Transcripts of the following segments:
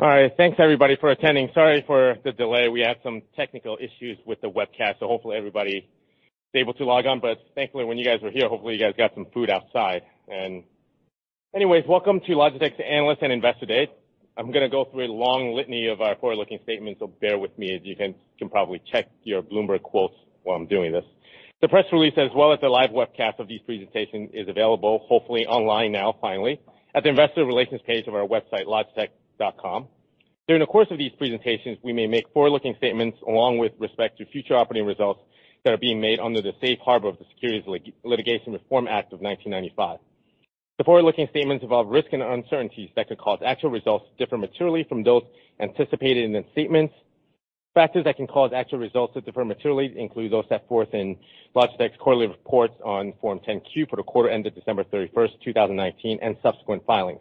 All right. Thanks, everybody, for attending. Sorry for the delay. We had some technical issues with the webcast. Hopefully, everybody is able to log on. Thankfully, when you guys are here, hopefully, you guys got some food outside. Anyways, welcome to Logitech's Analyst and Investor Day. I'm going to go through a long litany of our forward-looking statements. Bear with me, as you can probably check your Bloomberg quotes while I'm doing this. The press release, as well as the live webcast of these presentations, is available, hopefully online now, finally, at the investor relations page of our website, logitech.com. During the course of these presentations, we may make forward-looking statements along with respect to future operating results that are being made under the safe harbor of the Securities Litigation Reform Act of 1995. The forward-looking statements involve risks and uncertainties that could cause actual results to differ materially from those anticipated in the statements. Factors that can cause actual results to differ materially include those set forth in Logitech's quarterly reports on Form 10-Q for the quarter ended December 31, 2019, and subsequent filings.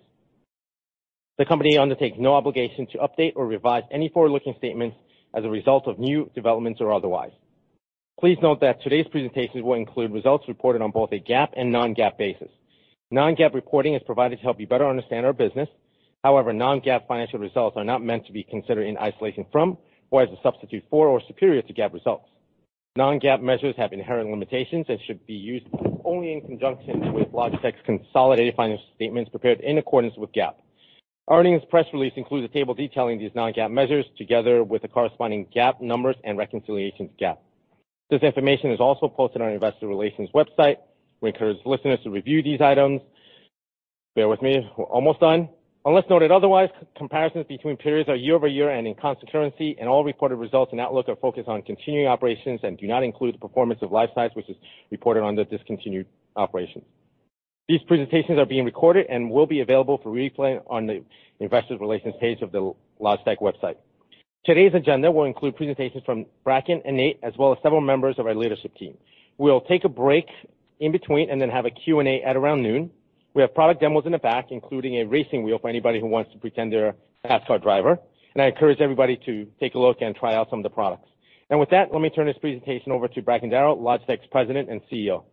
The company undertakes no obligation to update or revise any forward-looking statements as a result of new developments or otherwise. Please note that today's presentations will include results reported on both a GAAP and non-GAAP basis. Non-GAAP reporting is provided to help you better understand our business. Non-GAAP financial results are not meant to be considered in isolation from or as a substitute for or superior to GAAP results. Non-GAAP measures have inherent limitations and should be used only in conjunction with Logitech's consolidated financial statements prepared in accordance with GAAP. Our earnings press release includes a table detailing these non-GAAP measures, together with the corresponding GAAP numbers and reconciliations to GAAP. This information is also posted on our investor relations website. We encourage listeners to review these items. Bear with me. We're almost done. Unless noted otherwise, comparisons between periods are year-over-year and in constant currency, and all reported results and outlook are focused on continuing operations and do not include the performance of Lifesize, which is reported under discontinued operations. These presentations are being recorded and will be available for replay on the investor relations page of the Logitech website. Today's agenda will include presentations from Bracken and Nate, as well as several members of our leadership team. We'll take a break in between and then have a Q&A at around noon. We have product demos in the back, including a racing wheel for anybody who wants to pretend they're a NASCAR driver. I encourage everybody to take a look and try out some of the products. With that, let me turn this presentation over to Bracken Darrell, Logitech's President and CEO.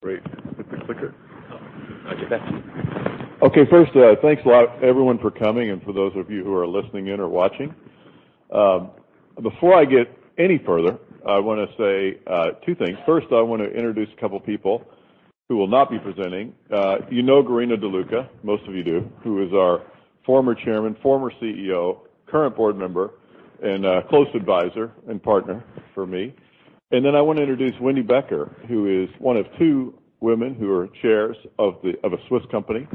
Great. Hit the clicker. First, thanks a lot, everyone, for coming and for those of you who are listening in or watching. Before I get any further, I want to say two things. First, I want to introduce a couple of people who will not be presenting. You know Guerrino De Luca, most of you do, who is our former Chairman, former CEO, current Board Member, and close advisor and partner for me. Then I want to introduce Wendy Becker, who is one of two women who are chairs of a Swiss company.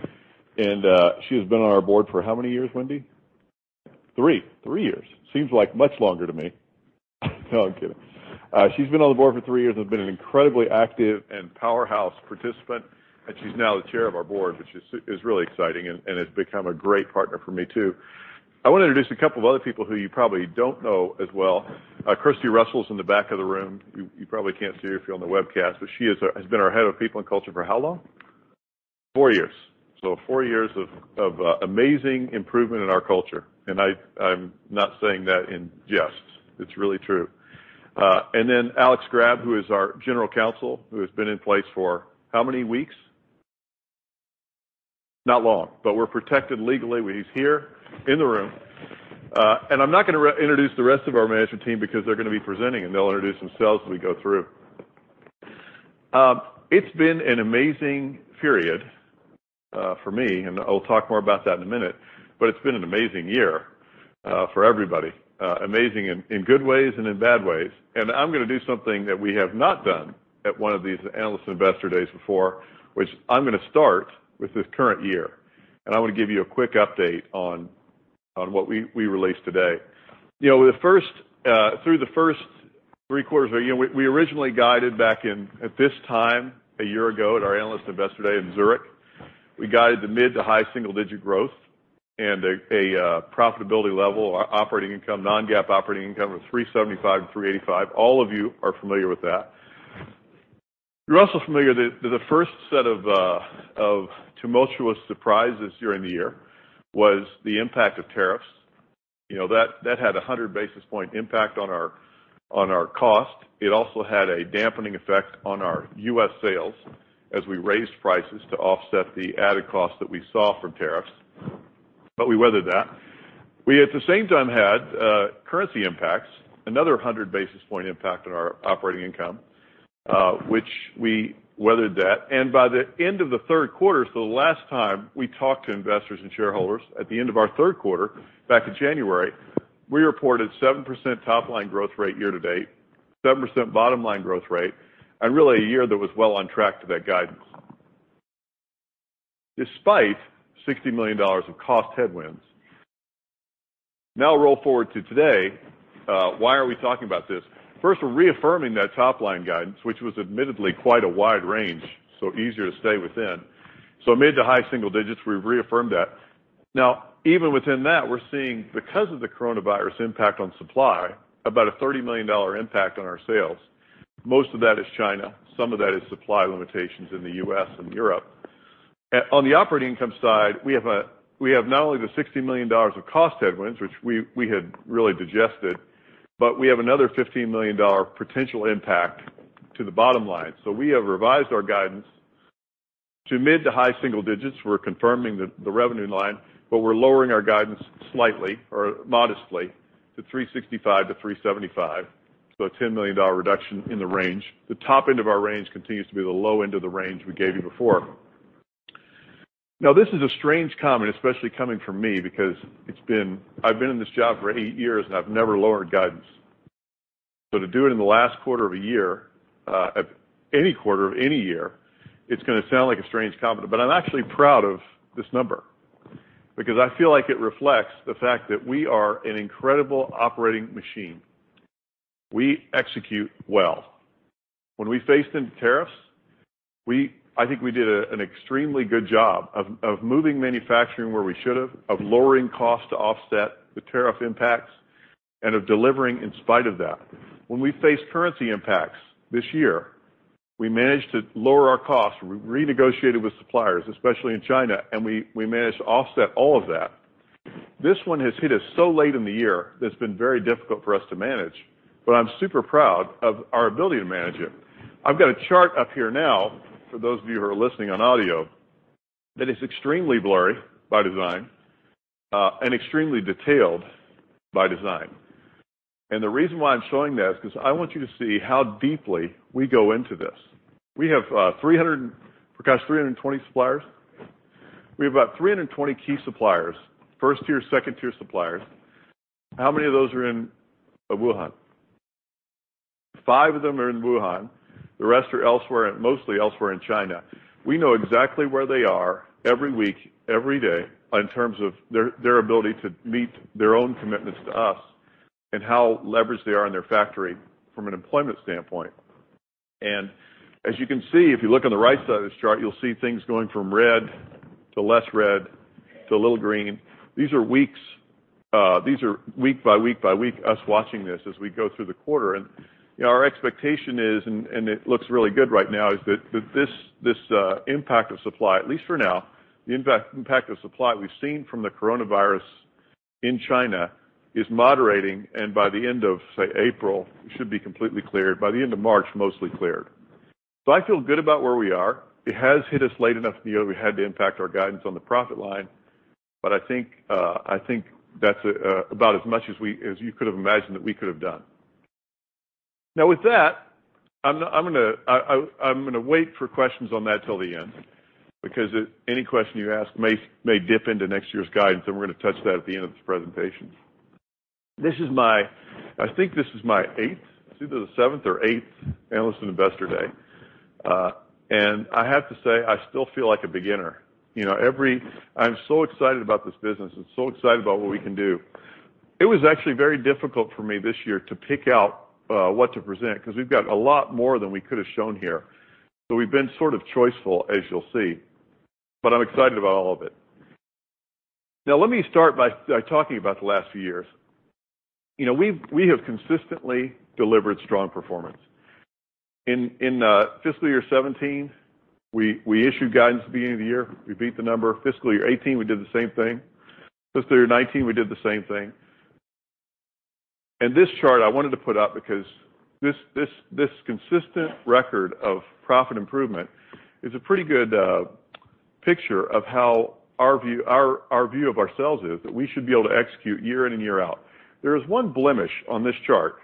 She has been on our Board for how many years, Wendy? Three. Three years. Seems like much longer to me. No, I'm kidding. She's been on the board for three years and has been an incredibly active and powerhouse participant, and she's now the chair of our board, which is really exciting and has become a great partner for me, too. I want to introduce a couple of other people who you probably don't know as well. Kirsty Russell's in the back of the room. You probably can't see her if you're on the webcast, but she has been our head of people and culture for how long? Four years. Four years of amazing improvement in our culture, and I'm not saying that in jest. It's really true. Alex Grab, who is our General Counsel, who has been in place for how many weeks? Not long, but we're protected legally. He's here in the room. I'm not going to introduce the rest of our management team because they're going to be presenting, and they'll introduce themselves as we go through. It's been an amazing period for me, and I'll talk more about that in a minute, but it's been an amazing year for everybody. Amazing in good ways and in bad ways. I'm going to do something that we have not done at one of these Analyst & Investor Days before, which I'm going to start with this current year. I want to give you a quick update on what we released today. Through the first three quarters, we originally guided back in at this time a year ago at our Analyst & Investor Day in Zurich, we guided the mid to high single-digit growth and a profitability level operating income, non-GAAP operating income of $375 million-$385 million. All of you are familiar with that. You're also familiar that the first set of tumultuous surprises during the year was the impact of tariffs. That had a 100-basis-point impact on our cost. It also had a dampening effect on our U.S. sales as we raised prices to offset the added cost that we saw from tariffs. We weathered that. We, at the same time, had currency impacts, another 100-basis-point impact on our operating income, which we weathered that. By the end of the third quarter, so the last time we talked to investors and shareholders at the end of our third quarter back in January, we reported 7% top-line growth rate year to date, 7% bottom-line growth rate, and really a year that was well on track to that guidance despite $60 million of cost headwinds. Roll forward to today, why are we talking about this? We're reaffirming that top-line guidance, which was admittedly quite a wide range, easier to stay within. Mid to high single digits, we reaffirmed that. Even within that, we're seeing, because of the coronavirus impact on supply, about a $30 million impact on our sales. Most of that is China. Some of that is supply limitations in the U.S. and Europe. On the operating income side, we have not only the $60 million of cost headwinds, which we had really digested, we have another $15 million potential impact to the bottom line. We have revised our guidance to mid to high single digits. We're confirming the revenue line, we're lowering our guidance slightly or modestly to $365 million-$375 million, a $10 million reduction in the range. The top end of our range continues to be the low end of the range we gave you before. Now, this is a strange comment, especially coming from me, because I've been in this job for eight years and I've never lowered guidance. To do it in the last quarter of a year, any quarter of any year, it's going to sound like a strange comment. I'm actually proud of this number because I feel like it reflects the fact that we are an incredible operating machine. We execute well. When we faced into tariffs, I think we did an extremely good job of moving manufacturing where we should have, of lowering cost to offset the tariff impacts, and of delivering in spite of that. When we faced currency impacts this year, we managed to lower our costs. We renegotiated with suppliers, especially in China, and we managed to offset all of that. This one has hit us so late in the year that it's been very difficult for us to manage, but I'm super proud of our ability to manage it. I've got a chart up here now, for those of you who are listening on audio, that is extremely blurry by design, and extremely detailed by design. The reason why I'm showing that is because I want you to see how deeply we go into this. We have 300, Prakash, 320 suppliers? We have about 320 key suppliers, first-tier, second-tier suppliers. How many of those are in Wuhan? Five of them are in Wuhan. The rest are mostly elsewhere in China. We know exactly where they are every week, every day, in terms of their ability to meet their own commitments to us and how leveraged they are in their factory from an employment standpoint. As you can see, if you look on the right side of this chart, you'll see things going from red to less red to a little green. These are week by week by week, us watching this as we go through the quarter. Our expectation is, and it looks really good right now, is that this impact of supply, at least for now, the impact of supply we've seen from the coronavirus in China is moderating, and by the end of, say, April, it should be completely cleared. By the end of March, mostly cleared. I feel good about where we are. It has hit us late enough in the year we had to impact our guidance on the profit line, but I think that's about as much as you could have imagined that we could have done. Now with that, I'm going to wait for questions on that till the end, because any question you ask may dip into next year's guidance, and we're going to touch that at the end of this presentation. I think this is my eighth, it's either the seventh or eighth Analyst and Investor Day. I have to say, I still feel like a beginner. I'm so excited about this business and so excited about what we can do. It was actually very difficult for me this year to pick out what to present, because we've got a lot more than we could have shown here. We've been sort of choiceful, as you'll see. I'm excited about all of it. Now let me start by talking about the last few years. We have consistently delivered strong performance. In fiscal year 2017, we issued guidance at the beginning of the year. We beat the number. Fiscal year 2018, we did the same thing. Fiscal year 2019, we did the same thing. This chart I wanted to put up because this consistent record of profit improvement is a pretty good picture of how our view of ourselves is, that we should be able to execute year in and year out. There is one blemish on this chart,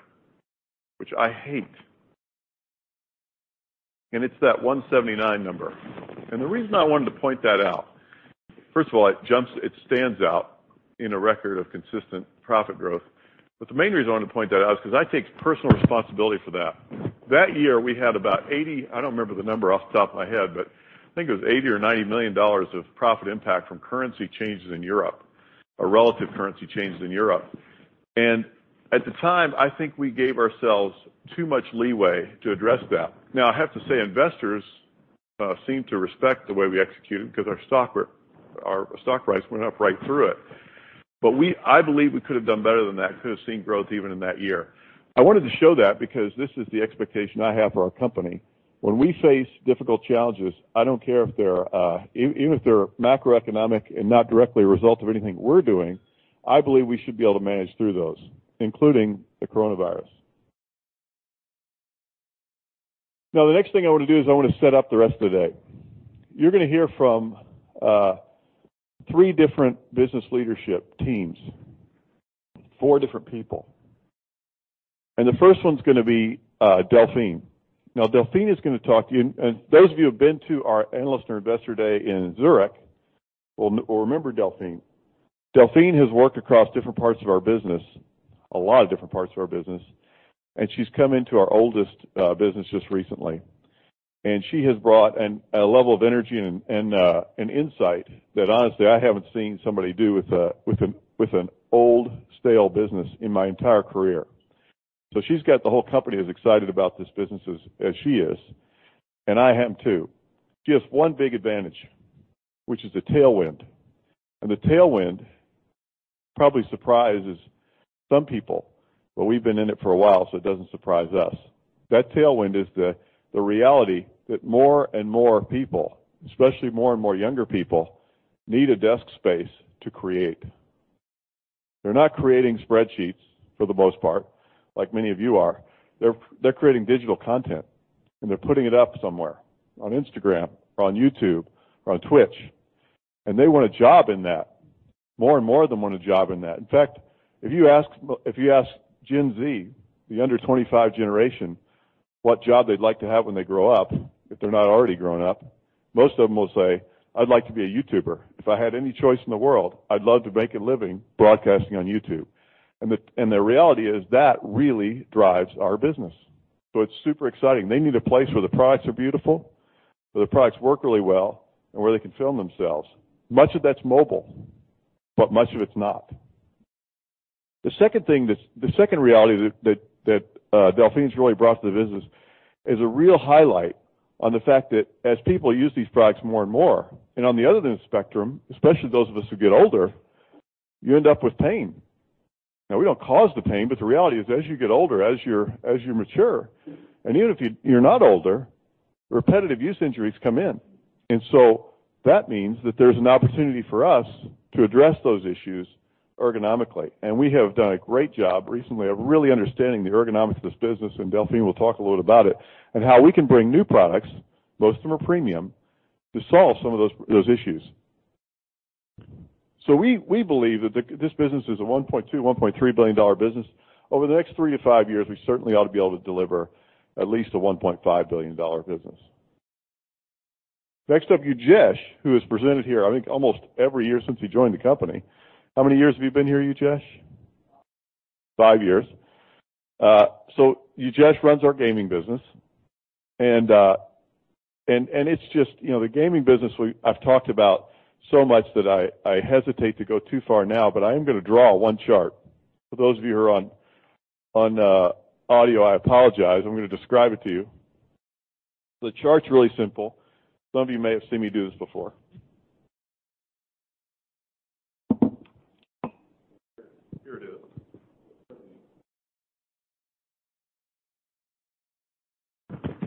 which I hate. It's that 179 number. The reason I wanted to point that out, first of all, it stands out in a record of consistent profit growth. The main reason I want to point that out is because I take personal responsibility for that. That year, we had about 80, I don't remember the number off the top of my head, but I think it was $80 million or $90 million of profit impact from currency changes in Europe, or relative currency changes in Europe. At the time, I think we gave ourselves too much leeway to address that. Now, I have to say, investors seemed to respect the way we executed because our stock price went up right through it. I believe we could have done better than that. We could have seen growth even in that year. I wanted to show that because this is the expectation I have for our company. When we face difficult challenges, even if they're macroeconomic and not directly a result of anything we're doing, I believe we should be able to manage through those, including the coronavirus. Now, the next thing I want to do is I want to set up the rest of the day. You're going to hear from three different business leadership teams, four different people. The first one's going to be Delphine. Now, Delphine is going to talk to you, and those of you who have been to our Analyst and Investor Day in Zurich will remember Delphine. Delphine has worked across different parts of our business, a lot of different parts of our business, and she's come into our oldest business just recently. She has brought a level of energy and insight that honestly I haven't seen somebody do with an old, stale business in my entire career. She's got the whole company as excited about this business as she is, and I am too. She has one big advantage, which is the tailwind, and the tailwind probably surprises some people, but we've been in it for a while, so it doesn't surprise us. That tailwind is the reality that more and more people, especially more and more younger people, need a desk space to create. They're not creating spreadsheets for the most part, like many of you are. They're creating digital content, and they're putting it up somewhere, on Instagram or on YouTube or on Twitch. They want a job in that. More and more of them want a job in that. In fact, if you ask Gen Z, the under 25 generation, what job they'd like to have when they grow up, if they're not already grown up, most of them will say, "I'd like to be a YouTuber. If I had any choice in the world, I'd love to make a living broadcasting on YouTube." The reality is that really drives our business. It's super exciting. They need a place where the products are beautiful, where the products work really well, and where they can film themselves. Much of that's mobile, but much of it's not. The second reality that Delphine's really brought to the business is a real highlight on the fact that as people use these products more and more, and on the other end of the spectrum, especially those of us who get older, you end up with pain. We don't cause the pain, the reality is, as you get older, as you mature, and even if you're not older, repetitive use injuries come in. That means that there's an opportunity for us to address those issues ergonomically. We have done a great job recently of really understanding the ergonomics of this business, Delphine will talk a little about it, and how we can bring new products, most of them are premium, to solve some of those issues. We believe that this business is a $1.2, $1.3 billion business. Over the next three to five years, we certainly ought to be able to deliver at least a $1.5 billion business. Next up, Ujesh, who has presented here, I think almost every year since he joined the company. How many years have you been here, Ujesh? Five years. Ujesh runs our gaming business. The gaming business, I've talked about so much that I hesitate to go too far now, but I am going to draw one chart. For those of you who are on audio, I apologize. I'm going to describe it to you. The chart's really simple. Some of you may have seen me do this before.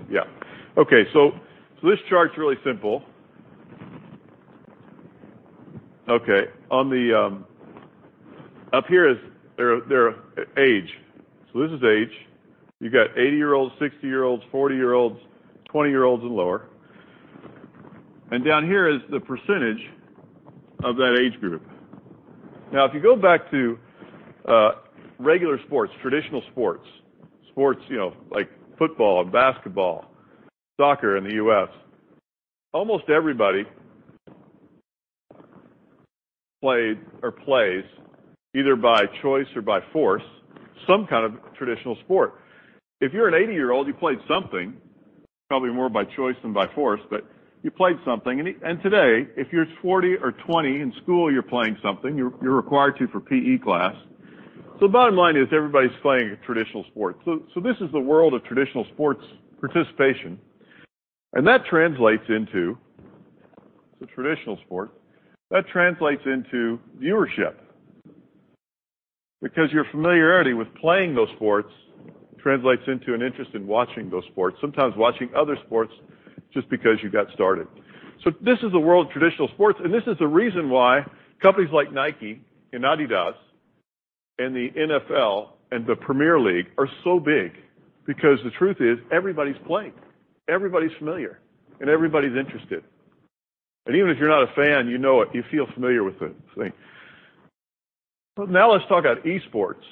Here it is. Yeah. Okay. This chart's really simple. Okay. Up here is their age. This is age. You got 80-year-olds, 60-year-olds, 40-year-olds, 20-year-olds, and lower. Down here is the percentage of that age group. If you go back to regular sports, traditional sports like football and basketball, soccer in the U.S., almost everybody played or plays, either by choice or by force, some kind of traditional sport. If you're an 80-year-old, you played something, probably more by choice than by force, but you played something. Today, if you're 40 or 20, in school you're playing something. You're required to for PE class. Bottom line is everybody's playing a traditional sport. This is the world of traditional sports participation. That translates into the traditional sport. That translates into viewership. Your familiarity with playing those sports translates into an interest in watching those sports, sometimes watching other sports just because you got started. This is the world of traditional sports, and this is the reason why companies like Nike and Adidas and the NFL and the Premier League are so big. The truth is everybody's playing, everybody's familiar, and everybody's interested. Even if you're not a fan, you know it, you feel familiar with the thing. Now let's talk about esports.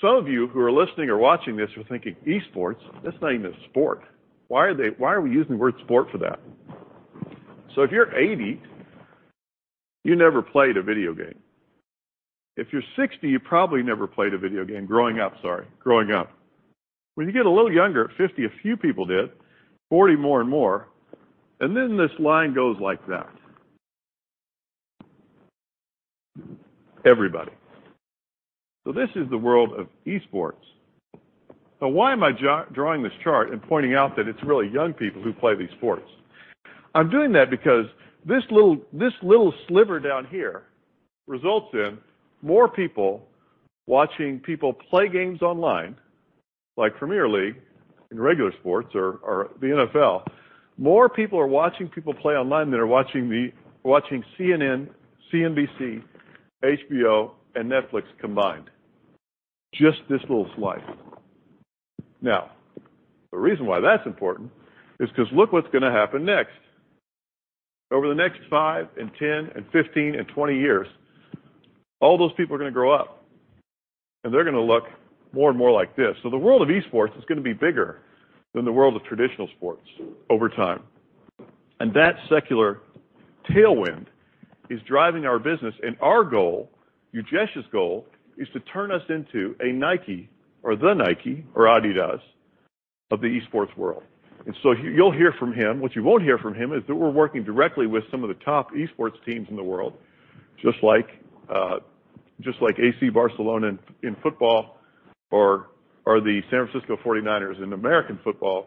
Some of you who are listening or watching this are thinking, "esports? That's not even a sport. Why are we using the word sport for that?" If you're 80, you never played a video game. If you're 60, you probably never played a video game growing up. When you get a little younger, at 50, a few people did. 40, more and more. Then this line goes like that. Everybody. This is the world of esports. Now why am I drawing this chart and pointing out that it's really young people who play these sports? I'm doing that because this little sliver down here results in more people watching people play games online, like Premier League and regular sports or the NFL. More people are watching people play online than are watching CNN, CNBC, HBO, and Netflix combined. Just this little slice. The reason why that's important is because look what's going to happen next. Over the next five and 10 and 15 and 20 years, all those people are going to grow up, and they're going to look more and more like this. The world of esports is going to be bigger than the world of traditional sports over time. That secular tailwind is driving our business, and our goal, Ujesh's goal, is to turn us into a Nike or the Nike or Adidas of the esports world. You'll hear from him. What you won't hear from him is that we're working directly with some of the top esports teams in the world, just like FC Barcelona in football or the San Francisco 49ers in American football.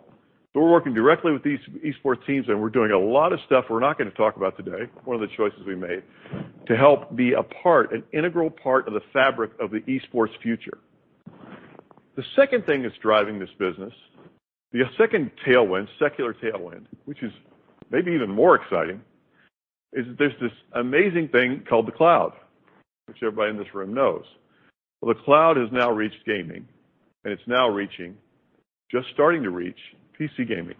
We're working directly with these esports teams, and we're doing a lot of stuff we're not going to talk about today, one of the choices we made, to help be an integral part of the fabric of the esports future. The second thing that's driving this business, the second secular tailwind, which is maybe even more exciting, is there's this amazing thing called the cloud, which everybody in this room knows. The cloud has now reached gaming, and it's now reaching, just starting to reach, PC gaming.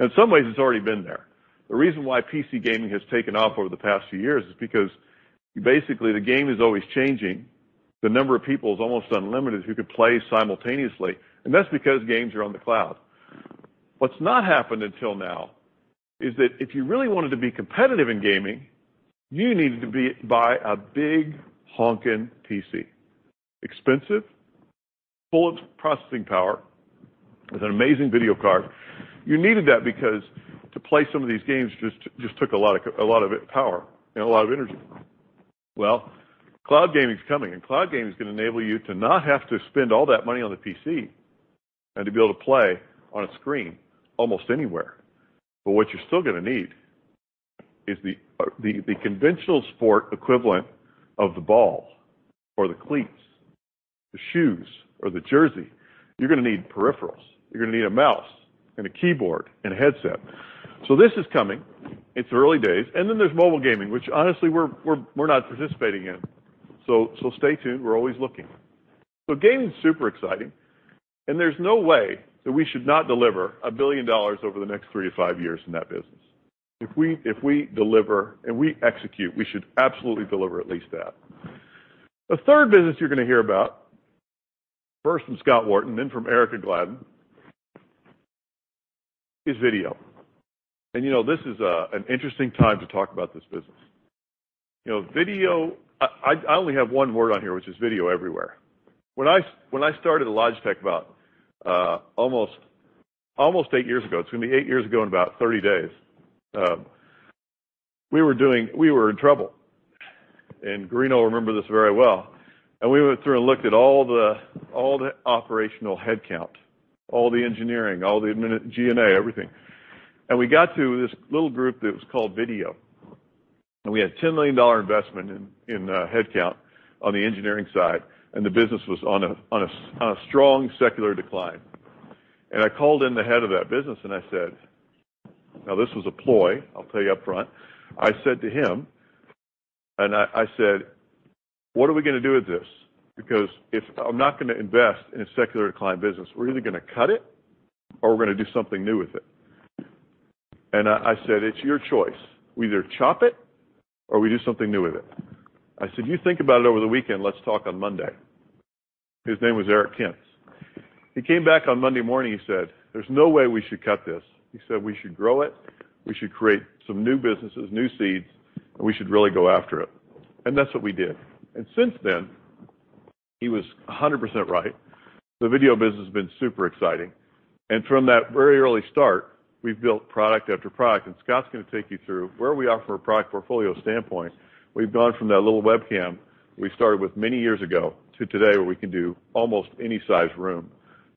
In some ways, it's already been there. The reason why PC gaming has taken off over the past few years is because basically the game is always changing. The number of people is almost unlimited who could play simultaneously, and that's because games are on the cloud. What's not happened until now is that if you really wanted to be competitive in gaming, you needed to buy a big honking PC, expensive, full of processing power, with an amazing video card. You needed that because to play some of these games just took a lot of power and a lot of energy. Cloud gaming is coming. Cloud gaming is going to enable you to not have to spend all that money on the PC and to be able to play on a screen almost anywhere. What you're still going to need is the conventional sport equivalent of the ball or the cleats, the shoes or the jersey. You're going to need peripherals. You're going to need a mouse and a keyboard and a headset. This is coming. It's early days. There's mobile gaming, which honestly, we're not participating in. Stay tuned. We're always looking. Gaming's super exciting, and there's no way that we should not deliver $1 billion over the next three to five years in that business. If we deliver and we execute, we should absolutely deliver at least that. The third business you're going to hear about, first from Scott Wharton, then from Ehrika Gladden, is video. This is an interesting time to talk about this business. I only have one word on here, which is video everywhere. When I started at Logitech about almost eight years ago, it's going to be eight years ago in about 30 days, we were in trouble, and Guerrino will remember this very well. We went through and looked at all the operational headcount, all the engineering, all the G&A, everything. We got to this little group that was called Video, and we had a $10 million investment in headcount on the engineering side, and the business was on a strong secular decline. I called in the head of that business. Now, this was a ploy, I'll tell you up front. I said to him, "What are we going to do with this? Because I'm not going to invest in a secular decline business. We're either going to cut it or we're going to do something new with it." I said, "It's your choice. We either chop it or we do something new with it." I said, "You think about it over the weekend. Let's talk on Monday." His name was Eric Kintz. He came back on Monday morning, he said, "There's no way we should cut this." He said, "We should grow it. We should create some new businesses, new seeds, and we should really go after it." That's what we did. Since then, he was 100% right. The video business has been super exciting. From that very early start, we've built product after product, and Scott's going to take you through where we are from a product portfolio standpoint. We've gone from that little webcam we started with many years ago to today, where we can do almost any size room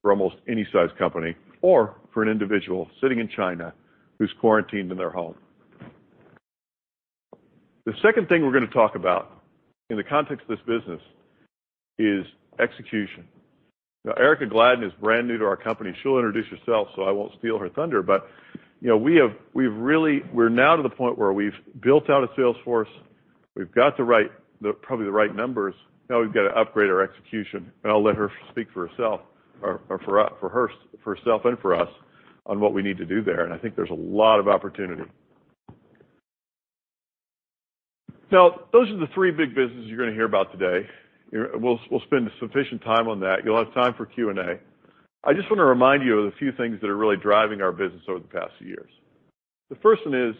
for almost any size company or for an individual sitting in China who's quarantined in their home. The second thing we're going to talk about in the context of this business is execution. Ehrika Gladden is brand new to our company. She'll introduce herself, so I won't steal her thunder. We're now to the point where we've built out a sales force. We've got probably the right numbers. Now we've got to upgrade our execution, and I'll let her speak for herself and for us on what we need to do there, and I think there's a lot of opportunity. Now, those are the three big businesses you're going to hear about today. We'll spend sufficient time on that. You'll have time for Q&A. I just want to remind you of the few things that are really driving our business over the past few years. The first one is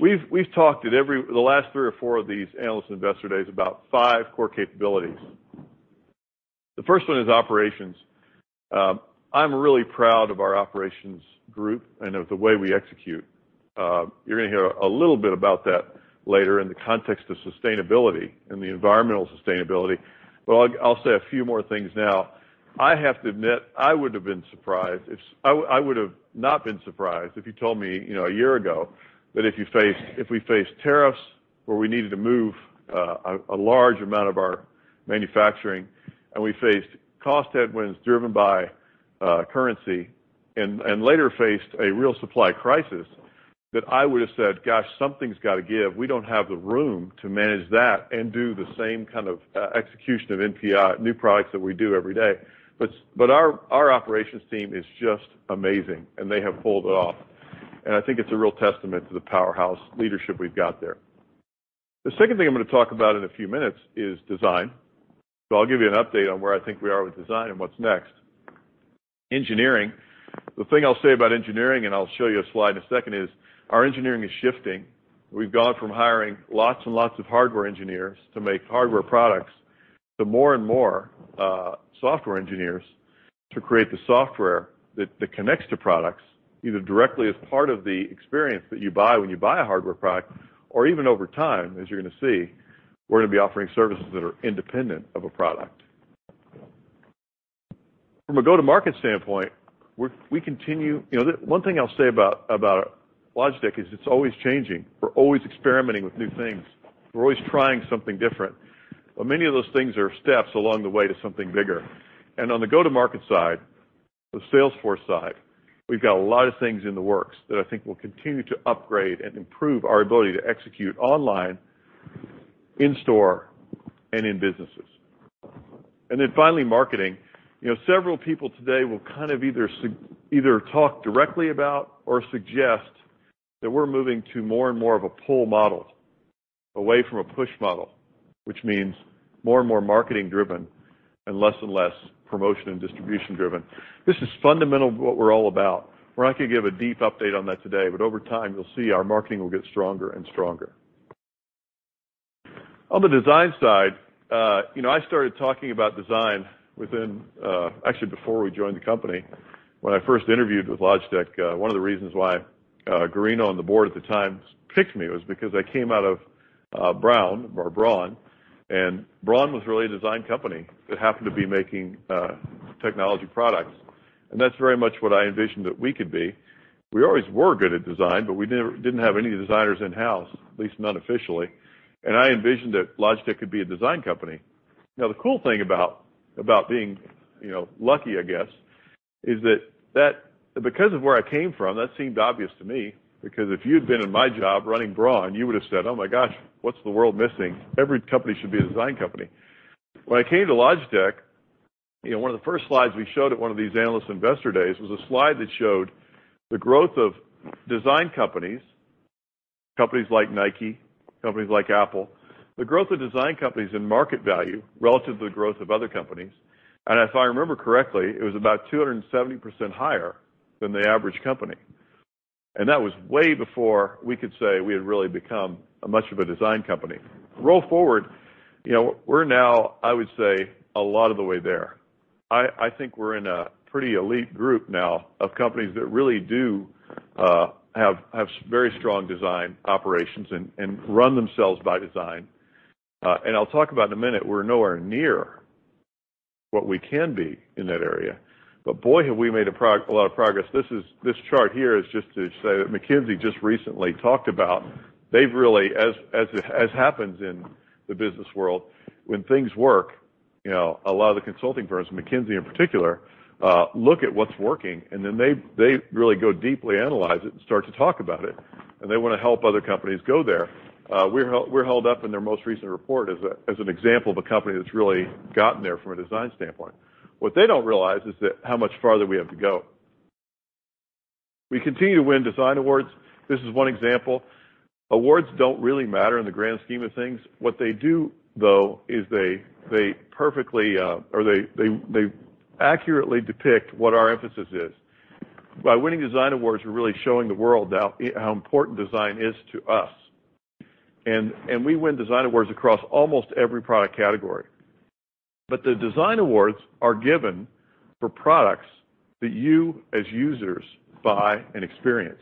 we've talked at the last three or four of these Analyst Investor Days about five core capabilities. The first one is operations. I'm really proud of our operations group and of the way we execute. You're going to hear a little bit about that later in the context of sustainability and the environmental sustainability. I'll say a few more things now. I have to admit, I would have not been surprised if you told me a year ago that if we faced tariffs where we needed to move a large amount of our manufacturing and we faced cost headwinds driven by currency and later faced a real supply crisis, that I would have said, "Gosh, something's got to give. We don't have the room to manage that and do the same kind of execution of NPI, new products, that we do every day." Our operations team is just amazing, and they have pulled it off. I think it's a real testament to the powerhouse leadership we've got there. The second thing I'm going to talk about in a few minutes is design. I'll give you an update on where I think we are with design and what's next. Engineering. The thing I'll say about engineering, and I'll show you a slide in a second, is our engineering is shifting. We've gone from hiring lots and lots of hardware engineers to make hardware products to more and more software engineers to create the software that connects to products, either directly as part of the experience that you buy when you buy a hardware product, or even over time, as you're going to see, we're going to be offering services that are independent of a product. From a go-to-market standpoint, one thing I'll say about Logitech is it's always changing. We're always experimenting with new things. We're always trying something different, but many of those things are steps along the way to something bigger. On the go-to-market side, the sales force side, we've got a lot of things in the works that I think will continue to upgrade and improve our ability to execute online, in store, and in businesses. Finally, marketing. Several people today will kind of either talk directly about or suggest that we're moving to more and more of a pull model, away from a push model, which means more and more marketing-driven and less and less promotion and distribution-driven. This is fundamental to what we're all about. We're not going to give a deep update on that today. Over time, you'll see our marketing will get stronger and stronger. On the design side, I started talking about design actually, before we joined the company. When I first interviewed with Logitech, one of the reasons why Guerrino on the board at the time picked me was because I came out of Braun or Braun. Braun was really a design company that happened to be making technology products. That's very much what I envisioned that we could be. We always were good at design. We didn't have any designers in-house, at least not officially. I envisioned that Logitech could be a design company. Now, the cool thing about being lucky, I guess, is that because of where I came from, that seemed obvious to me, because if you'd been in my job running Braun, you would've said, "Oh, my gosh, what's the world missing? Every company should be a design company." When I came to Logitech, one of the first slides we showed at one of these analyst investor days was a slide that showed the growth of design companies like Nike, companies like Apple, the growth of design companies in market value relative to the growth of other companies, if I remember correctly, it was about 270% higher than the average company. That was way before we could say we had really become much of a design company. Roll forward, we're now, I would say, a lot of the way there. I think we're in a pretty elite group now of companies that really do have very strong design operations and run themselves by design. I'll talk about in a minute, we're nowhere near what we can be in that area. Boy, have we made a lot of progress. This chart here is just to say that McKinsey just recently talked about they've really, as happens in the business world, when things work, a lot of the consulting firms, McKinsey in particular, look at what's working, and then they really go deeply analyze it and start to talk about it, and they want to help other companies go there. We're held up in their most recent report as an example of a company that's really gotten there from a design standpoint. What they don't realize is how much farther we have to go. We continue to win design awards. This is one example. Awards don't really matter in the grand scheme of things. What they do, though, is they perfectly or they accurately depict what our emphasis is. By winning design awards, we're really showing the world how important design is to us. We win design awards across almost every product category. The design awards are given for products that you, as users, buy and experience.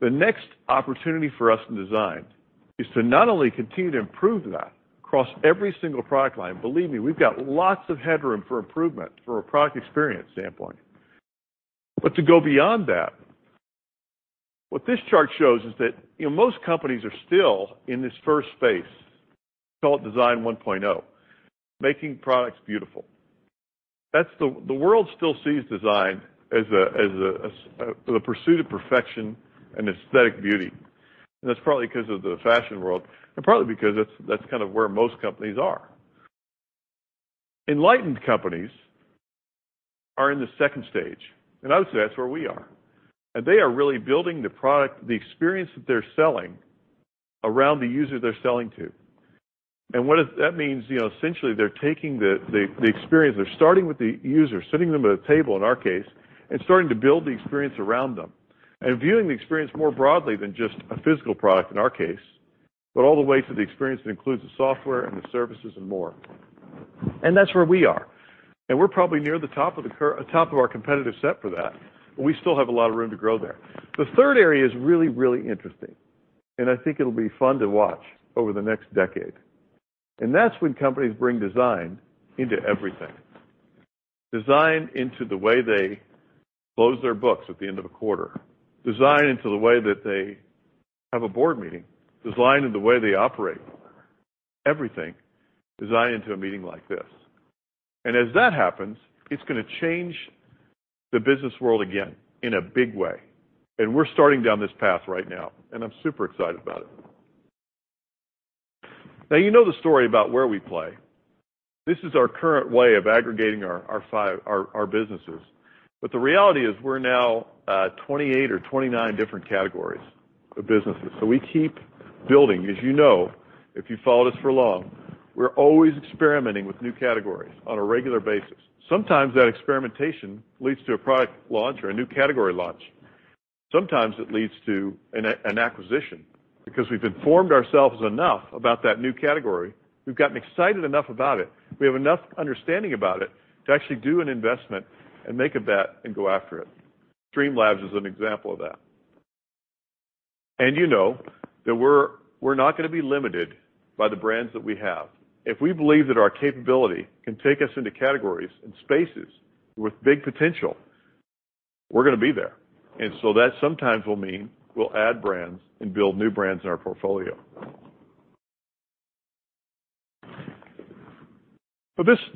The next opportunity for us in design is to not only continue to improve that across every single product line, believe me, we've got lots of headroom for improvement from a product experience standpoint. To go beyond that, what this chart shows is that most companies are still in this first space, call it Design 1.0, making products beautiful. The world still sees design as the pursuit of perfection and aesthetic beauty, and that's probably because of the fashion world, and probably because that's kind of where most companies are. Enlightened companies are in the stage two, and I would say that's where we are. They are really building the product, the experience that they're selling around the user they're selling to. What that means, essentially, they're taking the experience, starting with the user, sitting them at a table, in our case, and starting to build the experience around them and viewing the experience more broadly than just a physical product, in our case, but all the way to the experience that includes the software and the services and more. That's where we are. We're probably near the top of our competitive set for that, but we still have a lot of room to grow there. The third area is really, really interesting, and I think it'll be fun to watch over the next decade. That's when companies bring design into everything. Design into the way they close their books at the end of a quarter, design into the way that they have a board meeting, design into the way they operate. Everything. Design into a meeting like this. As that happens, it's going to change the business world again in a big way. We're starting down this path right now, and I'm super excited about it. Now, you know the story about where we play. This is our current way of aggregating our businesses. The reality is we're now 28 or 29 different categories of businesses. We keep building. As you know, if you followed us for long, we're always experimenting with new categories on a regular basis. Sometimes that experimentation leads to a product launch or a new category launch. Sometimes it leads to an acquisition, because we've informed ourselves enough about that new category, we've gotten excited enough about it, we have enough understanding about it to actually do an investment and make a bet and go after it. Streamlabs is an example of that. You know that we're not going to be limited by the brands that we have. If we believe that our capability can take us into categories and spaces with big potential. We're going to be there. That sometimes will mean we'll add brands and build new brands in our portfolio.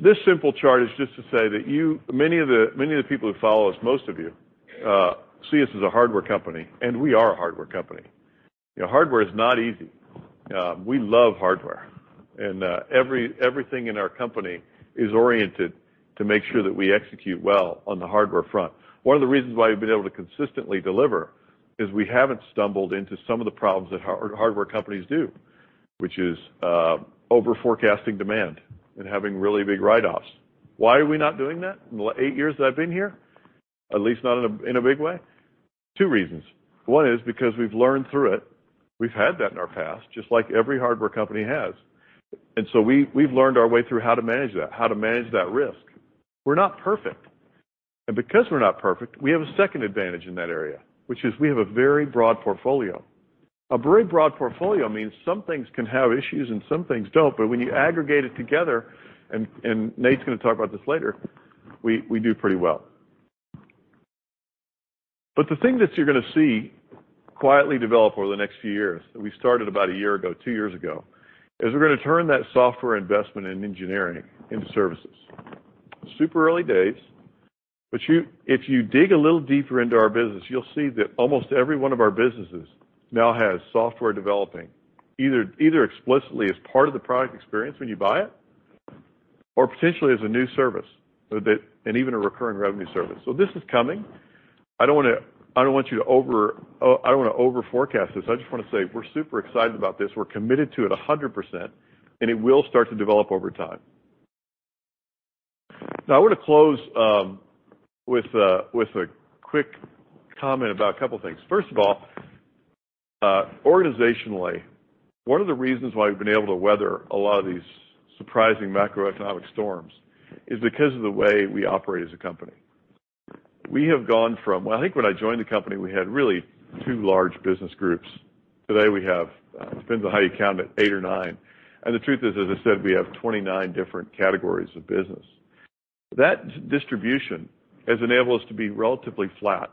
This simple chart is just to say that many of the people who follow us, most of you, see us as a hardware company, and we are a hardware company. Hardware is not easy. We love hardware. Everything in our company is oriented to make sure that we execute well on the hardware front. One of the reasons why we've been able to consistently deliver is we haven't stumbled into some of the problems that hardware companies do, which is over-forecasting demand and having really big write-offs. Why are we not doing that in the eight years that I've been here, at least not in a big way? Two reasons. One is because we've learned through it. We've had that in our past, just like every hardware company has. We've learned our way through how to manage that, how to manage that risk. We're not perfect. Because we're not perfect, we have a second advantage in that area, which is we have a very broad portfolio. A very broad portfolio means some things can have issues and some things don't, but when you aggregate it together, and Nate's going to talk about this later, we do pretty well. The thing that you're going to see quietly develop over the next few years, that we started about a year ago, two years ago, is we're going to turn that software investment in engineering into services. Super early days, but if you dig a little deeper into our business, you'll see that almost every one of our businesses now has software developing, either explicitly as part of the product experience when you buy it, or potentially as a new service, and even a recurring revenue service. This is coming. I don't want to over forecast this. I just want to say we're super excited about this. We're committed to it 100%. It will start to develop over time. Now, I want to close with a quick comment about a couple of things. First of all, organizationally, one of the reasons why we've been able to weather a lot of these surprising macroeconomic storms is because of the way we operate as a company. I think when I joined the company, we had really two large business groups. Today, we have, depends on how you count it, eight or nine. The truth is, as I said, we have 29 different categories of business. That distribution has enabled us to be relatively flat.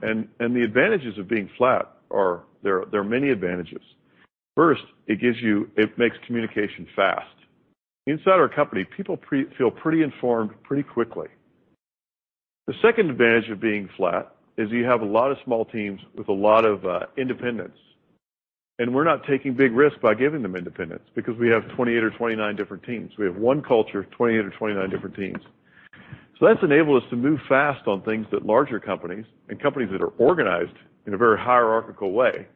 The advantages of being flat are, there are many advantages. First, it makes communication fast. Inside our company, people feel pretty informed pretty quickly. The second advantage of being flat is you have a lot of small teams with a lot of independence. We're not taking big risks by giving them independence because we have 28 or 29 different teams. We have one culture, 28 or 29 different teams. That's enabled us to move fast on things that larger companies, and companies that are organized in a very hierarchical way,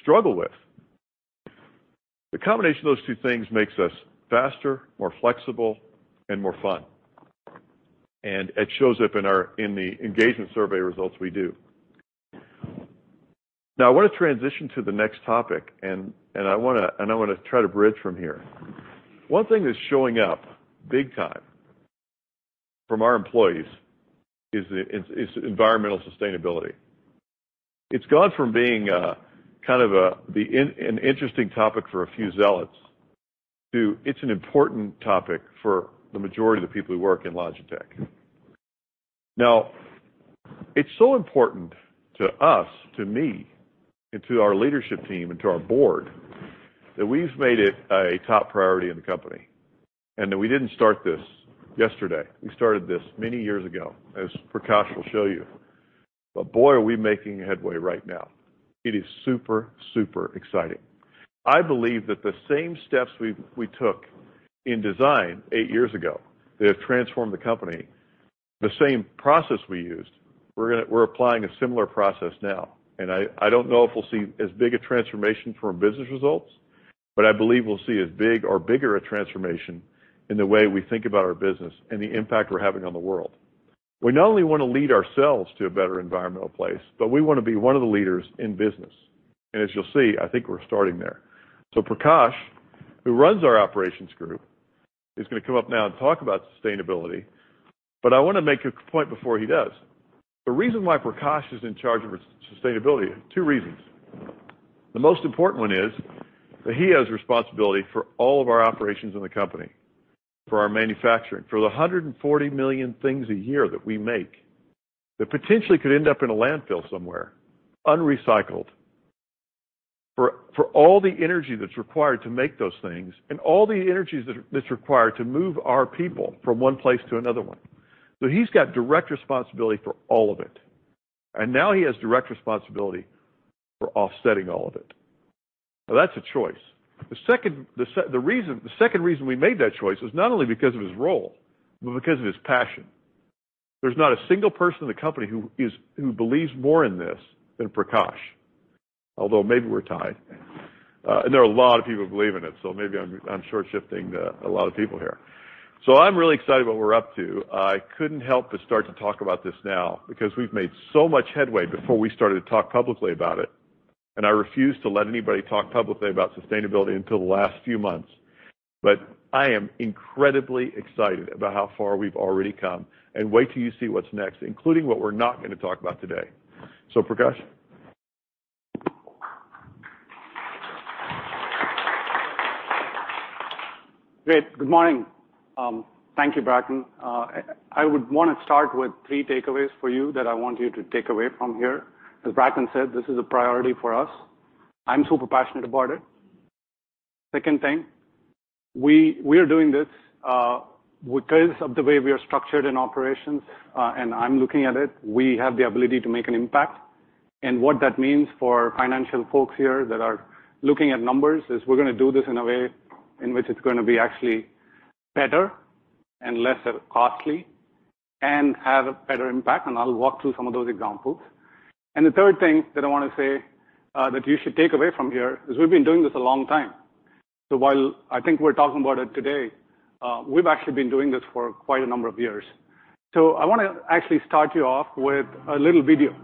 struggle with. The combination of those two things makes us faster, more flexible, and more fun. It shows up in the engagement survey results we do. Now, I want to transition to the next topic, and I want to try to bridge from here. One thing that's showing up big time from our employees is environmental sustainability. It's gone from being kind of an interesting topic for a few zealots, to it's an important topic for the majority of the people who work in Logitech. It's so important to us, to me, and to our leadership team, and to our board, that we've made it a top priority in the company, and that we didn't start this yesterday. We started this many years ago, as Prakash will show you. Boy, are we making headway right now. It is super exciting. I believe that the same steps we took in design eight years ago that have transformed the company, the same process we used, we're applying a similar process now. I don't know if we'll see as big a transformation from business results, but I believe we'll see as big or bigger a transformation in the way we think about our business and the impact we're having on the world. We not only want to lead ourselves to a better environmental place, but we want to be one of the leaders in business. As you'll see, I think we're starting there. Prakash, who runs our operations group, is going to come up now and talk about sustainability, but I want to make a point before he does. The reason why Prakash is in charge of sustainability, two reasons. The most important one is that he has responsibility for all of our operations in the company, for our manufacturing, for the 140 million things a year that we make that potentially could end up in a landfill somewhere, unrecycled. For all the energy that's required to make those things and all the energy that's required to move our people from one place to another one. He's got direct responsibility for all of it. Now he has direct responsibility for offsetting all of it. That's a choice. The second reason we made that choice is not only because of his role, but because of his passion. There's not a single person in the company who believes more in this than Prakash, although maybe we're tied. There are a lot of people who believe in it, maybe I'm short-shifting a lot of people here. I'm really excited what we're up to. I couldn't help but start to talk about this now, because we've made so much headway before we started to talk publicly about it. I refused to let anybody talk publicly about sustainability until the last few months. I am incredibly excited about how far we've already come, and wait till you see what's next, including what we're not going to talk about today. Prakash? Great. Good morning. Thank you, Bracken. I would want to start with three takeaways for you that I want you to take away from here. As Bracken said, this is a priority for us. I'm super passionate about it. Second thing, we are doing this because of the way we are structured in operations, and I'm looking at it. We have the ability to make an impact. What that means for financial folks here that are looking at numbers is we're going to do this in a way in which it's going to be actually better and less costly and have a better impact. I'll walk through some of those examples. The third thing that I want to say that you should take away from here is we've been doing this a long time. While I think we're talking about it today, we've actually been doing this for quite a number of years. I want to actually start you off with a little video.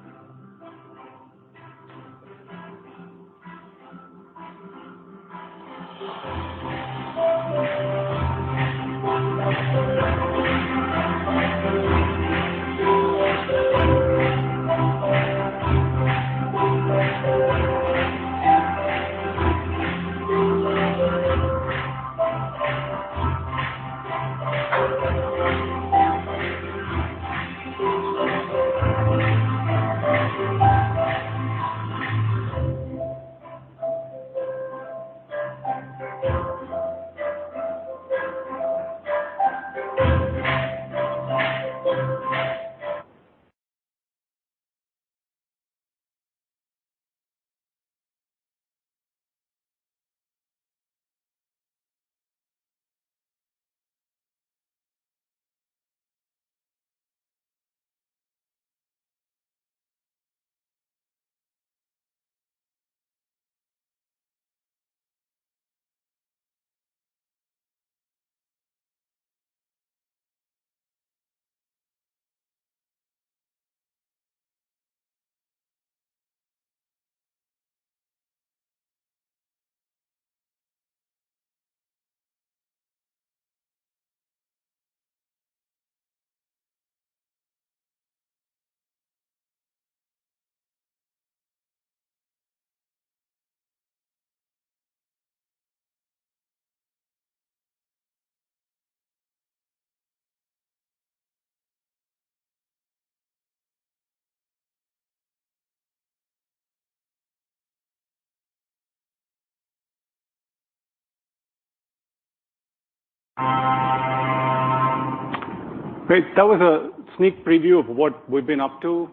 Great. That was a sneak preview of what we've been up to,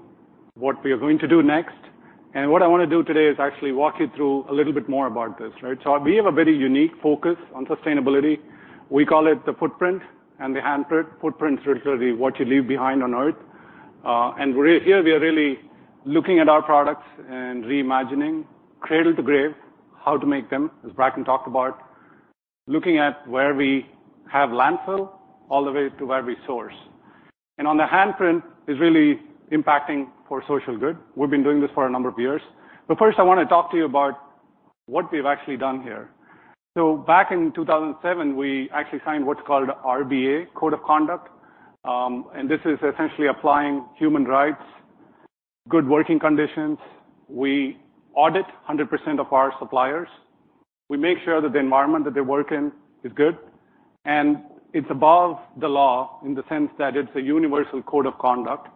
what we are going to do next, and what I want to do today is actually walk you through a little bit more about this. Right? We have a very unique focus on sustainability. We call it the footprint and the handprint. Footprint is literally what you leave behind on Earth. Here we are really looking at our products and reimagining cradle to grave, how to make them, as Bracken talked about, looking at where we have landfill, all the way to where we source. On the handprint is really impacting for social good. We've been doing this for a number of years. First, I want to talk to you about what we've actually done here. Back in 2007, we actually signed what's called RBA Code of Conduct, and this is essentially applying human rights, good working conditions. We audit 100% of our suppliers. We make sure that the environment that they work in is good, and it's above the law in the sense that it's a universal code of conduct.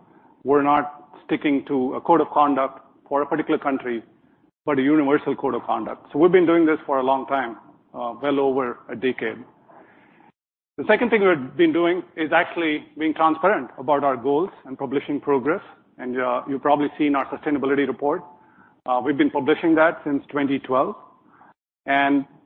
We're not sticking to a code of conduct for a particular country, but a universal code of conduct. We've been doing this for a long time, well over a decade. The second thing we've been doing is actually being transparent about our goals and publishing progress, and you've probably seen our sustainability report. We've been publishing that since 2012.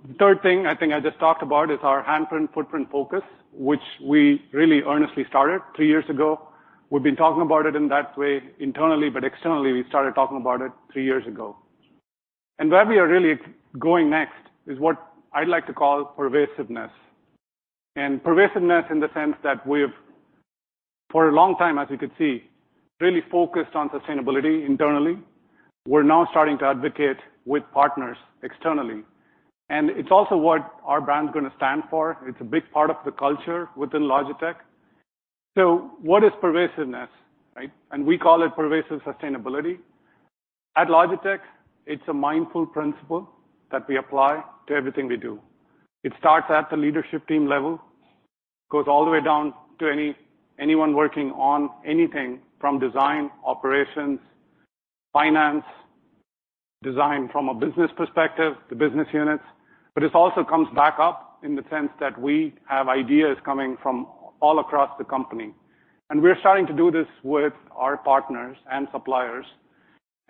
The third thing I think I just talked about is our handprint-footprint focus, which we really earnestly started three years ago. We've been talking about it in that way internally, externally, we started talking about it three years ago. Where we are really going next is what I'd like to call pervasiveness. Pervasiveness in the sense that we've, for a long time, as you could see, really focused on sustainability internally. We're now starting to advocate with partners externally, and it's also what our brand is going to stand for. It's a big part of the culture within Logitech. What is pervasiveness, right? We call it pervasive sustainability. At Logitech, it's a mindful principle that we apply to everything we do. It starts at the leadership team level, goes all the way down to anyone working on anything from design, operations, finance, design from a business perspective, the business units. It also comes back up in the sense that we have ideas coming from all across the company. We're starting to do this with our partners and suppliers,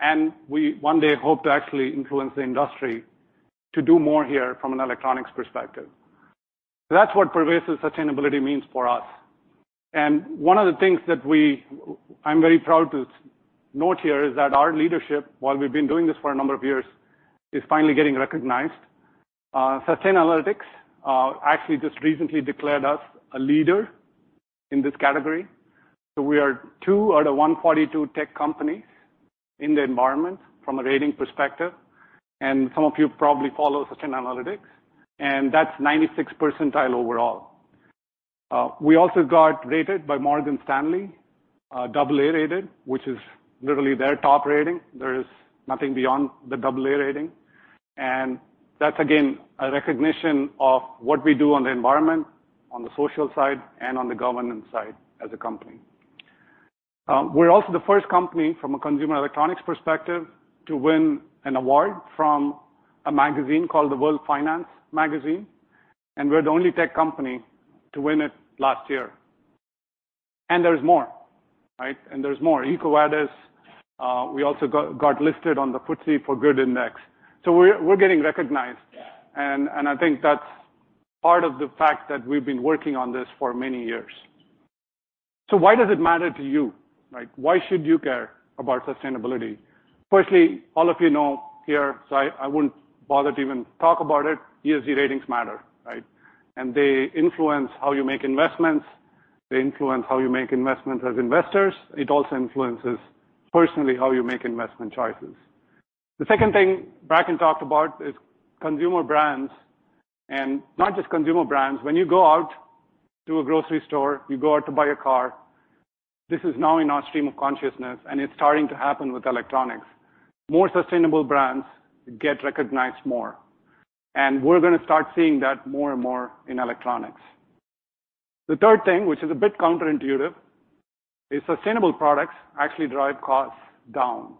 and we one day hope to actually influence the industry to do more here from an electronics perspective. That's what pervasive sustainability means for us. One of the things that I'm very proud to note here is that our leadership, while we've been doing this for a number of years, is finally getting recognized. Sustainalytics actually just recently declared us a leader in this category. We are two out of 142 tech companies in the environment from a rating perspective, and some of you probably follow Sustainalytics, and that's 96th percentile overall. We also got rated by Morgan Stanley, double A rated, which is literally their top rating. There is nothing beyond the double A rating. That's, again, a recognition of what we do on the environment, on the social side, and on the governance side as a company. We're also the first company, from a consumer electronics perspective, to win an award from a magazine called the World Finance magazine, and we're the only tech company to win it last year. There's more. EcoVadis. We also got listed on the FTSE4Good Index. We're getting recognized, and I think that's part of the fact that we've been working on this for many years. Why does it matter to you? Why should you care about sustainability? All of you know here, I wouldn't bother to even talk about it, ESG ratings matter, right? They influence how you make investments, they influence how you make investments as investors. It also influences, personally, how you make investment choices. The second thing Bracken talked about is consumer brands. Not just consumer brands. When you go out to a grocery store, you go out to buy a car, this is now in our stream of consciousness, it's starting to happen with electronics. More sustainable brands get recognized more. We're going to start seeing that more and more in electronics. The third thing, which is a bit counterintuitive, is sustainable products actually drive costs down.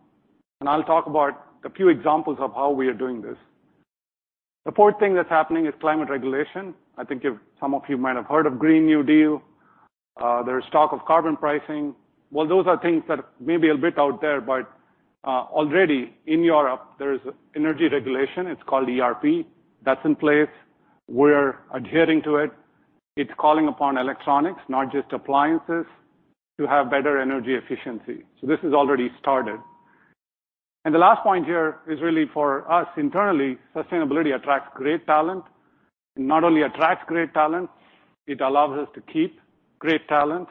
I'll talk about a few examples of how we are doing this. The fourth thing that's happening is climate regulation. I think some of you might have heard of Green New Deal. There is talk of carbon pricing. Those are things that may be a bit out there, but already in Europe, there is energy regulation. It's called ErP. That's in place. We're adhering to it. It's calling upon electronics, not just appliances, to have better energy efficiency. This has already started. The last point here is really for us internally, sustainability attracts great talent. It not only attracts great talent, it allows us to keep great talent,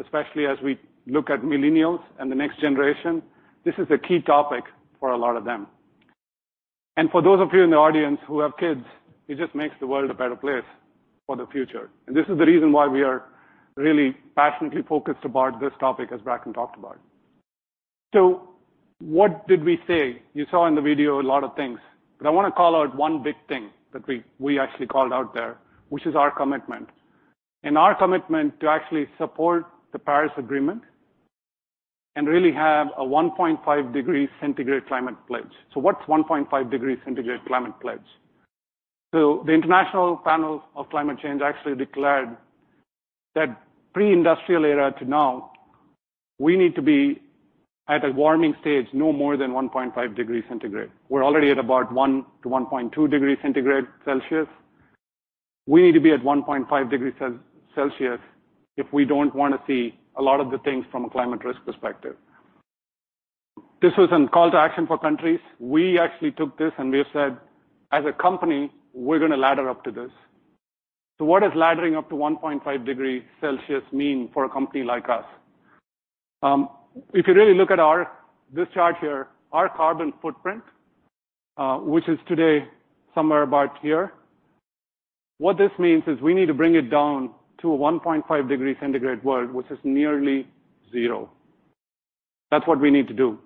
especially as we look at millennials and the next generation. This is a key topic for a lot of them. For those of you in the audience who have kids, it just makes the world a better place for the future. This is the reason why we are really passionately focused about this topic, as Bracken talked about. What did we say? You saw in the video a lot of things. I want to call out one big thing that we actually called out there, which is our commitment. Our commitment to actually support the Paris Agreement and really have a 1.5 degree centigrade climate pledge. What's 1.5 degree centigrade climate pledge? The Intergovernmental Panel on Climate Change actually declared that pre-industrial era to now, we need to be at a warming stage no more than 1.5 degree centigrade. We're already at about one to 1.2 degree centigrade Celsius. We need to be at 1.5 degree Celsius if we don't want to see a lot of the things from a climate risk perspective. This was in call to action for countries. We actually took this and we have said, as a company, we're going to ladder up to this. What does laddering up to 1.5 degree Celsius mean for a company like us? If you really look at this chart here, our carbon footprint, which is today somewhere about here, what this means is we need to bring it down to a 1.5 degree centigrade world, which is nearly zero. That's what we need to do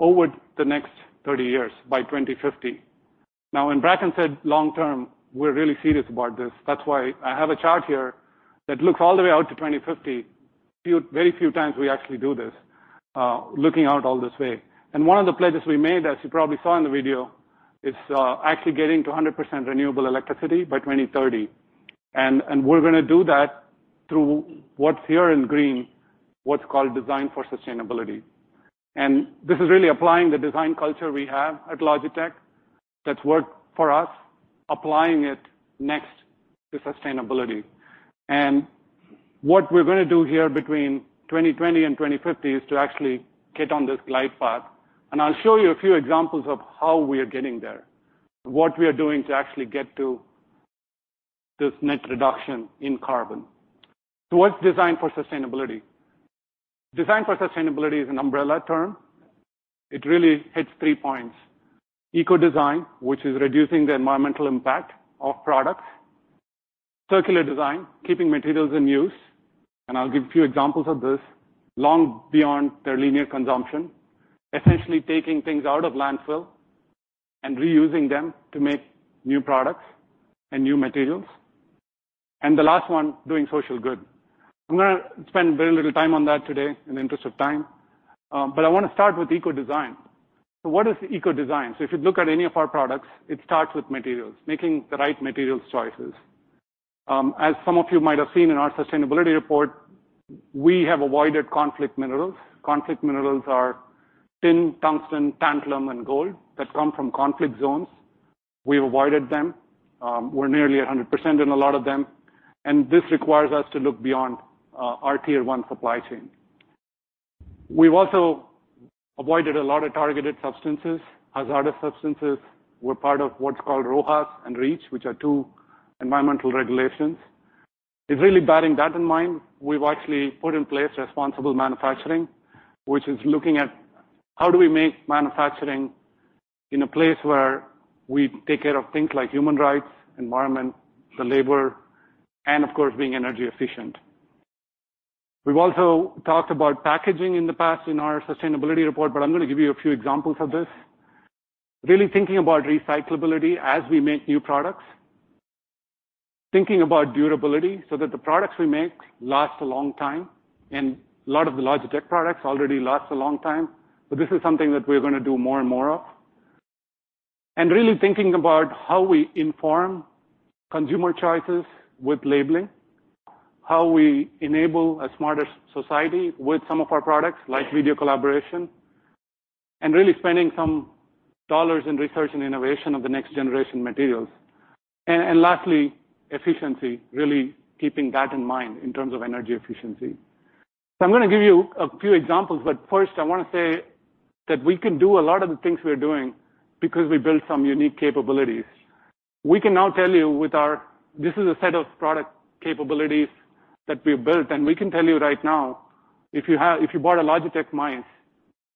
over the next 30 years, by 2050. When Bracken said long-term, we're really serious about this. That's why I have a chart here that looks all the way out to 2050. Very few times we actually do this, looking out all this way. One of the pledges we made, as you probably saw in the video, is actually getting to 100% renewable electricity by 2030. We're going to do that through what's here in green, what's called Design for Sustainability. This is really applying the design culture we have at Logitech that's worked for us, applying it next to sustainability. What we're going to do here between 2020 and 2050 is to actually get on this glide path. I'll show you a few examples of how we are getting there, what we are doing to actually get to this net reduction in carbon. What's Design for Sustainability? Design for Sustainability is an umbrella term. It really hits three points. Eco design, which is reducing the environmental impact of products. Circular design, keeping materials in use, and I'll give a few examples of this, long beyond their linear consumption, essentially taking things out of landfill and reusing them to make new products and new materials. The last one, doing social good. I'm going to spend very little time on that today in the interest of time. I want to start with eco design. What is eco design? If you look at any of our products, it starts with materials, making the right materials choices. As some of you might have seen in our sustainability report, we have avoided conflict minerals. Conflict minerals are tin, tungsten, tantalum, and gold that come from conflict zones. We've avoided them. We're nearly 100% in a lot of them. This requires us to look beyond our tier 1 supply chain. We've also avoided a lot of targeted substances, hazardous substances. We're part of what's called RoHS and REACH, which are two environmental regulations. It's really bearing that in mind, we've actually put in place responsible manufacturing, which is looking at how do we make manufacturing in a place where we take care of things like human rights, environment, the labor, and of course, being energy efficient. We've also talked about packaging in the past in our sustainability report, but I'm going to give you a few examples of this. Really thinking about recyclability as we make new products. Thinking about durability, so that the products we make last a long time, and a lot of the Logitech products already last a long time, but this is something that we're going to do more and more of. Really thinking about how we inform consumer choices with labeling. How we enable a smarter society with some of our products, like video collaboration. Really spending some dollars in research and innovation of the next generation materials. Lastly, efficiency, really keeping that in mind in terms of energy efficiency. I'm going to give you a few examples, but first I want to say that we can do a lot of the things we're doing because we built some unique capabilities. This is a set of product capabilities that we've built, and we can tell you right now, if you bought a Logitech mouse,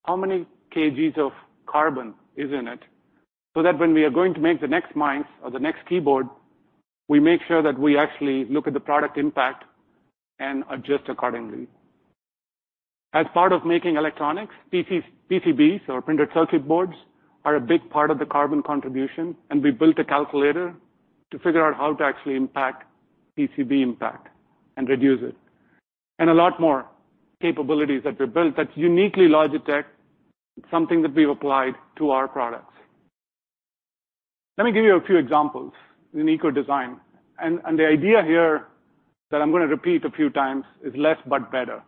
how many kgs of carbon is in it? That when we are going to make the next mouse or the next keyboard, we make sure that we actually look at the product impact and adjust accordingly. As part of making electronics, PCBs or printed circuit boards, are a big part of the carbon contribution. We built a calculator to figure out how to actually impact PCB impact and reduce it. A lot more capabilities that we built that's uniquely Logitech, something that we've applied to our products. Let me give you a few examples in eco design. The idea here that I'm going to repeat a few times is less but better.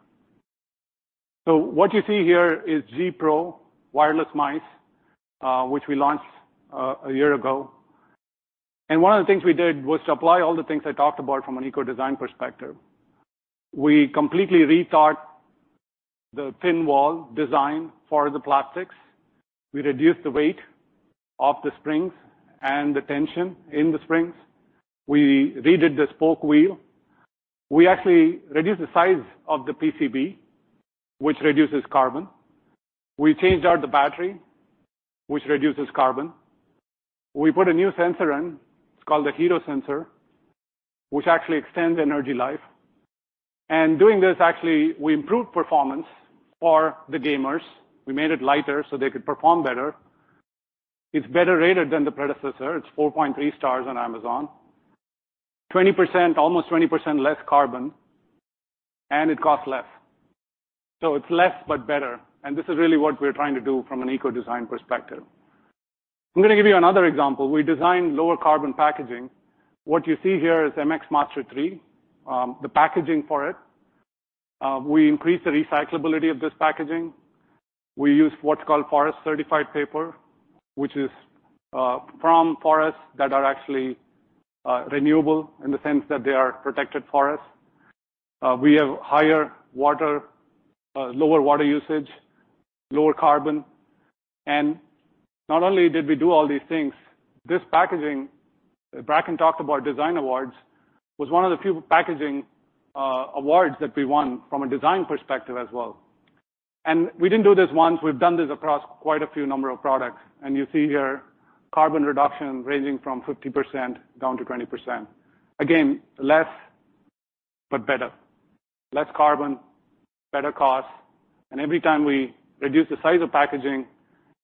What you see here is G PRO Wireless mice, which we launched a year ago. One of the things we did was to apply all the things I talked about from an eco design perspective. We completely rethought the thin wall design for the plastics. We reduced the weight of the springs and the tension in the springs. We redid the spoke wheel. We actually reduced the size of the PCB, which reduces carbon. We changed out the battery, which reduces carbon. We put a new sensor in, it's called a HERO sensor, which actually extends energy life. Doing this, actually, we improved performance for the gamers. We made it lighter so they could perform better. It's better rated than the predecessor. It's 4.3 stars on Amazon. Almost 20% less carbon, and it costs less. It's less but better, and this is really what we're trying to do from an eco design perspective. I'm going to give you another example. We designed lower carbon packaging. What you see here is MX Master 3, the packaging for it. We increased the recyclability of this packaging. We used what's called forest-certified paper, which is from forests that are actually renewable in the sense that they are protected forests. We have lower water usage, lower carbon. Not only did we do all these things, this packaging, Bracken talked about design awards, was one of the few packaging awards that we won from a design perspective as well. We didn't do this once. We've done this across quite a few number of products, and you see here carbon reduction ranging from 50% down to 20%. Again, less but better. Less carbon, better cost. Every time we reduce the size of packaging,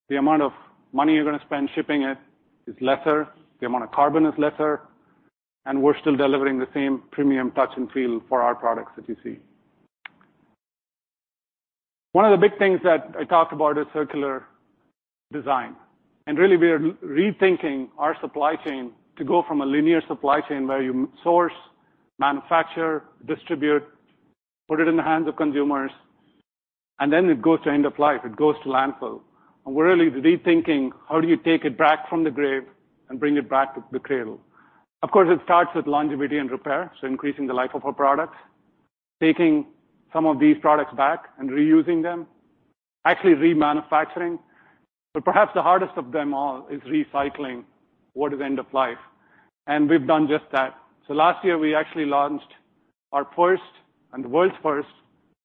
the amount of money you're going to spend shipping it is lesser, the amount of carbon is lesser, and we're still delivering the same premium touch and feel for our products that you see. One of the big things that I talked about is circular design. Really, we are rethinking our supply chain to go from a linear supply chain where you source, manufacture, distribute, put it in the hands of consumers, then it goes to end of life. It goes to landfill. We're really rethinking how do you take it back from the grave and bring it back to the cradle. Of course, it starts with longevity and repair, so increasing the life of our products. Taking some of these products back and reusing them, actually remanufacturing. Perhaps the hardest of them all is recycling what is end of life. We've done just that. Last year, we actually launched our first and the world's first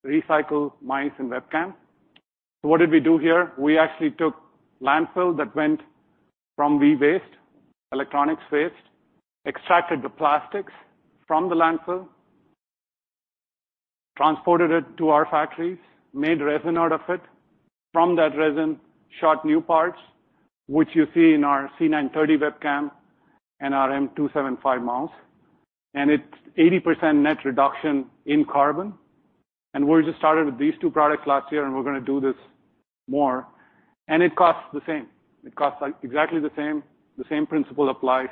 recycled mice and webcam. What did we do here? We actually took landfill that went from e-waste, electronics waste, extracted the plastics from the landfill, transported it to our factories, made resin out of it. From that resin, shot new parts, which you see in our C930 webcam and our M275 mouse. It's 80% net reduction in carbon. We just started with these two products last year, and we're going to do this more. It costs the same. It costs exactly the same. The same principle applies.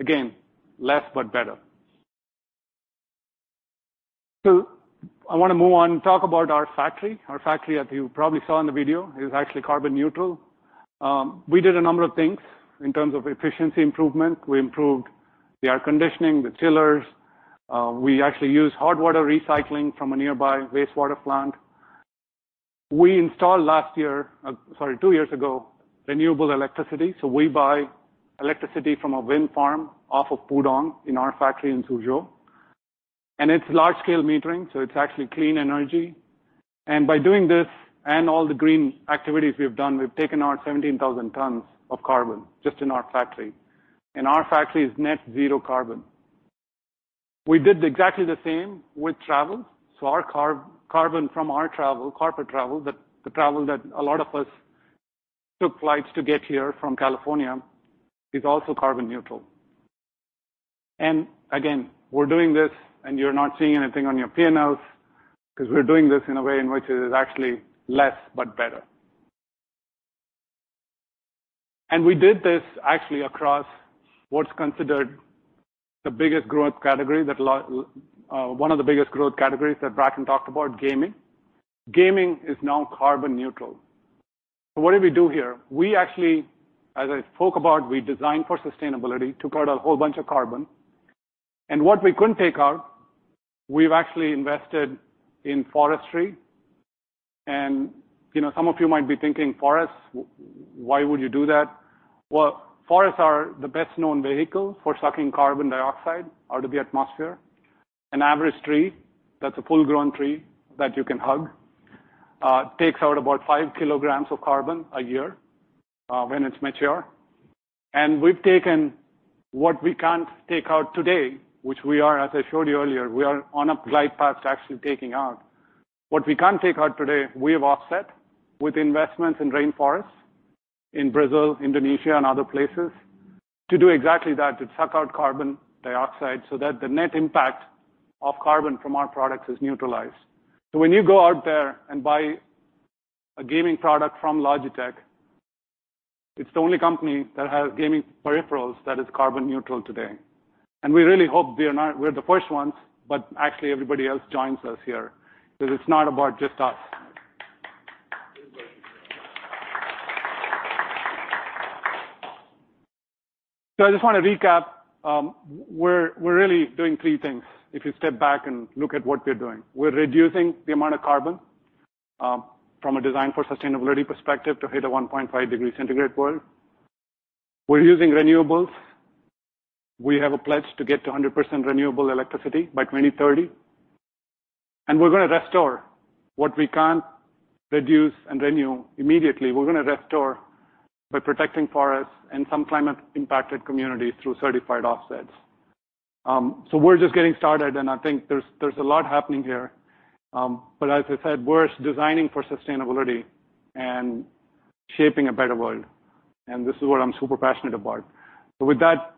Again, less but better. I want to move on and talk about our factory. Our factory, as you probably saw in the video, is actually carbon neutral. We did a number of things in terms of efficiency improvement. We improved the air conditioning, the chillers. We actually use hot water recycling from a nearby wastewater plant. We installed last year, sorry, two years ago, renewable electricity. We buy electricity from a wind farm off of Pudong in our factory in Suzhou. It's large-scale metering, so it's actually clean energy. By doing this and all the green activities we've done, we've taken out 17,000 tons of carbon just in our factory. Our factory is net zero carbon. We did exactly the same with travel. Our carbon from our travel, corporate travel, the travel that a lot of us took flights to get here from California, is also carbon neutral. Again, we're doing this and you're not seeing anything on your P&Ls because we're doing this in a way in which it is actually less but better. We did this actually across what's considered one of the biggest growth categories that Bracken talked about, gaming. Gaming is now carbon neutral. What did we do here? We actually, as I spoke about, we designed for Sustainability, took out a whole bunch of carbon. What we couldn't take out, we've actually invested in forestry. Some of you might be thinking, forests, why would you do that? Well, forests are the best-known vehicle for sucking carbon dioxide out of the atmosphere. An average tree, that's a full-grown tree that you can hug, takes out about 5 kg of carbon a year when it's mature. We've taken what we can't take out today, which we are, as I showed you earlier, we are on a glide path to actually taking out. What we can't take out today, we have offset with investments in rainforests in Brazil, Indonesia, and other places to do exactly that, to suck out carbon dioxide so that the net impact of carbon from our products is neutralized. When you go out there and buy a gaming product from Logitech, it's the only company that has gaming peripherals that is carbon neutral today. We really hope we're the first ones, but actually everybody else joins us here, because it's not about just us. I just want to recap. We're really doing three things, if you step back and look at what we're doing. We're reducing the amount of carbon, from a Design for Sustainability perspective, to hit a 1.5 degree centigrade world. We're using renewables. We have a pledge to get to 100% renewable electricity by 2030. We're going to restore what we can't reduce and renew immediately. We're going to restore by protecting forests and some climate-impacted communities through certified offsets. We're just getting started, and I think there's a lot happening here. As I said, we're designing for sustainability and shaping a better world, and this is what I'm super passionate about. With that,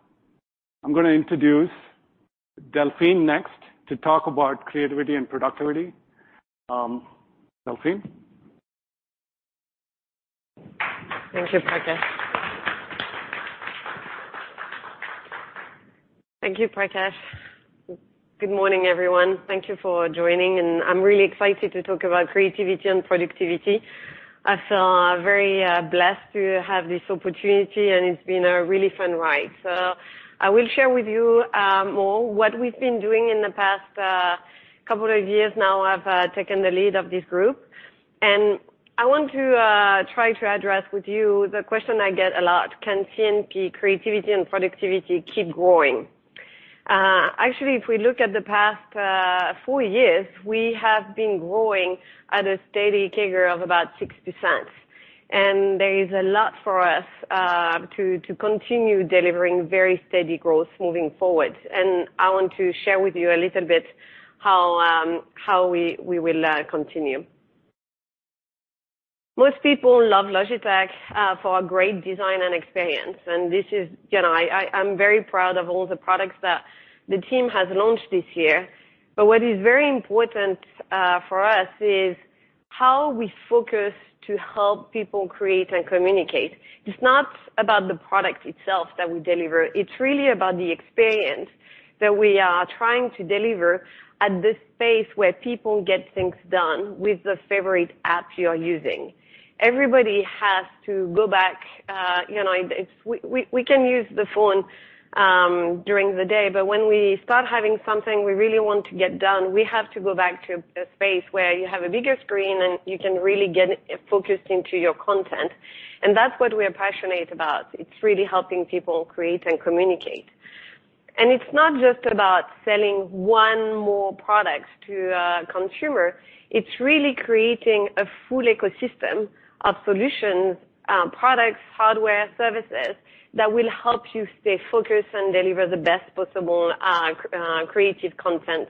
I'm going to introduce Delphine next to talk about creativity and productivity. Delphine? Thank you, Prakash. Good morning, everyone. Thank you for joining. I'm really excited to talk about Creativity & Productivity. I feel very blessed to have this opportunity. It's been a really fun ride. I will share with you more what we've been doing in the past four years now I've taken the lead of this group. I want to try to address with you the question I get a lot, can C&P, Creativity & Productivity, keep growing? Actually, if we look at the past four years, we have been growing at a steady CAGR of about 6%. There is a lot for us to continue delivering very steady growth moving forward. I want to share with you a little bit how we will continue. Most people love Logitech for our great design and experience, and I'm very proud of all the products that the team has launched this year. What is very important for us is how we focus to help people create and communicate. It's not about the product itself that we deliver. It's really about the experience that we are trying to deliver at the space where people get things done with the favorite apps you're using. Everybody has to go back. We can use the phone during the day, but when we start having something we really want to get done, we have to go back to a space where you have a bigger screen, and you can really get focused into your content. That's what we're passionate about. It's really helping people create and communicate. It's not just about selling one more product to a consumer. It's really creating a full ecosystem of solutions, products, hardware, services, that will help you stay focused and deliver the best possible creative content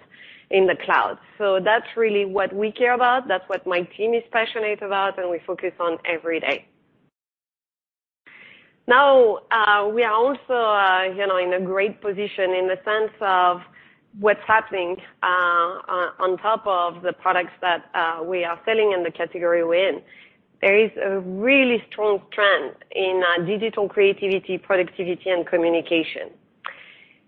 in the cloud. That's really what we care about. That's what my team is passionate about, and we focus on every day. We are also in a great position in the sense of what's happening on top of the products that we are selling in the category we're in. There is a really strong trend in digital creativity, productivity, and communication.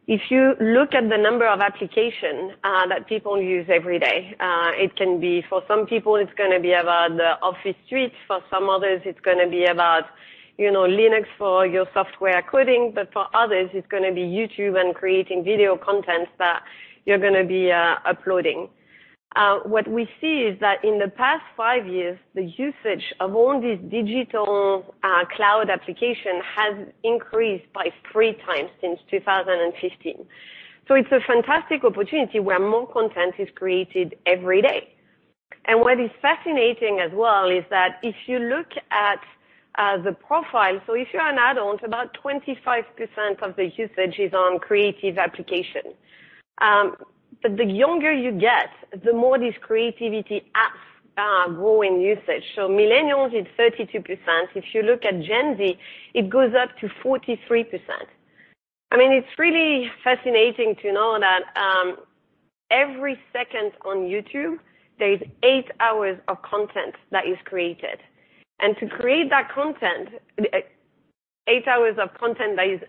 If you look at the number of applications that people use every day, it can be for some people, it's going to be about the office suites, for some others, it's going to be about Linux for your software coding, but for others, it's going to be YouTube and creating video content that you're going to be uploading. What we see is that in the past five years, the usage of all these digital cloud application has increased by three times since 2015. It's a fantastic opportunity where more content is created every day. What is fascinating as well is that if you look at the profile, so if you're an adult, about 25% of the usage is on creative application. The younger you get, the more these creativity apps are growing usage. Millennials, it's 32%. If you look at Gen Z, it goes up to 43%. It's really fascinating to know that every second on YouTube, there's eight hours of content that is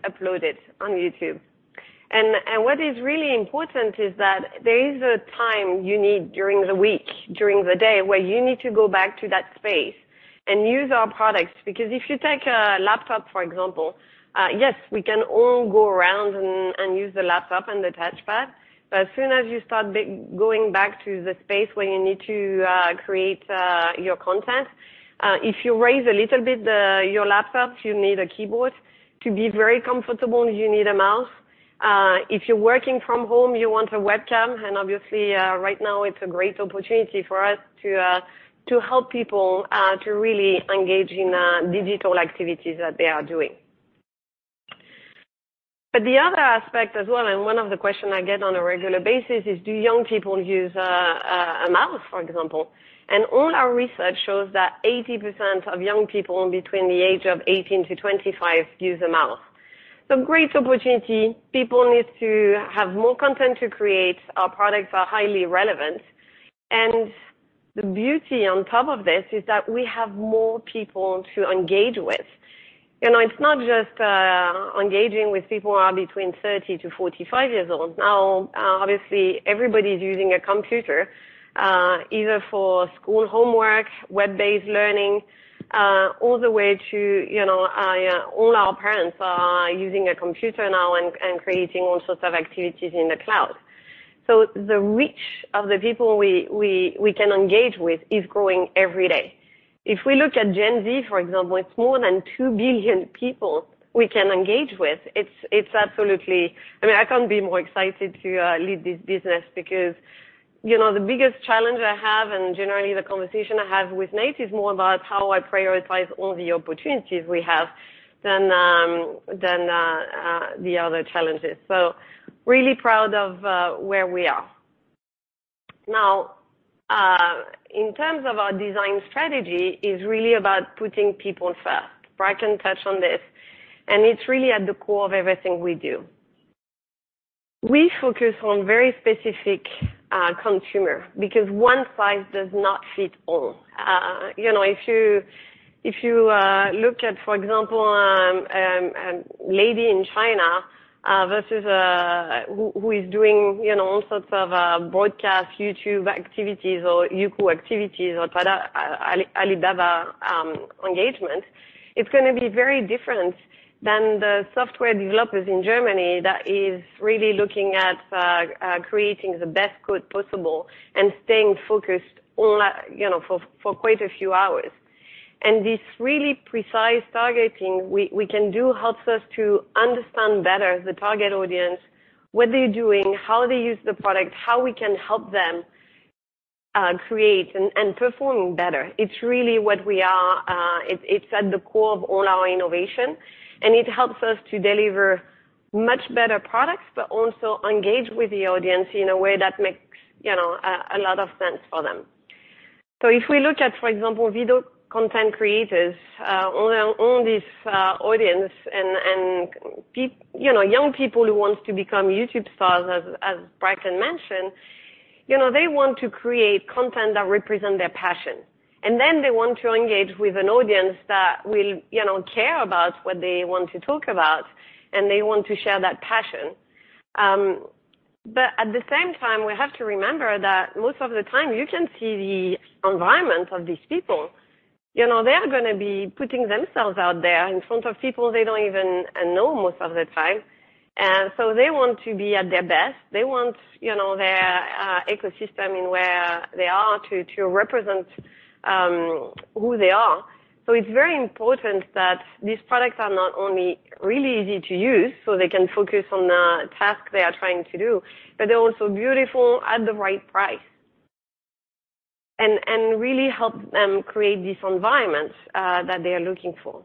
uploaded on YouTube. What is really important is that there is a time you need during the week, during the day, where you need to go back to that space and use our products. If you take a laptop, for example, yes, we can all go around and use the laptop and the touchpad, but as soon as you start going back to the space where you need to create your content, if you raise a little bit your laptop, you need a keyboard. To be very comfortable, you need a mouse. If you're working from home, you want a webcam. Obviously, right now it's a great opportunity for us to help people to really engage in digital activities that they are doing. The other aspect as well, and one of the question I get on a regular basis is, do young people use a mouse, for example? All our research shows that 80% of young people between the age of 18 to 25 use a mouse. Great opportunity. People need to have more content to create. Our products are highly relevant. The beauty on top of this is that we have more people to engage with. It's not just engaging with people who are between 30 to 45 years old now. Obviously, everybody's using a computer, either for school homework, web-based learning, all the way to all our parents are using a computer now and creating all sorts of activities in the cloud. The reach of the people we can engage with is growing every day. If we look at Gen Z, for example, it's more than 2 billion people we can engage with. I can't be more excited to lead this business because the biggest challenge I have, and generally the conversation I have with Nate, is more about how I prioritize all the opportunities we have than the other challenges. Really proud of where we are. Now, in terms of our design strategy, is really about putting people first. Bracken touched on this, and it's really at the core of everything we do. We focus on very specific consumer because one size does not fit all. If you look at, for example, a lady in China versus who is doing all sorts of broadcast YouTube activities or Youku activities or Alibaba engagement, it's going to be very different than the software developers in Germany that is really looking at creating the best code possible and staying focused for quite a few hours. This really precise targeting we can do helps us to understand better the target audience, what they're doing, how they use the product, how we can help them create and perform better. It's at the core of all our innovation, and it helps us to deliver much better products, but also engage with the audience in a way that makes a lot of sense for them. If we look at, for example, video content creators, all this audience and young people who want to become YouTube stars, as Bracken mentioned, they want to create content that represent their passion, and then they want to engage with an audience that will care about what they want to talk about, and they want to share that passion. At the same time, we have to remember that most of the time, you can see the environment of these people. They are going to be putting themselves out there in front of people they don't even know most of the time. They want to be at their best. They want their ecosystem in where they are to represent who they are. It's very important that these products are not only really easy to use, so they can focus on the task they are trying to do, but they're also beautiful at the right price, and really help them create this environment that they are looking for.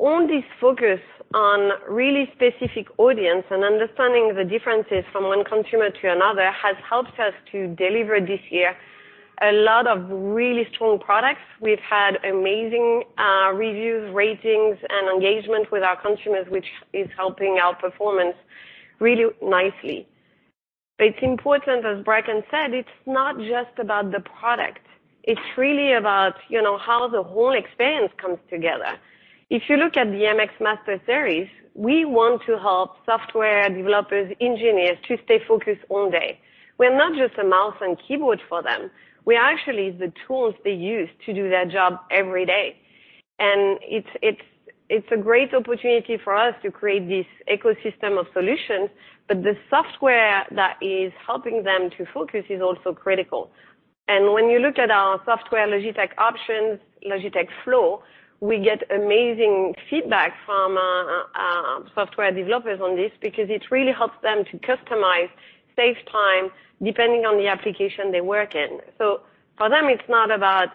All this focus on really specific audience and understanding the differences from one consumer to another has helped us to deliver this year a lot of really strong products. We've had amazing reviews, ratings, and engagement with our consumers, which is helping our performance really nicely. It's important, as Bracken said, it's not just about the product. It's really about how the whole experience comes together. If you look at the MX Master Series, we want to help software developers, engineers to stay focused all day. We're not just a mouse and keyboard for them. We are actually the tools they use to do their job every day. It's a great opportunity for us to create this ecosystem of solutions, but the software that is helping them to focus is also critical. When you look at our software, Logitech Options, Logitech Flow, we get amazing feedback from software developers on this because it really helps them to customize, save time, depending on the application they work in. For them, it's not about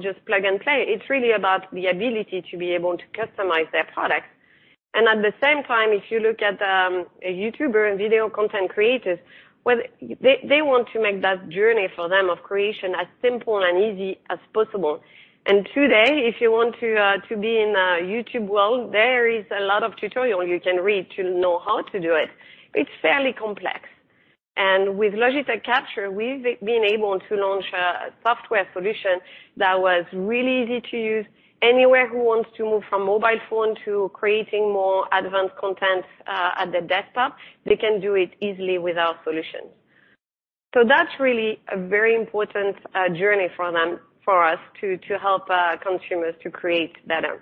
just plug and play, it's really about the ability to be able to customize their products. At the same time, if you look at a YouTuber and video content creators, they want to make that journey for them of creation as simple and easy as possible. Today, if you want to be in a YouTube world, there is a lot of tutorial you can read to know how to do it. It's fairly complex. With Logitech Capture, we've been able to launch a software solution that was really easy to use. Anywhere who wants to move from mobile phone to creating more advanced content at the desktop, they can do it easily with our solutions. That's really a very important journey for us, to help consumers to create better.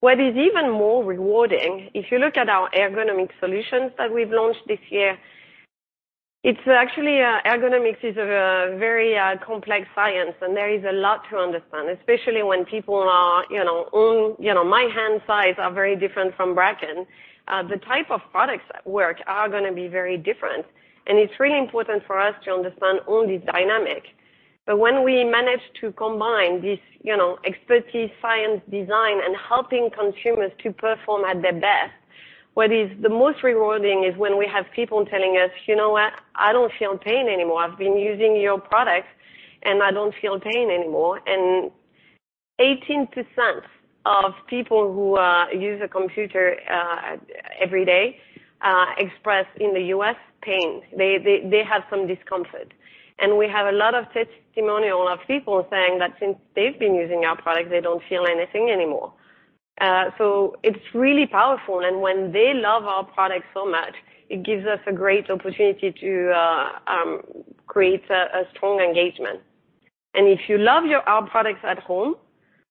What is even more rewarding, if you look at our ergonomic solutions that we've launched this year, ergonomics is a very complex science and there is a lot to understand, especially when My hand size are very different from Bracken. The type of products that work are going to be very different, and it is really important for us to understand all these dynamics. When we manage to combine this expertise, science, design, and helping consumers to perform at their best, what is the most rewarding is when we have people telling us, "You know what? I don't feel pain anymore. I've been using your product and I don't feel pain anymore." 18% of people who use a computer every day express, in the U.S., pain. They have some discomfort. We have a lot of testimonials of people saying that since they've been using our product, they don't feel anything anymore. It is really powerful. When they love our product so much, it gives us a great opportunity to create a strong engagement. If you love our products at home,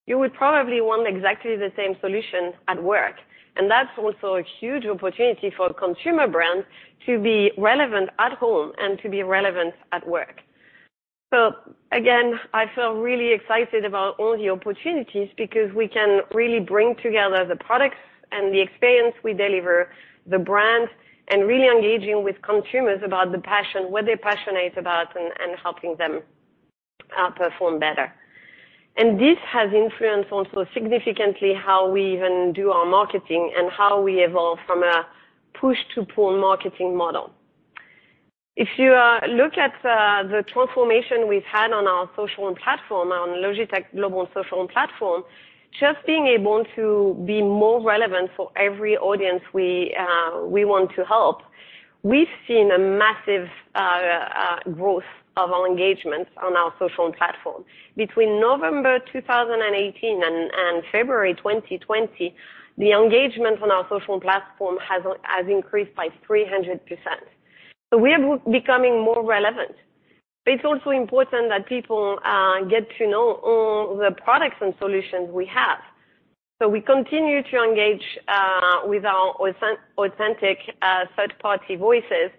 you would probably want exactly the same solution at work. That's also a huge opportunity for consumer brands to be relevant at home and to be relevant at work. Again, I feel really excited about all the opportunities because we can really bring together the products and the experience we deliver, the brands, and really engaging with consumers about the passion, what they're passionate about, and helping them perform better. This has influenced also significantly how we even do our marketing and how we evolve from a push to pull marketing model. If you look at the transformation we've had on our social platform, on Logitech global social platform, just being able to be more relevant for every audience we want to help, we've seen a massive growth of our engagements on our social platform. Between November 2018 and February 2020, the engagement on our social platform has increased by 300%. We are becoming more relevant. It's also important that people get to know all the products and solutions we have. We continue to engage with our authentic third-party voices.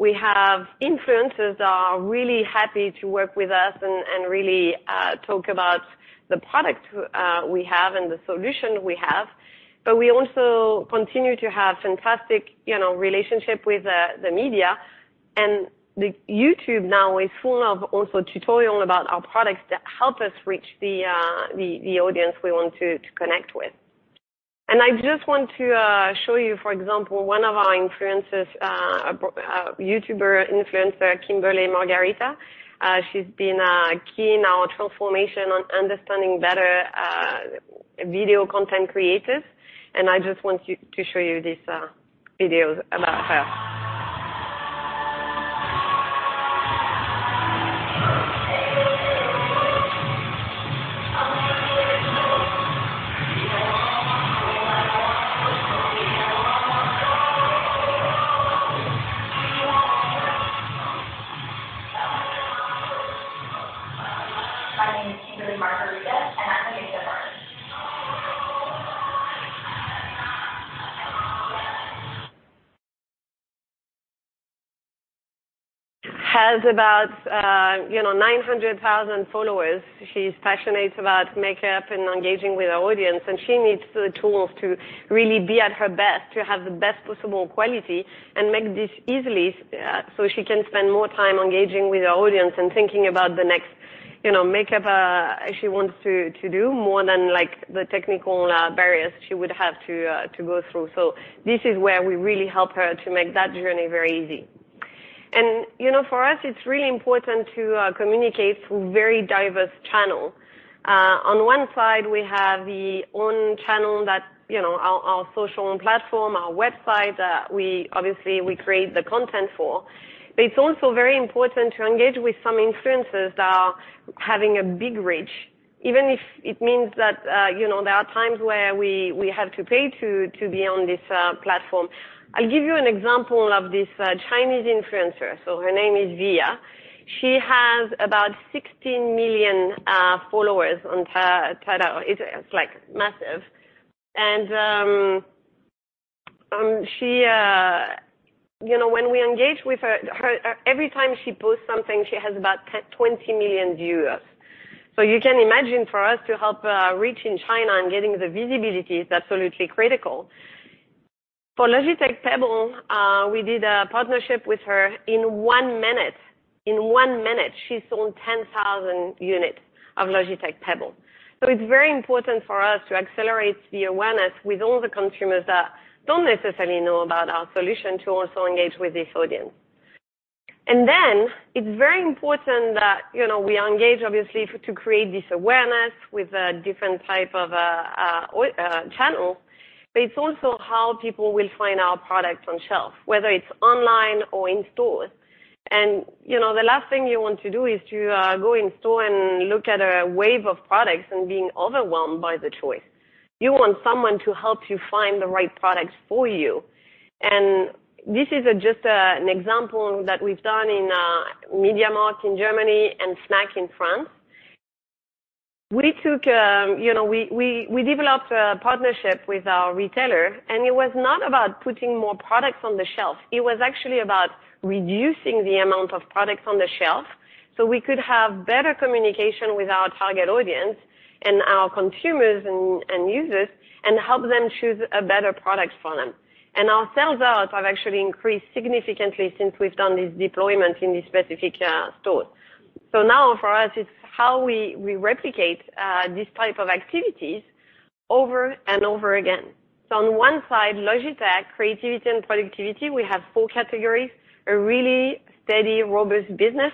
We have influencers that are really happy to work with us and really talk about the product we have and the solution we have. We also continue to have fantastic relationship with the media. YouTube now is full of also tutorial about our products that help us reach the audience we want to connect with. I just want to show you, for example, one of our influencers, a YouTuber influencer, Kimberly Margarita. She's been key in our transformation on understanding better video content creators, and I just want to show you this video about her. My name is Kimberly Margarita, and I make makeup art. Has about 900,000 followers. She's passionate about makeup and engaging with her audience, she needs the tools to really be at her best, to have the best possible quality and make this easily so she can spend more time engaging with her audience and thinking about the next makeup she wants to do more than the technical barriers she would have to go through. This is where we really help her to make that journey very easy. For us, it's really important to communicate through very diverse channel. On one side, we have the own channel our social platform, our website, that obviously we create the content for. It's also very important to engage with some influencers that are having a big reach. Even if it means that there are times where we have to pay to be on this platform. I'll give you an example of this Chinese influencer. Her name is Viya. She has about 16 million followers on Taobao. It's massive. When we engage with her, every time she posts something, she has about 20 million viewers. You can imagine for us to help reach in China and getting the visibility is absolutely critical. For Logitech Pebble, we did a partnership with her. In one minute, she sold 10,000 units of Logitech Pebble. It's very important for us to accelerate the awareness with all the consumers that don't necessarily know about our solution to also engage with this audience. It's very important that we engage, obviously, to create this awareness with different type of channels, but it's also how people will find our product on shelf, whether it's online or in stores. The last thing you want to do is to go in store and look at a wave of products and being overwhelmed by the choice. You want someone to help you find the right products for you. This is just an example that we've done in MediaMarkt in Germany and Fnac in France. We developed a partnership with our retailer. It was not about putting more products on the shelf. It was actually about reducing the amount of products on the shelf so we could have better communication with our target audience and our consumers and users and help them choose a better product for them. Our sales out have actually increased significantly since we've done this deployment in this specific store. Now for us, it's how we replicate these type of activities over and over again. On one side, Logitech, Creativity & Productivity, we have four categories, a really steady, robust business.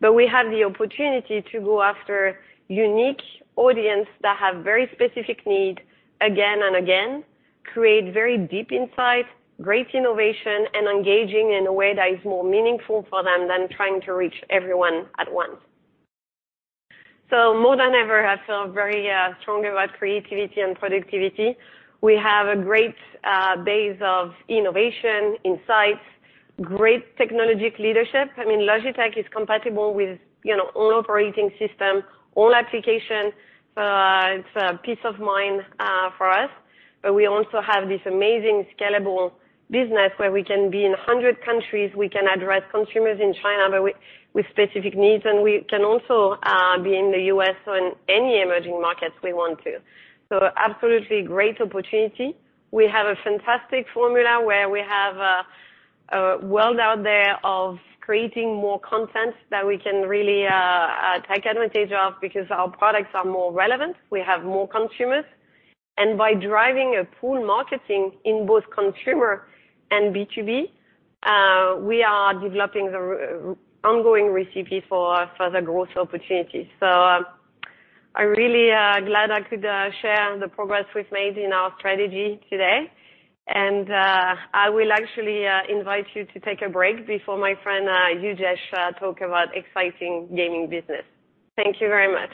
We have the opportunity to go after unique audience that have very specific need again and again, create very deep insight, great innovation, and engaging in a way that is more meaningful for them than trying to reach everyone at once. More than ever, I feel very strongly about Creativity & Productivity. We have a great base of innovation, insights, great technology leadership. I mean, Logitech is compatible with all operating system, all application. It's peace of mind for us. We also have this amazing scalable business where we can be in 100 countries. We can address consumers in China with specific needs, and we can also be in the U.S. or in any emerging markets we want to. Absolutely great opportunity. We have a fantastic formula where we have a world out there of creating more content that we can really take advantage of because our products are more relevant. We have more consumers. By driving pull marketing in both consumer and B2B, we are developing the ongoing recipe for further growth opportunities. I'm really glad I could share the progress we've made in our strategy today. I will actually invite you to take a break before my friend, Ujesh, talk about exciting gaming business. Thank you very much.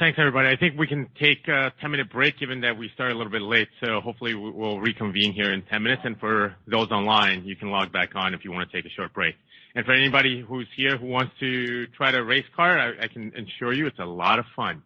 Thanks everybody. I think we can take a 10-minute break given that we started a little bit late. Hopefully we'll reconvene here in 10 minutes. For those online, you can log back on if you want to take a short break. For anybody who's here who wants to try the race car, I can assure you it's a lot of fun.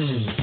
find yourself living in a shotgun shack. You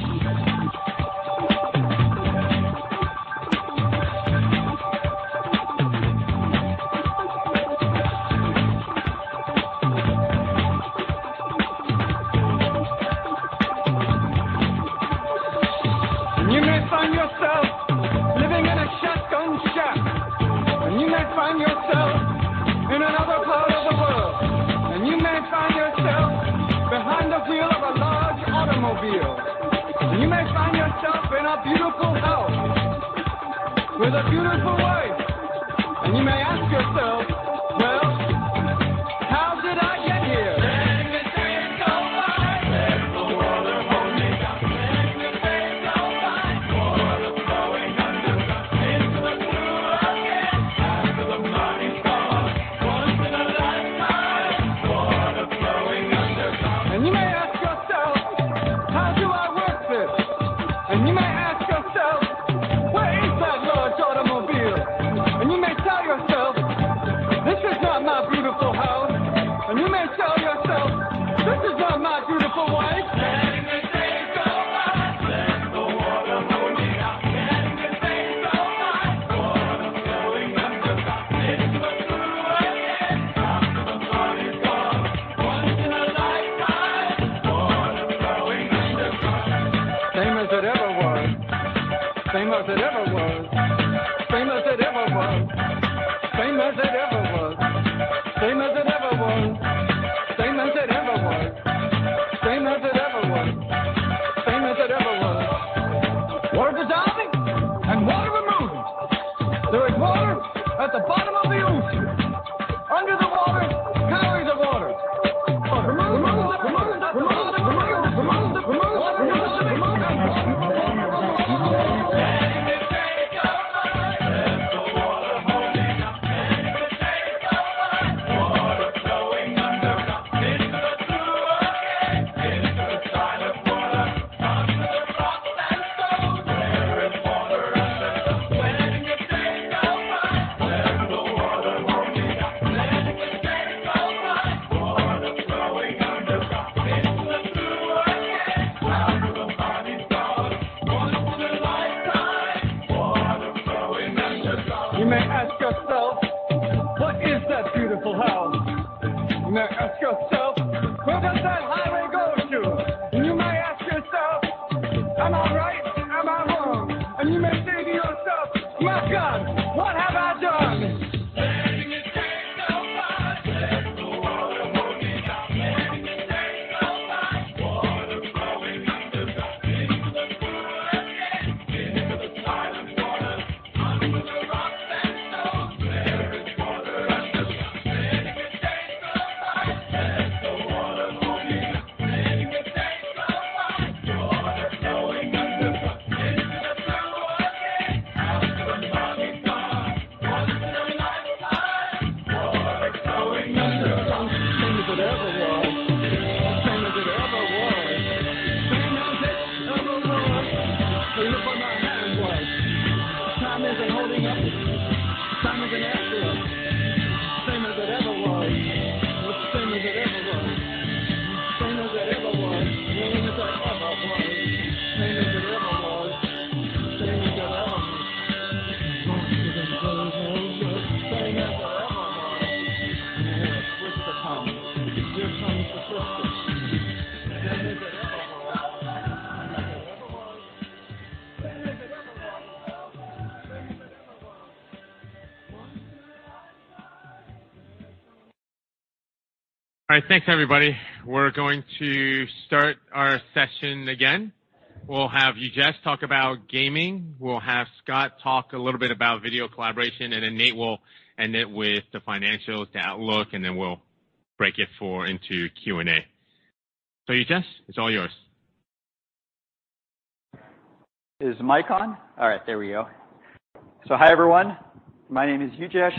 My name is Ujesh,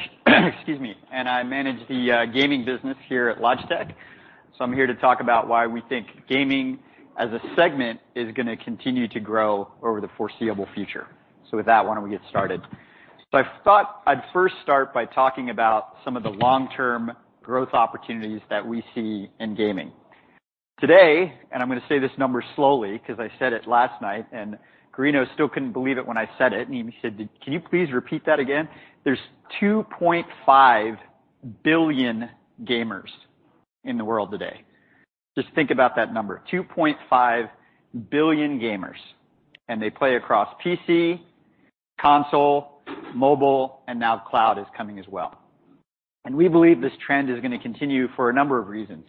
excuse me, and I manage the gaming business here at Logitech. I'm here to talk about why we think gaming as a segment is going to continue to grow over the foreseeable future. With that, why don't we get started? I thought I'd first start by talking about some of the long-term growth opportunities that we see in gaming. Today, and I'm going to say this number slowly because I said it last night, and Guerrino still couldn't believe it when I said it, and he said, "Can you please repeat that again?" There's 2.5 billion gamers in the world today. Just think about that number, 2.5 billion gamers, and they play across PC, console, mobile, and now cloud is coming as well. We believe this trend is going to continue for a number of reasons.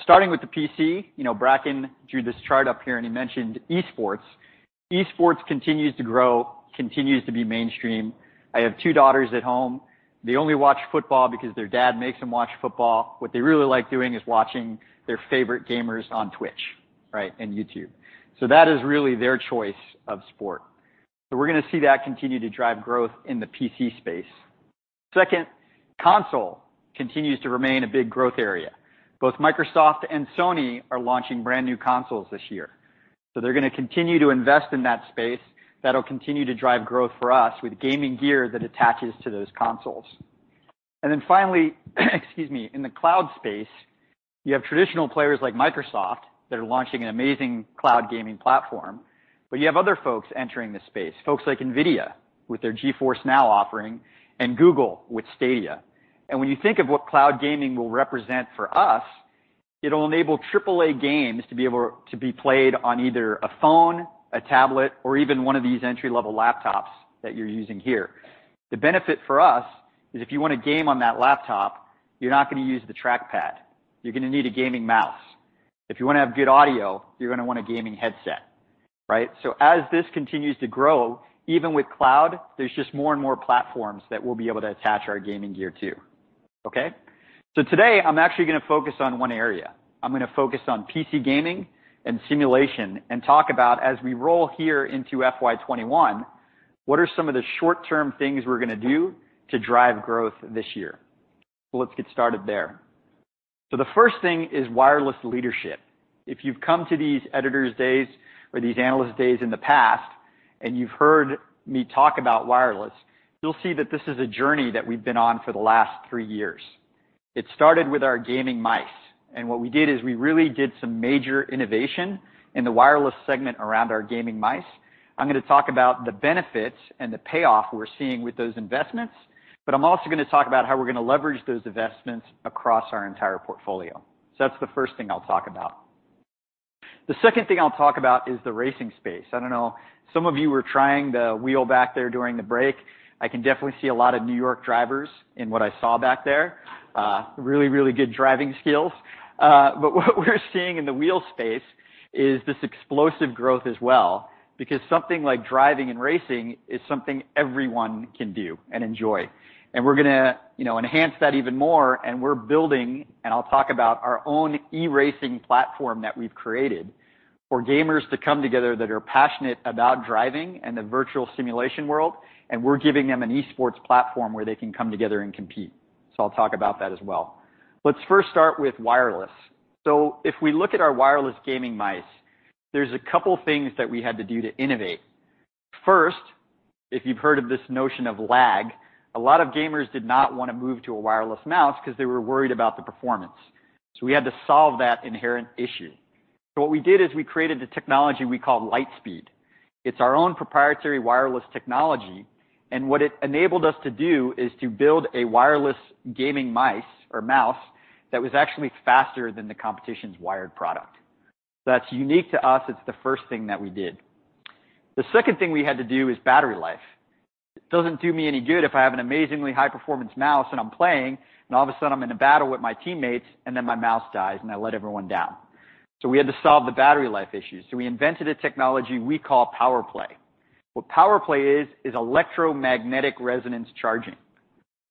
Starting with the PC, Bracken drew this chart up here, and he mentioned esports. Esports continues to grow, continues to be mainstream. I have two daughters at home. They only watch football because their dad makes them watch football. What they really like doing is watching their favorite gamers on Twitch and YouTube. That is really their choice of sport. We're going to see that continue to drive growth in the PC space. Second, console continues to remain a big growth area. Both Microsoft and Sony are launching brand-new consoles this year. They're going to continue to invest in that space. That'll continue to drive growth for us with gaming gear that attaches to those consoles. Finally, excuse me, in the cloud space, you have traditional players like Microsoft that are launching an amazing cloud gaming platform, but you have other folks entering the space, folks like NVIDIA with their GeForce NOW offering, and Google with Stadia. When you think of what cloud gaming will represent for us. It'll enable AAA games to be able to be played on either a phone, a tablet, or even one of these entry-level laptops that you're using here. The benefit for us is if you want to game on that laptop, you're not going to use the trackpad. You're going to need a gaming mouse. If you want to have good audio, you're going to want a gaming headset. As this continues to grow, even with cloud, there's just more and more platforms that we'll be able to attach our gaming gear to. Okay? Today, I'm actually going to focus on one area. I'm going to focus on PC gaming and simulation, and talk about, as we roll here into FY 2021, what are some of the short-term things we're going to do to drive growth this year. Let's get started there. The first thing is wireless leadership. If you've come to these editors days or these analyst days in the past, and you've heard me talk about wireless, you'll see that this is a journey that we've been on for the last three years. It started with our gaming mice, and what we did is we really did some major innovation in the wireless segment around our gaming mice. I'm going to talk about the benefits and the payoff we're seeing with those investments, but I'm also going to talk about how we're going to leverage those investments across our entire portfolio. So that's the first thing I'll talk about. The second thing I'll talk about is the racing space. I don't know, some of you were trying the wheel back there during the break. I can definitely see a lot of New York drivers in what I saw back there. Really, really good driving skills. But what we're seeing in the wheel space is this explosive growth as well, because something like driving and racing is something everyone can do and enjoy. We're going to enhance that even more, and we're building, and I'll talk about our own e-racing platform that we've created for gamers to come together that are passionate about driving and the virtual simulation world, and we're giving them an esports platform where they can come together and compete. I'll talk about that as well. Let's first start with wireless. If we look at our wireless gaming mice, there's a couple things that we had to do to innovate. First, if you've heard of this notion of lag, a lot of gamers did not want to move to a wireless mouse because they were worried about the performance. We had to solve that inherent issue. What we did is we created the technology we call LIGHTSPEED. It's our own proprietary wireless technology, what it enabled us to do is to build a wireless gaming mice or mouse that was actually faster than the competition's wired product. That's unique to us. It's the first thing that we did. The second thing we had to do is battery life. It doesn't do me any good if I have an amazingly high-performance mouse and I'm playing, all of a sudden, I'm in a battle with my teammates, then my mouse dies, and I let everyone down. We had to solve the battery life issues. We invented a technology we call POWERPLAY. What POWERPLAY is electromagnetic resonance charging.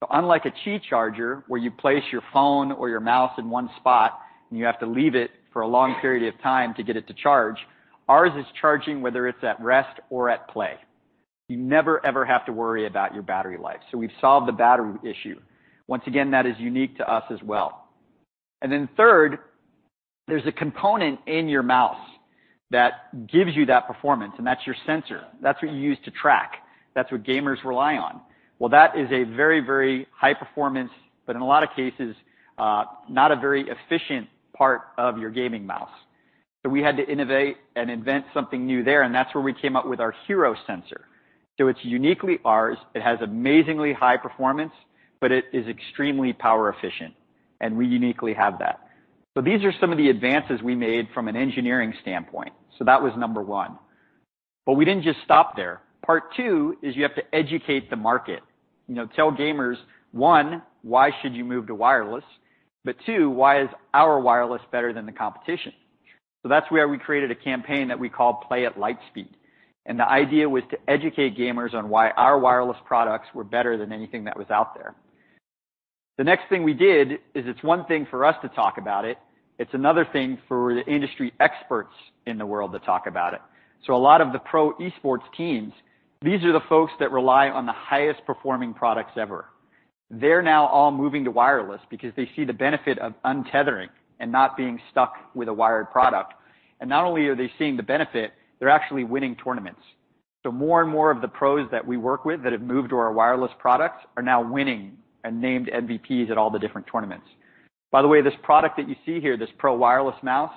Unlike a Qi charger, where you place your phone or your mouse in one spot and you have to leave it for a long period of time to get it to charge, ours is charging, whether it's at rest or at play. You never, ever have to worry about your battery life. We've solved the battery issue. Once again, that is unique to us as well. Third, there's a component in your mouse that gives you that performance, and that's your sensor. That's what you use to track. That's what gamers rely on. That is a very high-performance, but in a lot of cases, not a very efficient part of your gaming mouse. We had to innovate and invent something new there, and that's where we came up with our HERO sensor. It's uniquely ours. It has amazingly high performance, but it is extremely power efficient, and we uniquely have that. These are some of the advances we made from an engineering standpoint. That was number one. We didn't just stop there. Part 2 is you have to educate the market, tell gamers, one, why should you move to wireless, but two, why is our wireless better than the competition? That's where we created a campaign that we call Play at LIGHTSPEED. The idea was to educate gamers on why our wireless products were better than anything that was out there. The next thing we did is it's one thing for us to talk about it's another thing for the industry experts in the world to talk about it. A lot of the pro esports teams, these are the folks that rely on the highest performing products ever. They're now all moving to wireless because they see the benefit of untethering and not being stuck with a wired product. Not only are they seeing the benefit, they're actually winning tournaments. More and more of the pros that we work with that have moved to our wireless products are now winning and named MVPs at all the different tournaments. By the way, this product that you see here, this PRO Wireless mouse,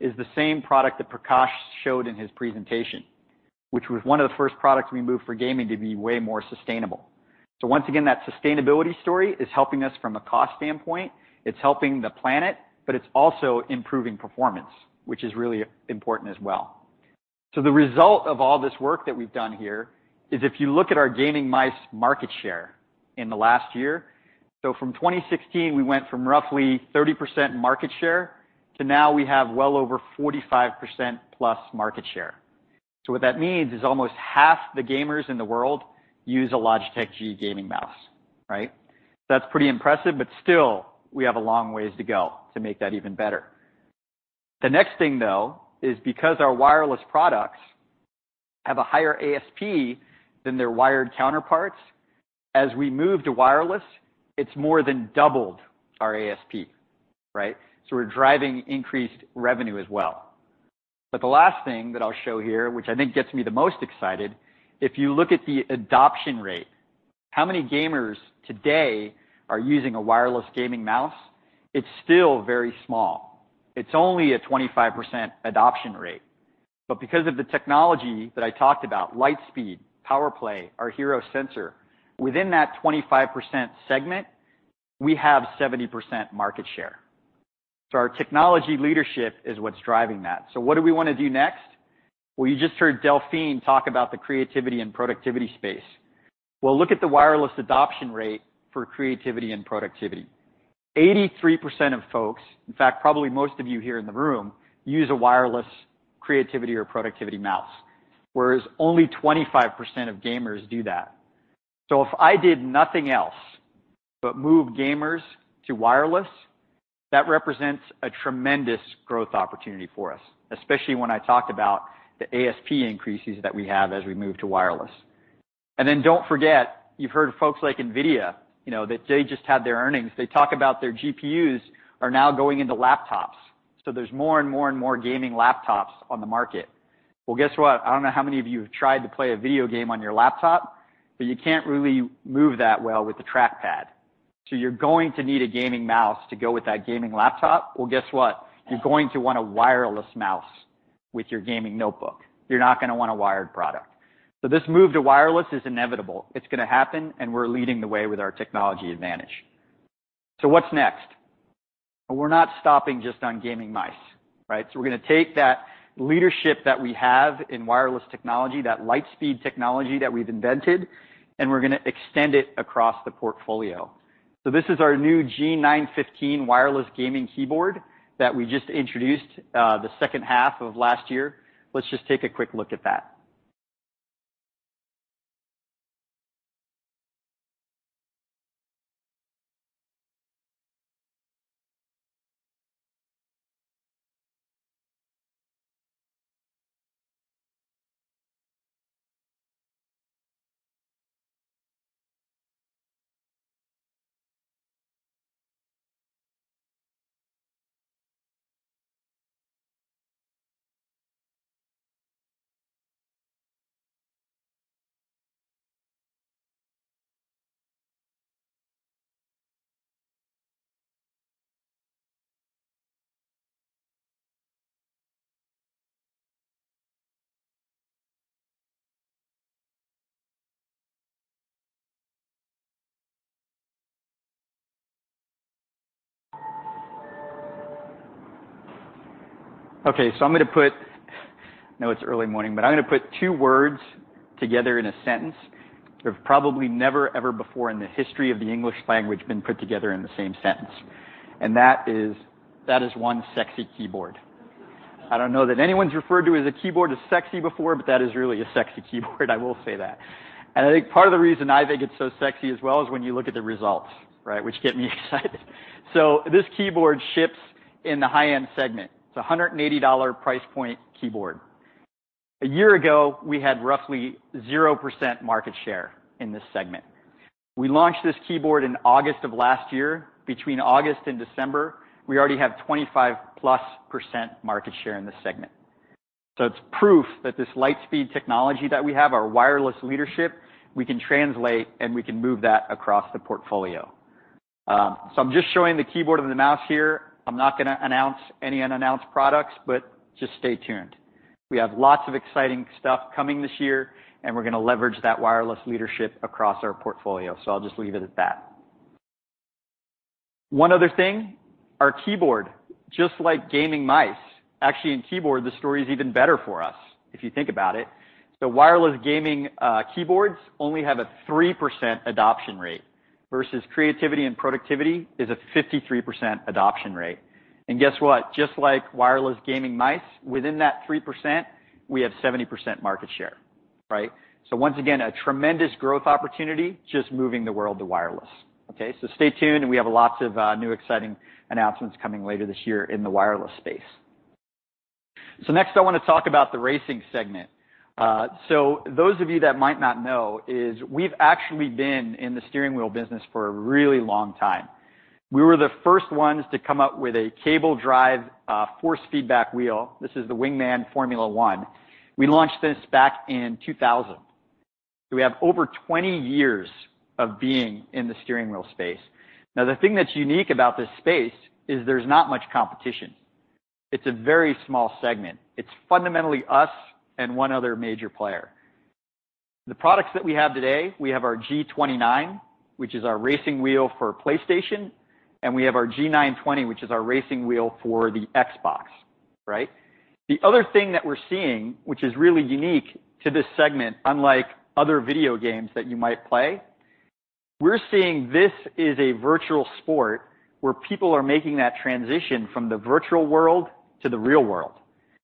is the same product that Prakash showed in his presentation, which was one of the first products we moved for gaming to be way more sustainable. Once again, that sustainability story is helping us from a cost standpoint, it's helping the planet, but it's also improving performance, which is really important as well. The result of all this work that we've done here is if you look at our gaming mice market share in the last year, from 2016, we went from roughly 30% market share to now we have well over 45%+ market share. What that means is almost half the gamers in the world use a Logitech G gaming mouse. Right. That's pretty impressive, but still, we have a long ways to go to make that even better. The next thing, though, is because our wireless products have a higher ASP than their wired counterparts, as we move to wireless, it's more than doubled our ASP. Right. We're driving increased revenue as well. The last thing that I'll show here, which I think gets me the most excited, if you look at the adoption rate, how many gamers today are using a wireless gaming mouse, it's still very small. It's only a 25% adoption rate. Because of the technology that I talked about, LIGHTSPEED, POWERPLAY, our HERO sensor, within that 25% segment, we have 70% market share. Our technology leadership is what's driving that. What do we want to do next? Well, you just heard Delphine talk about the Creativity & Productivity space. Well, look at the wireless adoption rate for Creativity & Productivity. 83% of folks, in fact, probably most of you here in the room, use a wireless Creativity & Productivity mouse, whereas only 25% of gamers do that. If I did nothing else but move gamers to wireless, that represents a tremendous growth opportunity for us, especially when I talked about the ASP increases that we have as we move to wireless. Don't forget, you've heard folks like NVIDIA, that they just had their earnings. They talk about their GPUs are now going into laptops. There's more and more and more gaming laptops on the market. Well, guess what? I don't know how many of you have tried to play a video game on your laptop, but you can't really move that well with the trackpad. You're going to need a gaming mouse to go with that gaming laptop. Well, guess what? You're going to want a wireless mouse with your gaming notebook. You're not going to want a wired product. This move to wireless is inevitable. It's going to happen, and we're leading the way with our technology advantage. What's next? We're not stopping just on gaming mice, right? We're going to take that leadership that we have in wireless technology, that LIGHTSPEED technology that we've invented, and we're going to extend it across the portfolio. This is our new G915 wireless gaming keyboard that we just introduced the second half of last year. Let's just take a quick look at that. I'm going to put I know it's early morning, but I'm going to put two words together in a sentence that have probably never, ever before in the history of the English language been put together in the same sentence, and that is, that is one sexy keyboard. I don't know that anyone's referred to as a keyboard as sexy before, but that is really a sexy keyboard, I will say that. I think part of the reason I think it's so sexy as well is when you look at the results, right, which get me excited. This keyboard ships in the high-end segment. It's a $180 price point keyboard. A year ago, we had roughly 0% market share in this segment. We launched this keyboard in August of last year. Between August and December, we already have 25+% market share in this segment. It's proof that this LIGHTSPEED technology that we have, our wireless leadership, we can translate, and we can move that across the portfolio. I'm just showing the keyboard and the mouse here. I'm not going to announce any unannounced products, but just stay tuned. We have lots of exciting stuff coming this year. We're going to leverage that wireless leadership across our portfolio. I'll just leave it at that. One other thing, our keyboard, just like gaming mice, actually in keyboard, the story is even better for us, if you think about it. Wireless gaming keyboards only have a 3% adoption rate, versus Creativity & Productivity is a 53% adoption rate. Guess what? Just like wireless gaming mice, within that 3%, we have 70% market share, right? Once again, a tremendous growth opportunity, just moving the world to wireless. Okay, stay tuned. We have lots of new exciting announcements coming later this year in the wireless space. Next, I want to talk about the racing segment. Those of you that might not know is we've actually been in the steering wheel business for a really long time. We were the first ones to come up with a cable drive force feedback wheel. This is the WingMan Formula Force. We launched this back in 2000. We have over 20 years of being in the steering wheel space. The thing that's unique about this space is there's not much competition. It's a very small segment. It's fundamentally us and one other major player. The products that we have today, we have our G29, which is our racing wheel for PlayStation, and we have our G920, which is our racing wheel for the Xbox, right? The other thing that we're seeing, which is really unique to this segment, unlike other video games that you might play, we're seeing this is a virtual sport where people are making that transition from the virtual world to the real world.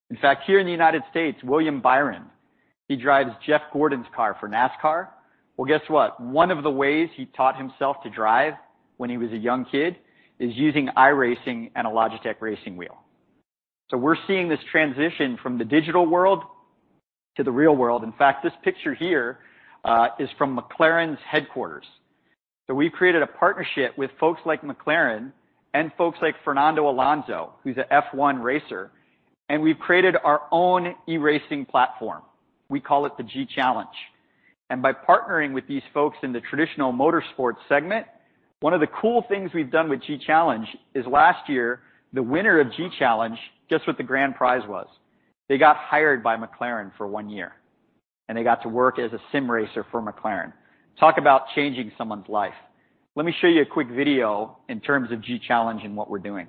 In fact, here in the U.S., William Byron, he drives Jeff Gordon's car for NASCAR. Guess what? One of the ways he taught himself to drive when he was a young kid is using iRacing and a Logitech racing wheel. We're seeing this transition from the digital world to the real world. In fact, this picture here is from McLaren's headquarters. We've created a partnership with folks like McLaren and folks like Fernando Alonso, who's an F1 racer, and we've created our own e-racing platform. We call it the G Challenge. By partnering with these folks in the traditional motorsport segment, one of the cool things we've done with G Challenge is last year, the winner of G Challenge, guess what the grand prize was? They got hired by McLaren for one year, and they got to work as a sim racer for McLaren. Talk about changing someone's life. Let me show you a quick video in terms of G Challenge and what we're doing.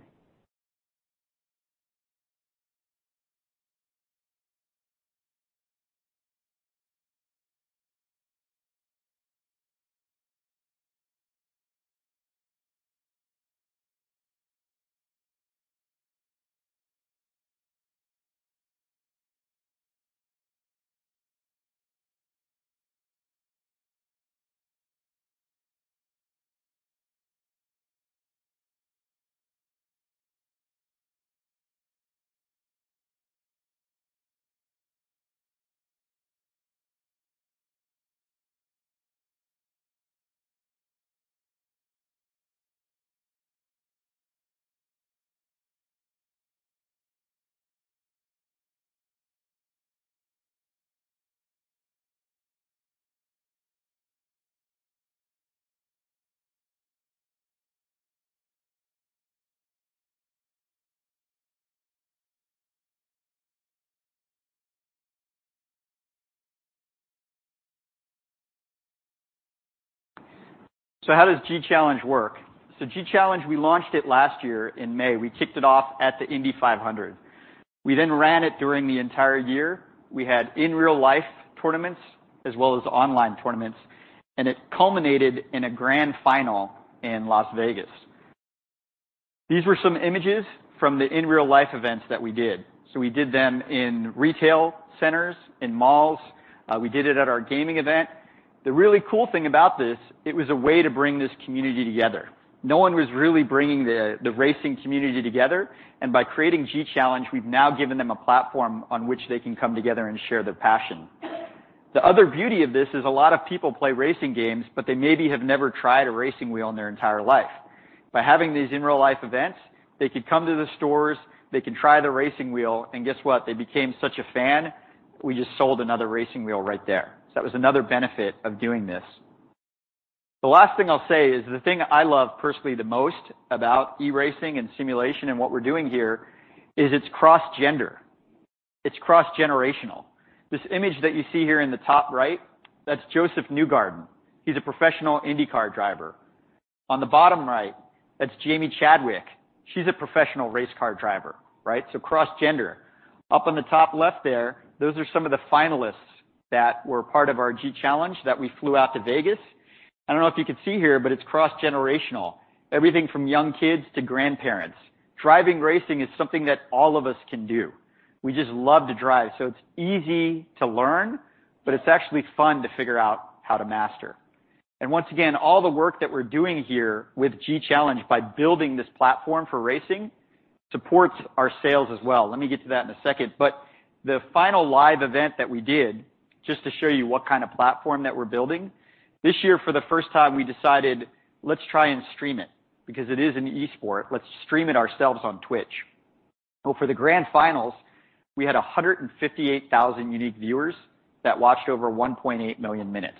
How does G Challenge work? G Challenge, we launched it last year in May. We kicked it off at the Indy 500. We then ran it during the entire year. We had in real life tournaments as well as online tournaments, and it culminated in a grand final in Las Vegas. These were some images from the in-real-life events that we did. We did them in retail centers, in malls. We did it at our gaming event. The really cool thing about this, it was a way to bring this community together. No one was really bringing the racing community together, and by creating G Challenge, we've now given them a platform on which they can come together and share their passion. The other beauty of this is a lot of people play racing games, but they maybe have never tried a racing wheel in their entire life. By having these in real life events, they could come to the stores, they can try the racing wheel, and guess what? They became such a fan, we just sold another racing wheel right there. That was another benefit of doing this. The last thing I'll say is the thing I love personally the most about e-racing and simulation and what we're doing here is it's cross-gender. It's cross-generational. This image that you see here in the top right, that's Josef Newgarden. He's a professional IndyCar driver. On the bottom right, that's Jamie Chadwick. She's a professional race car driver, right? Cross-gender. Up on the top left there, those are some of the finalists that were part of our G Challenge that we flew out to Vegas. I don't know if you can see here, but it's cross-generational. Everything from young kids to grandparents. Driving racing is something that all of us can do. We just love to drive. It's easy to learn, but it's actually fun to figure out how to master. Once again, all the work that we're doing here with G Challenge by building this platform for racing supports our sales as well. Let me get to that in a second. The final live event that we did, just to show you what kind of platform that we're building, this year for the first time, we decided let's try and stream it because it is an esport. Let's stream it ourselves on Twitch. For the grand finals, we had 158,000 unique viewers that watched over 1.8 million minutes.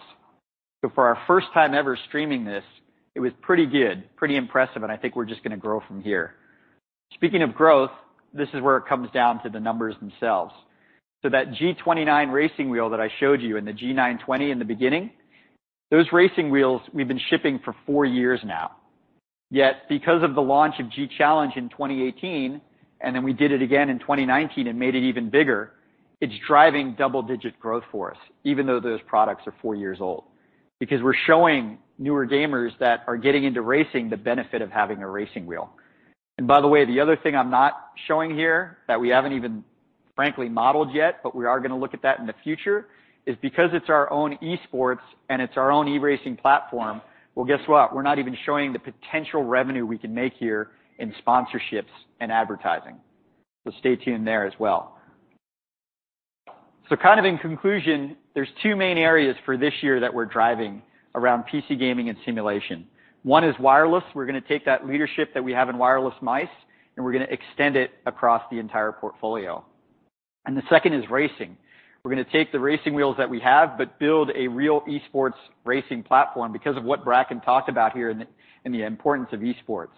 For our first time ever streaming this, it was pretty good, pretty impressive, and I think we're just going to grow from here. Speaking of growth, this is where it comes down to the numbers themselves. That G29 racing wheel that I showed you and the G920 in the beginning, those racing wheels we've been shipping for four years now. Yet because of the launch of G Challenge in 2018, then we did it again in 2019 and made it even bigger, it's driving double-digit growth for us, even though those products are four years old, because we're showing newer gamers that are getting into racing the benefit of having a racing wheel. By the way, the other thing I'm not showing here that we haven't even frankly modeled yet, but we are going to look at that in the future, is because it's our own esports and it's our own e-racing platform, well, guess what? We're not even showing the potential revenue we can make here in sponsorships and advertising. Stay tuned there as well. Kind of in conclusion, there's two main areas for this year that we're driving around PC gaming and simulation. One is wireless. We're going to take that leadership that we have in wireless mice. We're going to extend it across the entire portfolio. The second is racing. We're going to take the racing wheels that we have. Build a real esports racing platform because of what Bracken talked about here and the importance of esports.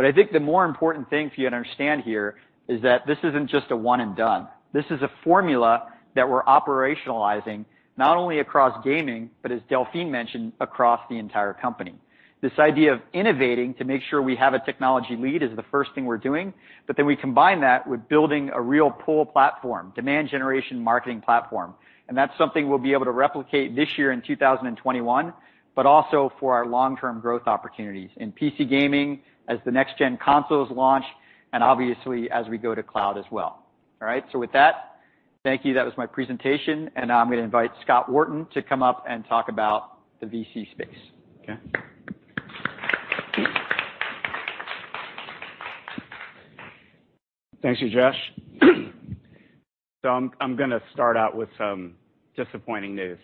I think the more important thing for you to understand here is that this isn't just a one and done. This is a formula that we're operationalizing not only across gaming, but as Delphine mentioned, across the entire company. This idea of innovating to make sure we have a technology lead is the first thing we're doing. We combine that with building a real pull platform, demand generation marketing platform. That's something we'll be able to replicate this year in 2021, but also for our long-term growth opportunities in PC gaming as the next-gen consoles launch, and obviously as we go to cloud as well. All right. With that, thank you. That was my presentation, and now I'm going to invite Scott Wharton to come up and talk about the VC space. Okay. Thank you, Ujesh. I'm going to start out with some disappointing news.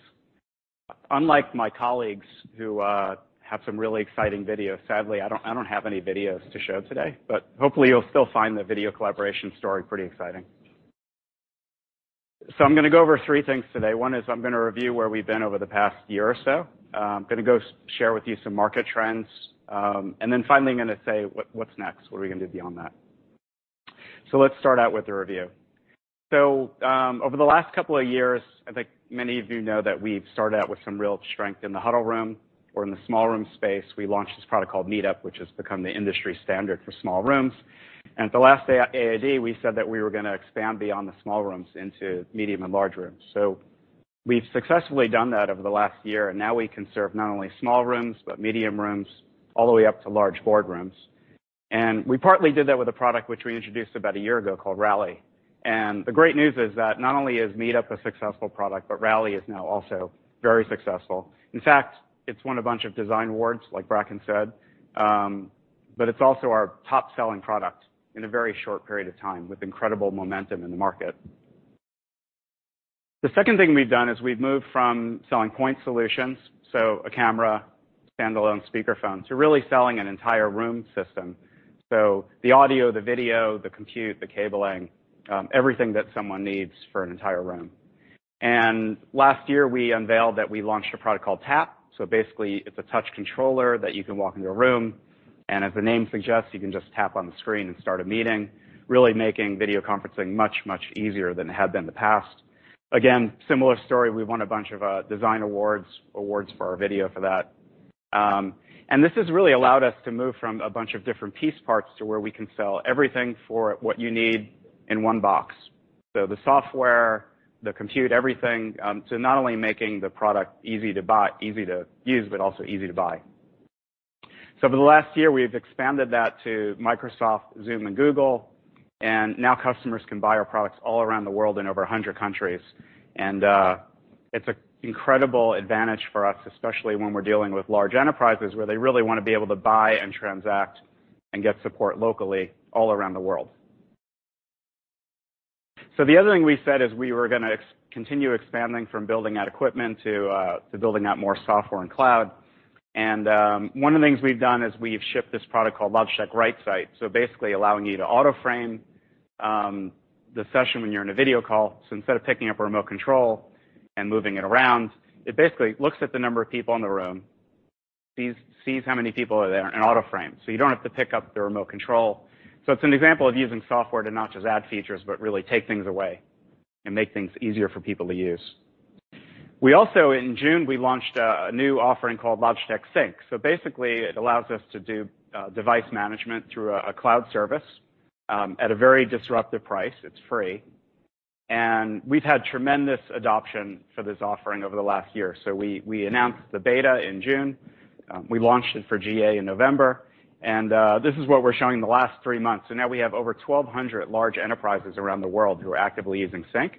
Unlike my colleagues who have some really exciting videos, sadly, I don't have any videos to show today. Hopefully, you'll still find the video collaboration story pretty exciting. I'm going to go over three things today. One is I'm going to review where we've been over the past year or so. I'm going to go share with you some market trends, and then finally I'm going to say what's next, what are we going to do beyond that. Let's start out with the review. Over the last couple of years, I think many of you know that we've started out with some real strength in the huddle room or in the small room space. We launched this product called MeetUp, which has become the industry standard for small rooms. At the last AID, we said that we were going to expand beyond the small rooms into medium and large rooms. We've successfully done that over the last year, and now we can serve not only small rooms, but medium rooms all the way up to large boardrooms. We partly did that with a product which we introduced about a year ago called Rally. The great news is that not only is MeetUp a successful product, but Rally is now also very successful. In fact, it's won a bunch of design awards, like Bracken said. It's also our top-selling product in a very short period of time, with incredible momentum in the market. The second thing we've done is we've moved from selling point solutions, so a camera, standalone speakerphone, to really selling an entire room system. The audio, the video, the compute, the cabling, everything that someone needs for an entire room. Last year, we unveiled that we launched a product called Tap. Basically, it's a touch controller that you can walk into a room, and as the name suggests, you can just tap on the screen and start a meeting. Really making video conferencing much, much easier than it had been in the past. Again, similar story. We won a bunch of design awards for our video for that. This has really allowed us to move from a bunch of different piece parts to where we can sell everything for what you need in one box. The software, the compute, everything. Not only making the product easy to use, but also easy to buy. Over the last year, we've expanded that to Microsoft, Zoom, and Google, and now customers can buy our products all around the world in over 100 countries. It's an incredible advantage for us, especially when we're dealing with large enterprises, where they really want to be able to buy and transact and get support locally all around the world. The other thing we said is we were going to continue expanding from building out equipment to building out more software and cloud. One of the things we've done is we've shipped this product called Logitech RightSight. Basically allowing you to auto frame the session when you're in a video call. Instead of picking up a remote control and moving it around, it basically looks at the number of people in the room, sees how many people are there and auto frames. You don't have to pick up the remote control. It's an example of using software to not just add features, but really take things away and make things easier for people to use. We also, in June, we launched a new offering called Logitech Sync. Basically, it allows us to do device management through a cloud service at a very disruptive price. It's free. We've had tremendous adoption for this offering over the last year. We announced the beta in June. We launched it for GA in November, and this is what we're showing the last three months. Now we have over 1,200 large enterprises around the world who are actively using Sync.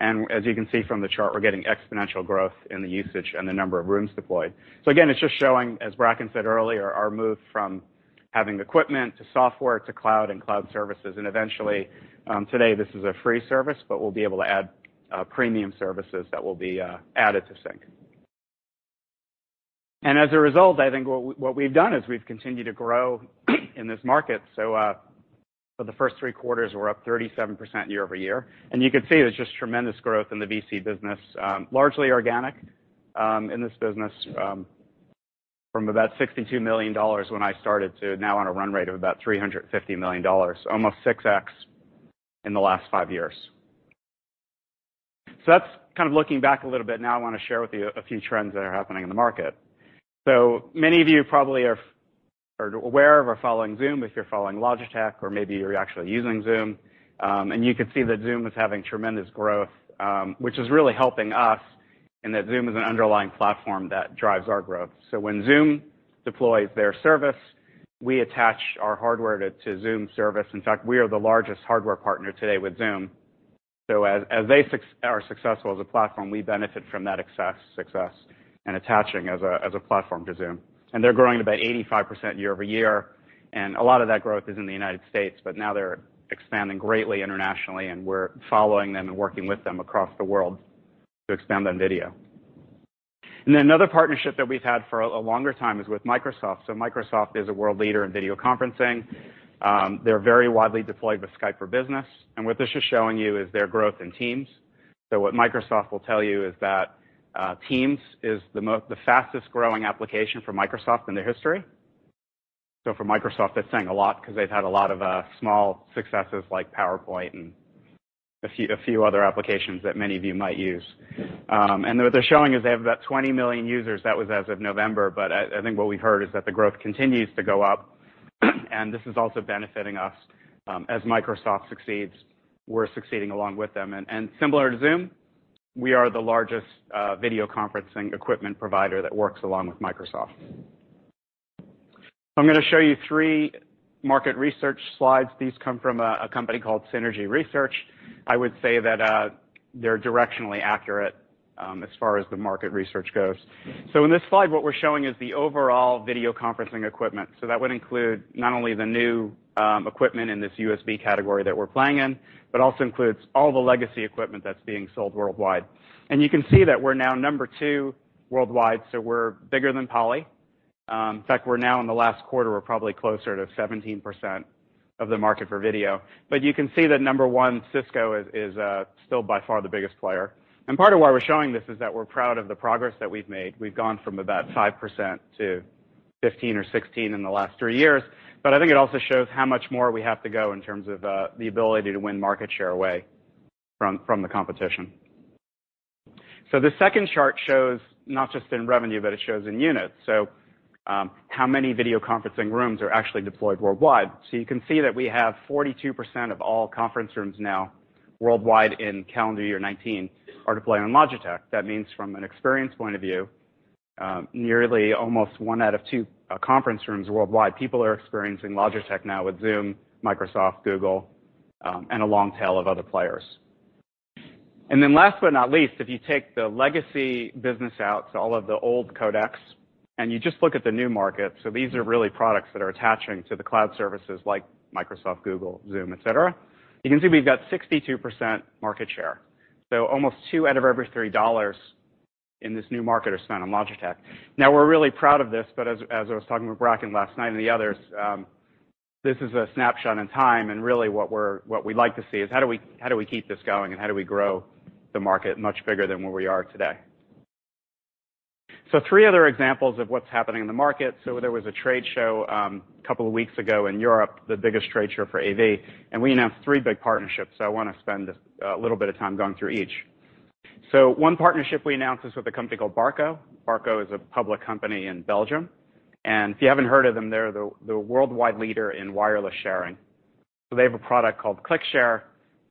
As you can see from the chart, we're getting exponential growth in the usage and the number of rooms deployed. Again, it's just showing, as Bracken said earlier, our move from having equipment to software to cloud and cloud services and eventually, today this is a free service, but we'll be able to add premium services that will be added to Sync. As a result, I think what we've done is we've continued to grow in this market. For the first three quarters, we're up 37% year-over-year. You can see there's just tremendous growth in the VC business, largely organic in this business from about $62 million when I started to now on a run rate of about $350 million, almost 6x, in the last five years. That's kind of looking back a little bit. I want to share with you a few trends that are happening in the market. Many of you probably are aware of or following Zoom if you're following Logitech or maybe you're actually using Zoom. You can see that Zoom is having tremendous growth, which is really helping us, and that Zoom is an underlying platform that drives our growth. When Zoom deploys their service, we attach our hardware to Zoom's service. In fact, we are the largest hardware partner today with Zoom. As they are successful as a platform, we benefit from that success and attaching as a platform to Zoom. They're growing at about 85% year-over-year, and a lot of that growth is in the U.S., but now they're expanding greatly internationally and we're following them and working with them across the world to expand on video. Another partnership that we've had for a longer time is with Microsoft. Microsoft is a world leader in video conferencing. They're very widely deployed with Skype for Business. What this is showing you is their growth in Teams. What Microsoft will tell you is that Teams is the fastest-growing application for Microsoft in their history. For Microsoft, that's saying a lot because they've had a lot of small successes like PowerPoint and a few other applications that many of you might use. What they're showing is they have about 20 million users. That was as of November, but I think what we've heard is that the growth continues to go up, and this is also benefiting us. As Microsoft succeeds, we're succeeding along with them. Similar to Zoom, we are the largest video conferencing equipment provider that works along with Microsoft. I'm going to show you three market research slides. These come from a company called Synergy Research. I would say that they're directionally accurate as far as the market research goes. In this slide, what we're showing is the overall video conferencing equipment. That would include not only the new equipment in this USB category that we're playing in, but also includes all the legacy equipment that's being sold worldwide. You can see that we're now number two worldwide, so we're bigger than Poly. In fact, we're now in the last quarter, we're probably closer to 17% of the market for video. You can see that number one, Cisco is still by far the biggest player. Part of why we're showing this is that we're proud of the progress that we've made. We've gone from about 5% to 15% or 16% in the last three years. I think it also shows how much more we have to go in terms of the ability to win market share away from the competition. The second chart shows not just in revenue, but it shows in units, so how many video conferencing rooms are actually deployed worldwide. You can see that we have 42% of all conference rooms now worldwide in calendar year 2019 are deployed on Logitech. That means from an experience point of view, nearly almost one out of two conference rooms worldwide, people are experiencing Logitech now with Zoom, Microsoft, Google, and a long tail of other players. Then last but not least, if you take the legacy business out, so all of the old codecs, and you just look at the new market, so these are really products that are attaching to the cloud services like Microsoft, Google, Zoom, et cetera, you can see we've got 62% market share. Almost two out of every three dollars in this new market are spent on Logitech. Now, we're really proud of this, but as I was talking with Bracken last night and the others, this is a snapshot in time, and really what we'd like to see is how do we keep this going and how do we grow the market much bigger than where we are today. three other examples of what's happening in the market. There was a trade show, couple of weeks ago in Europe, the biggest trade show for AV, and we announced three big partnerships. I want to spend a little bit of time going through each. One partnership we announced is with a company called Barco. Barco is a public company in Belgium, and if you haven't heard of them, they're the worldwide leader in wireless sharing. They have a product called ClickShare,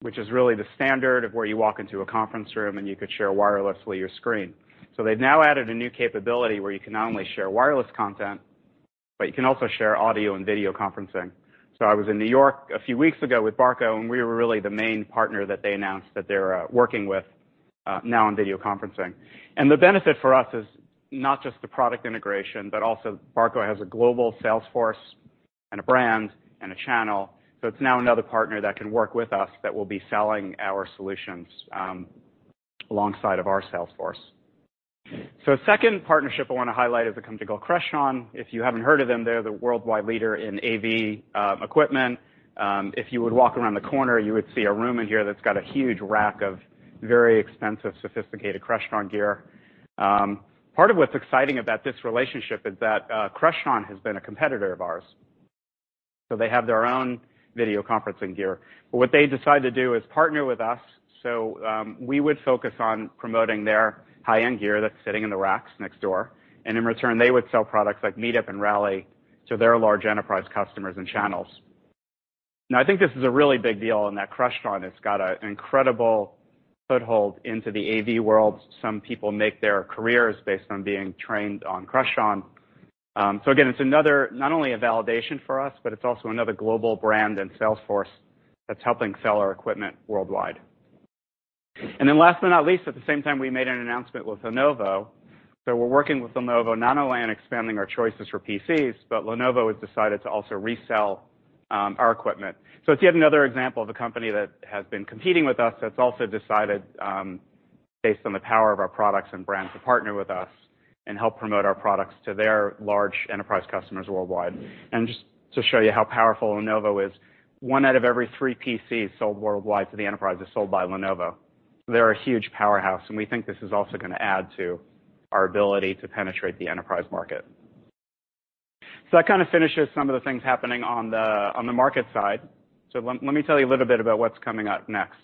which is really the standard of where you walk into a conference room and you could share wirelessly your screen. They've now added a new capability where you can not only share wireless content, but you can also share audio and video conferencing. I was in New York a few weeks ago with Barco, and we were really the main partner that they announced that they're working with now on video conferencing. The benefit for us is not just the product integration, but also Barco has a global sales force and a brand and a channel, so it's now another partner that can work with us that will be selling our solutions alongside our sales force. A second partnership I want to highlight is a company called Crestron. If you haven't heard of them, they're the worldwide leader in AV equipment. If you would walk around the corner, you would see a room in here that's got a huge rack of very expensive, sophisticated Crestron gear. Part of what's exciting about this relationship is that Crestron has been a competitor of ours, so they have their own video conferencing gear. What they decided to do is partner with us, so we would focus on promoting their high-end gear that's sitting in the racks next door, and in return, they would sell products like MeetUp and Rally to their large enterprise customers and channels. Now, I think this is a really big deal in that Crestron has got an incredible foothold into the AV world. Some people make their careers based on being trained on Crestron. Again, it's not only a validation for us, but it's also another global brand and sales force that's helping sell our equipment worldwide. Last but not least, at the same time, we made an announcement with Lenovo. We're working with Lenovo not only on expanding our choices for PCs, but Lenovo has decided to also resell our equipment. It's yet another example of a company that has been competing with us that's also decided, based on the power of our products and brands, to partner with us and help promote our products to their large enterprise customers worldwide. Just to show you how powerful Lenovo is, one out of every three PCs sold worldwide to the enterprise is sold by Lenovo. They're a huge powerhouse, and we think this is also going to add to our ability to penetrate the enterprise market. That kind of finishes some of the things happening on the market side. Let me tell you a little bit about what's coming up next.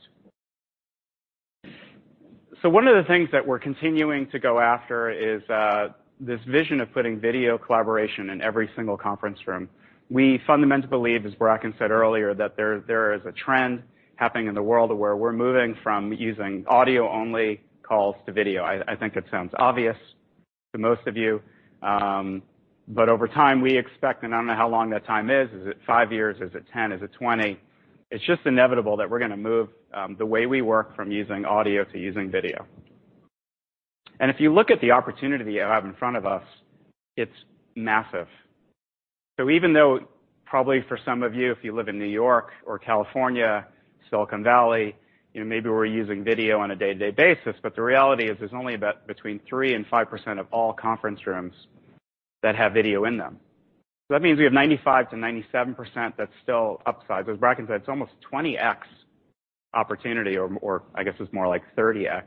One of the things that we're continuing to go after is this vision of putting video collaboration in every single conference room. We fundamentally believe, as Bracken said earlier, that there is a trend happening in the world where we're moving from using audio-only calls to video. I think it sounds obvious to most of you. Over time, we expect, and I don't know how long that time is it five years? Is it 10? Is it 20? It's just inevitable that we're going to move the way we work from using audio to using video. If you look at the opportunity we have in front of us, it's massive. Even though probably for some of you, if you live in New York or California, Silicon Valley, maybe we're using video on a day-to-day basis, but the reality is there's only about between 3% and 5% of all conference rooms that have video in them. That means we have 95%-97% that's still upside. As Bracken said, it's almost 20x opportunity, or I guess it's more like 30x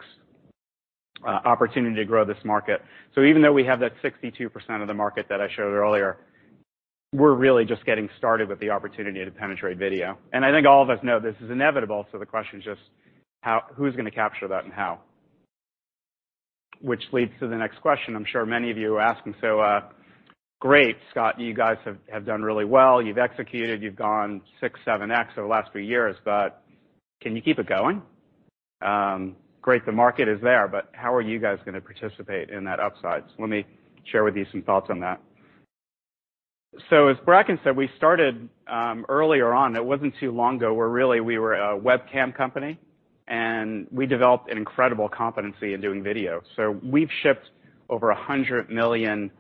opportunity to grow this market. Even though we have that 62% of the market that I showed earlier, we're really just getting started with the opportunity to penetrate video. I think all of us know this is inevitable, so the question is just who's going to capture that and how? Which leads to the next question I'm sure many of you are asking. Great, Scott, you guys have done really well. You've executed, you've gone 6x, 7x over the last few years, but can you keep it going? Great, the market is there, but how are you guys going to participate in that upside? Let me share with you some thoughts on that. As Bracken said, we started earlier on, it wasn't too long ago, where really we were a webcam company, and we developed an incredible competency in doing video. we've shipped over 100 million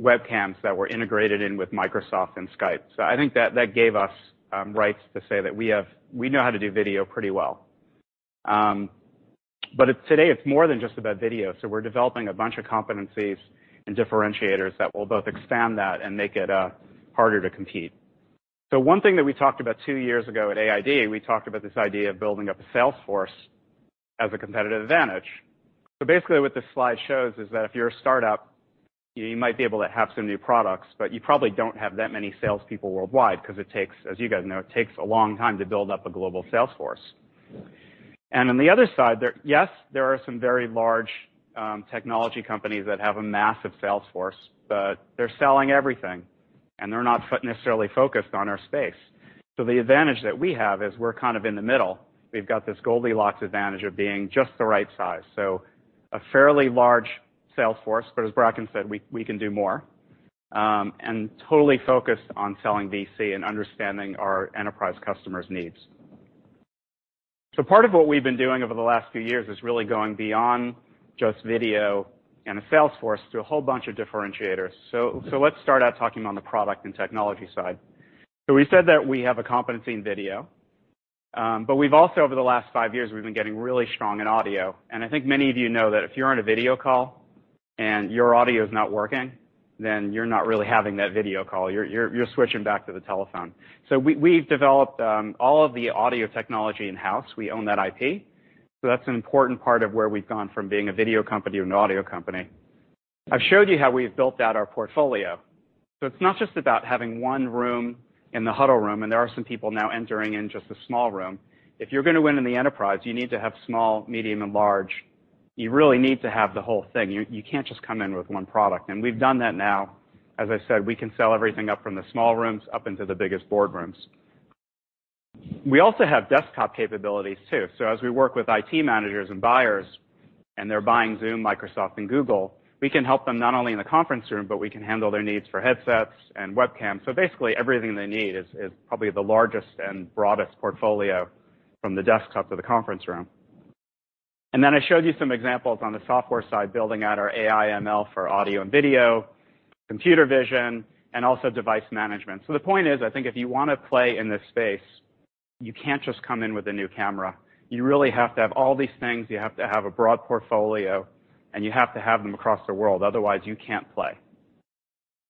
webcams that were integrated in with Microsoft and Skype. I think that gave us rights to say that we know how to do video pretty well. today, it's more than just about video. we're developing a bunch of competencies and differentiators that will both expand that and make it harder to compete. one thing that we talked about two years ago at AID, we talked about this idea of building up a sales force as a competitive advantage. Basically what this slide shows is that if you're a startup, you might be able to have some new products, but you probably don't have that many salespeople worldwide, because it takes, as you guys know, it takes a long time to build up a global sales force. On the other side, yes, there are some very large technology companies that have a massive sales force, but they're selling everything, and they're not necessarily focused on our space. The advantage that we have is we're kind of in the middle. We've got this Goldilocks advantage of being just the right size. A fairly large sales force, but as Bracken said, we can do more. Totally focused on selling VC and understanding our enterprise customers' needs. part of what we've been doing over the last few years is really going beyond just video and a sales force, to a whole bunch of differentiators. let's start out talking on the product and technology side. we said that we have a competency in video, but we've also, over the last five years, we've been getting really strong in audio. I think many of you know that if you're on a video call and your audio is not working, then you're not really having that video call. You're switching back to the telephone. we've developed all of the audio technology in-house. We own that IP. that's an important part of where we've gone from being a video company to an audio company. I've showed you how we've built out our portfolio. it's not just about having one room in the huddle room, and there are some people now entering in just a small room. If you're going to win in the enterprise, you need to have small, medium, and large. You really need to have the whole thing. You can't just come in with one product, and we've done that now. As I said, we can sell everything up from the small rooms up into the biggest boardrooms. We also have desktop capabilities too. as we work with IT managers and buyers, and they're buying Zoom, Microsoft, and Google, we can help them not only in the conference room, but we can handle their needs for headsets and webcams. basically, everything they need is probably the largest and broadest portfolio from the desktop to the conference room. I showed you some examples on the software side, building out our AI ML for audio and video, computer vision, and also device management. The point is, I think if you want to play in this space, you can't just come in with a new camera. You really have to have all these things. You have to have a broad portfolio, and you have to have them across the world. Otherwise, you can't play.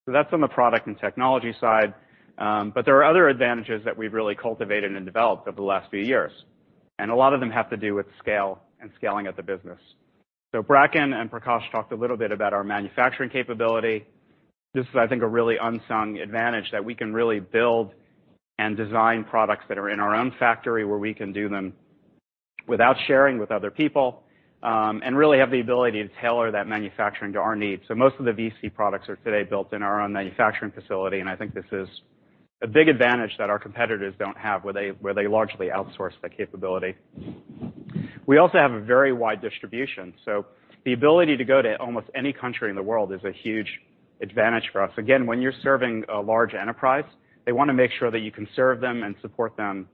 That's on the product and technology side, but there are other advantages that we've really cultivated and developed over the last few years, and a lot of them have to do with scale and scaling of the business. Bracken and Prakash talked a little bit about our manufacturing capability. This is, I think, a really unsung advantage that we can really build and design products that are in our own factory, where we can do them without sharing with other people, and really have the ability to tailor that manufacturing to our needs. most of the VC products are today built in our own manufacturing facility, and I think this is a big advantage that our competitors don't have, where they largely outsource that capability. We also have a very wide distribution, so the ability to go to almost any country in the world is a huge advantage for us. Again, when you're serving a large enterprise, they want to make sure that you can serve them and support them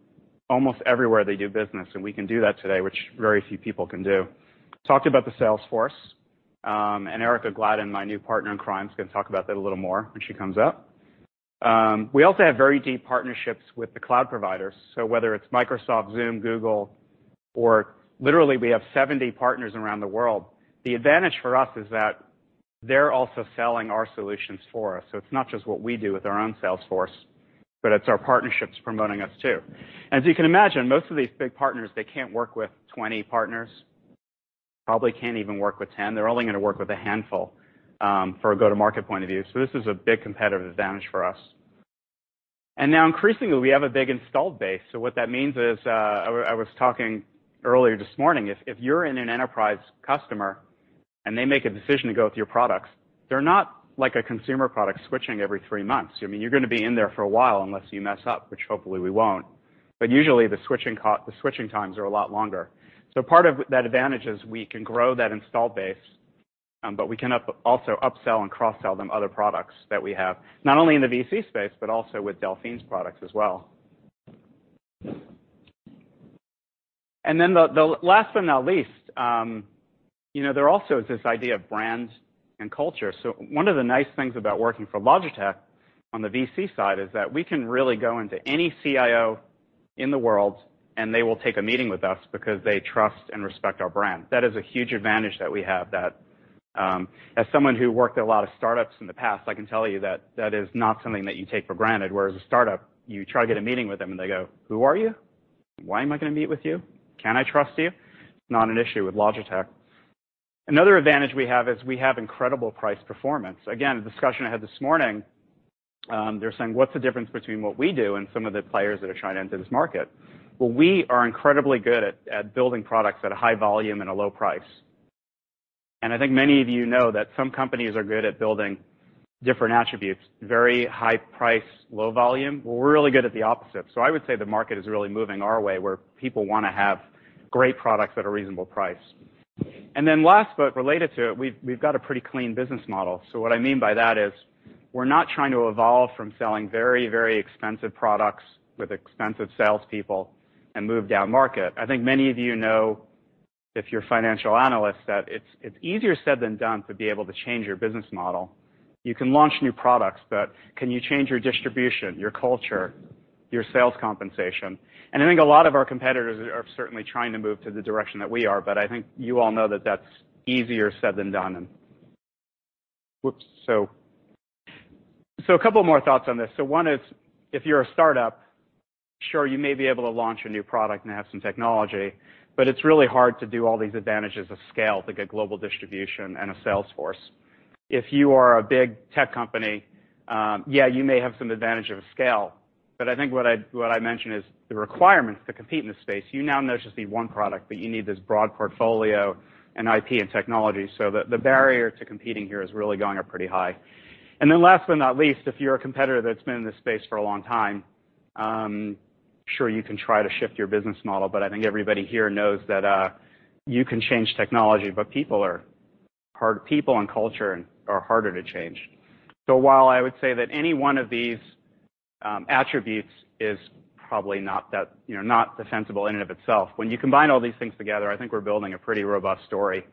almost everywhere they do business. we can do that today, which very few people can do. Talked about the sales force, and Ehrika Gladden, my new partner in crime, is going to talk about that a little more when she comes up. We also have very deep partnerships with the cloud providers. Whether it's Microsoft, Zoom, Google, or literally we have 70 partners around the world. The advantage for us is that they're also selling our solutions for us. It's not just what we do with our own sales force, but it's our partnerships promoting us too. As you can imagine, most of these big partners, they can't work with 20 partners. Probably can't even work with 10. They're only going to work with a handful, for a go-to-market point of view. This is a big competitive advantage for us. Now increasingly, we have a big installed base. what that means is, I was talking earlier this morning, if you're in an enterprise customer and they make a decision to go with your products, they're not like a consumer product switching every three months. You're going to be in there for a while unless you mess up, which hopefully we won't. usually, the switching times are a lot longer. Part of that advantage is we can grow that installed base, but we can also upsell and cross-sell them other products that we have, not only in the VC space, but also with Delphine's products as well. the last but not least, there also is this idea of brand and culture. One of the nice things about working for Logitech on the VC side is that we can really go into any CIO in the world, and they will take a meeting with us because they trust and respect our brand. That is a huge advantage that we have, that as someone who worked at a lot of startups in the past, I can tell you that that is not something that you take for granted. Whereas a startup, you try to get a meeting with them and they go, "Who are you? Why am I going to meet with you? Can I trust you?" Not an issue with Logitech. Another advantage we have is we have incredible price performance. Again, a discussion I had this morning, they're saying, "What's the difference between what we do and some of the players that are trying to enter this market?" Well, we are incredibly good at building products at a high volume and a low price. I think many of you know that some companies are good at building different attributes, very high price, low volume. We're really good at the opposite. I would say the market is really moving our way, where people want to have great products at a reasonable price. Last, but related to it, we've got a pretty clean business model. What I mean by that is we're not trying to evolve from selling very, very expensive products with expensive salespeople and move down market. I think many of you know. If you're a financial analyst, that it's easier said than done to be able to change your business model. You can launch new products, but can you change your distribution, your culture, your sales compensation? I think a lot of our competitors are certainly trying to move to the direction that we are, but I think you all know that that's easier said than done. A couple more thoughts on this. One is if you're a startup, sure, you may be able to launch a new product and have some technology, but it's really hard to do all these advantages of scale to get global distribution and a sales force. If you are a big tech company, yeah, you may have some advantage of scale. I think what I mentioned is the requirements to compete in this space. You now don't just need one product, but you need this broad portfolio and IP and technology. The barrier to competing here is really going up pretty high. Last but not least, if you're a competitor that's been in this space for a long time, sure, you can try to shift your business model, but I think everybody here knows that you can change technology, but people and culture are harder to change. While I would say that any one of these attributes is probably not defensible in and of itself, when you combine all these things together, I think we're building a pretty robust story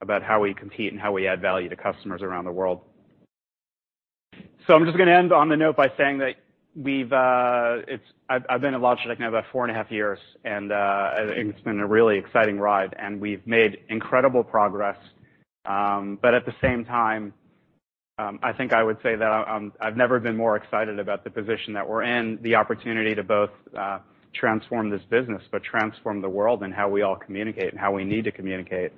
about how we compete and how we add value to customers around the world. I'm just going to end on the note by saying that I've been at Logitech now about four and a half years, and it's been a really exciting ride, and we've made incredible progress. At the same time, I think I would say that I've never been more excited about the position that we're in, the opportunity to both transform this business, but transform the world and how we all communicate and how we need to communicate.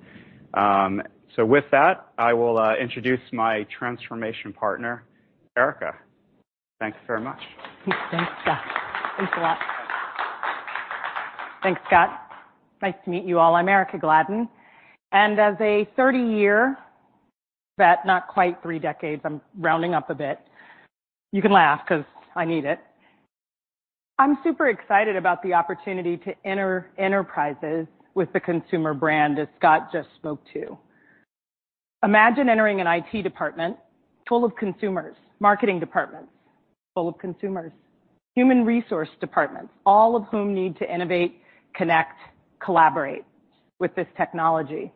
With that, I will introduce my transformation partner, Ehrika. Thanks very much. Thanks, Scott. Thanks a lot. Thanks, Scott. Nice to meet you all. I'm Ehrika Gladden, and as a 30 year vet, not quite three decades, I'm rounding up a bit. You can laugh because I need it. I'm super excited about the opportunity to enter enterprises with the consumer brand as Scott just spoke to. Imagine entering an IT department full of consumers, marketing departments full of consumers, human resource departments, all of whom need to innovate, connect, collaborate with this technology.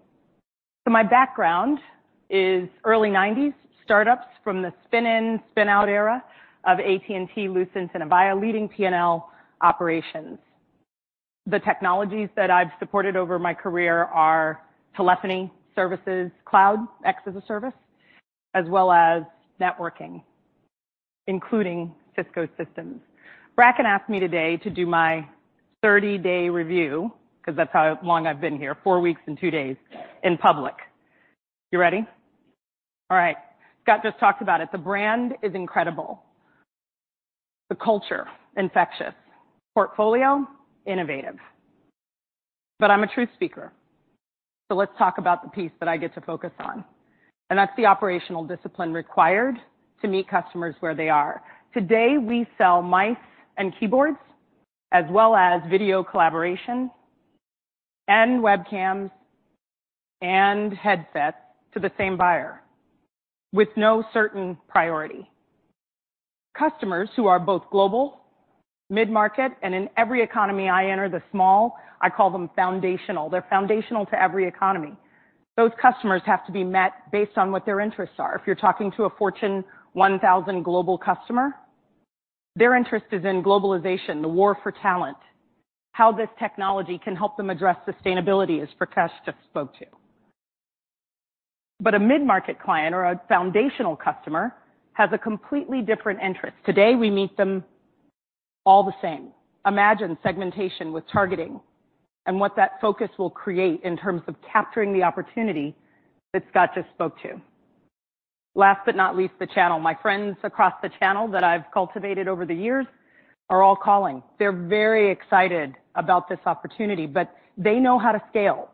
My background is early 90s startups from the spin-in, spin-out era of AT&T, Lucent, and Avaya, leading P&L operations. The technologies that I've supported over my career are telephony services, cloud, X as a service, as well as networking, including Cisco Systems. Bracken asked me today to do my 30-day review because that's how long I've been here, four weeks and two days in public. You ready? All right. Scott just talked about it. The brand is incredible, the culture infectious, portfolio innovative. I'm a truth speaker, so let's talk about the piece that I get to focus on, and that's the operational discipline required to meet customers where they are. Today, we sell mice and keyboards as well as video collaboration and webcams and headsets to the same buyer with no certain priority. Customers who are both global, mid-market, and in every economy I enter, the small, I call them foundational. They're foundational to every economy. Those customers have to be met based on what their interests are. If you're talking to a Fortune 1000 global customer, their interest is in globalization, the war for talent, how this technology can help them address sustainability as Prakash just spoke to. A mid-market client or a foundational customer has a completely different interest. Today, we meet them all the same. Imagine segmentation with targeting and what that focus will create in terms of capturing the opportunity that Scott just spoke to. Last but not least, the channel. My friends across the channel that I've cultivated over the years are all calling. They're very excited about this opportunity, but they know how to scale.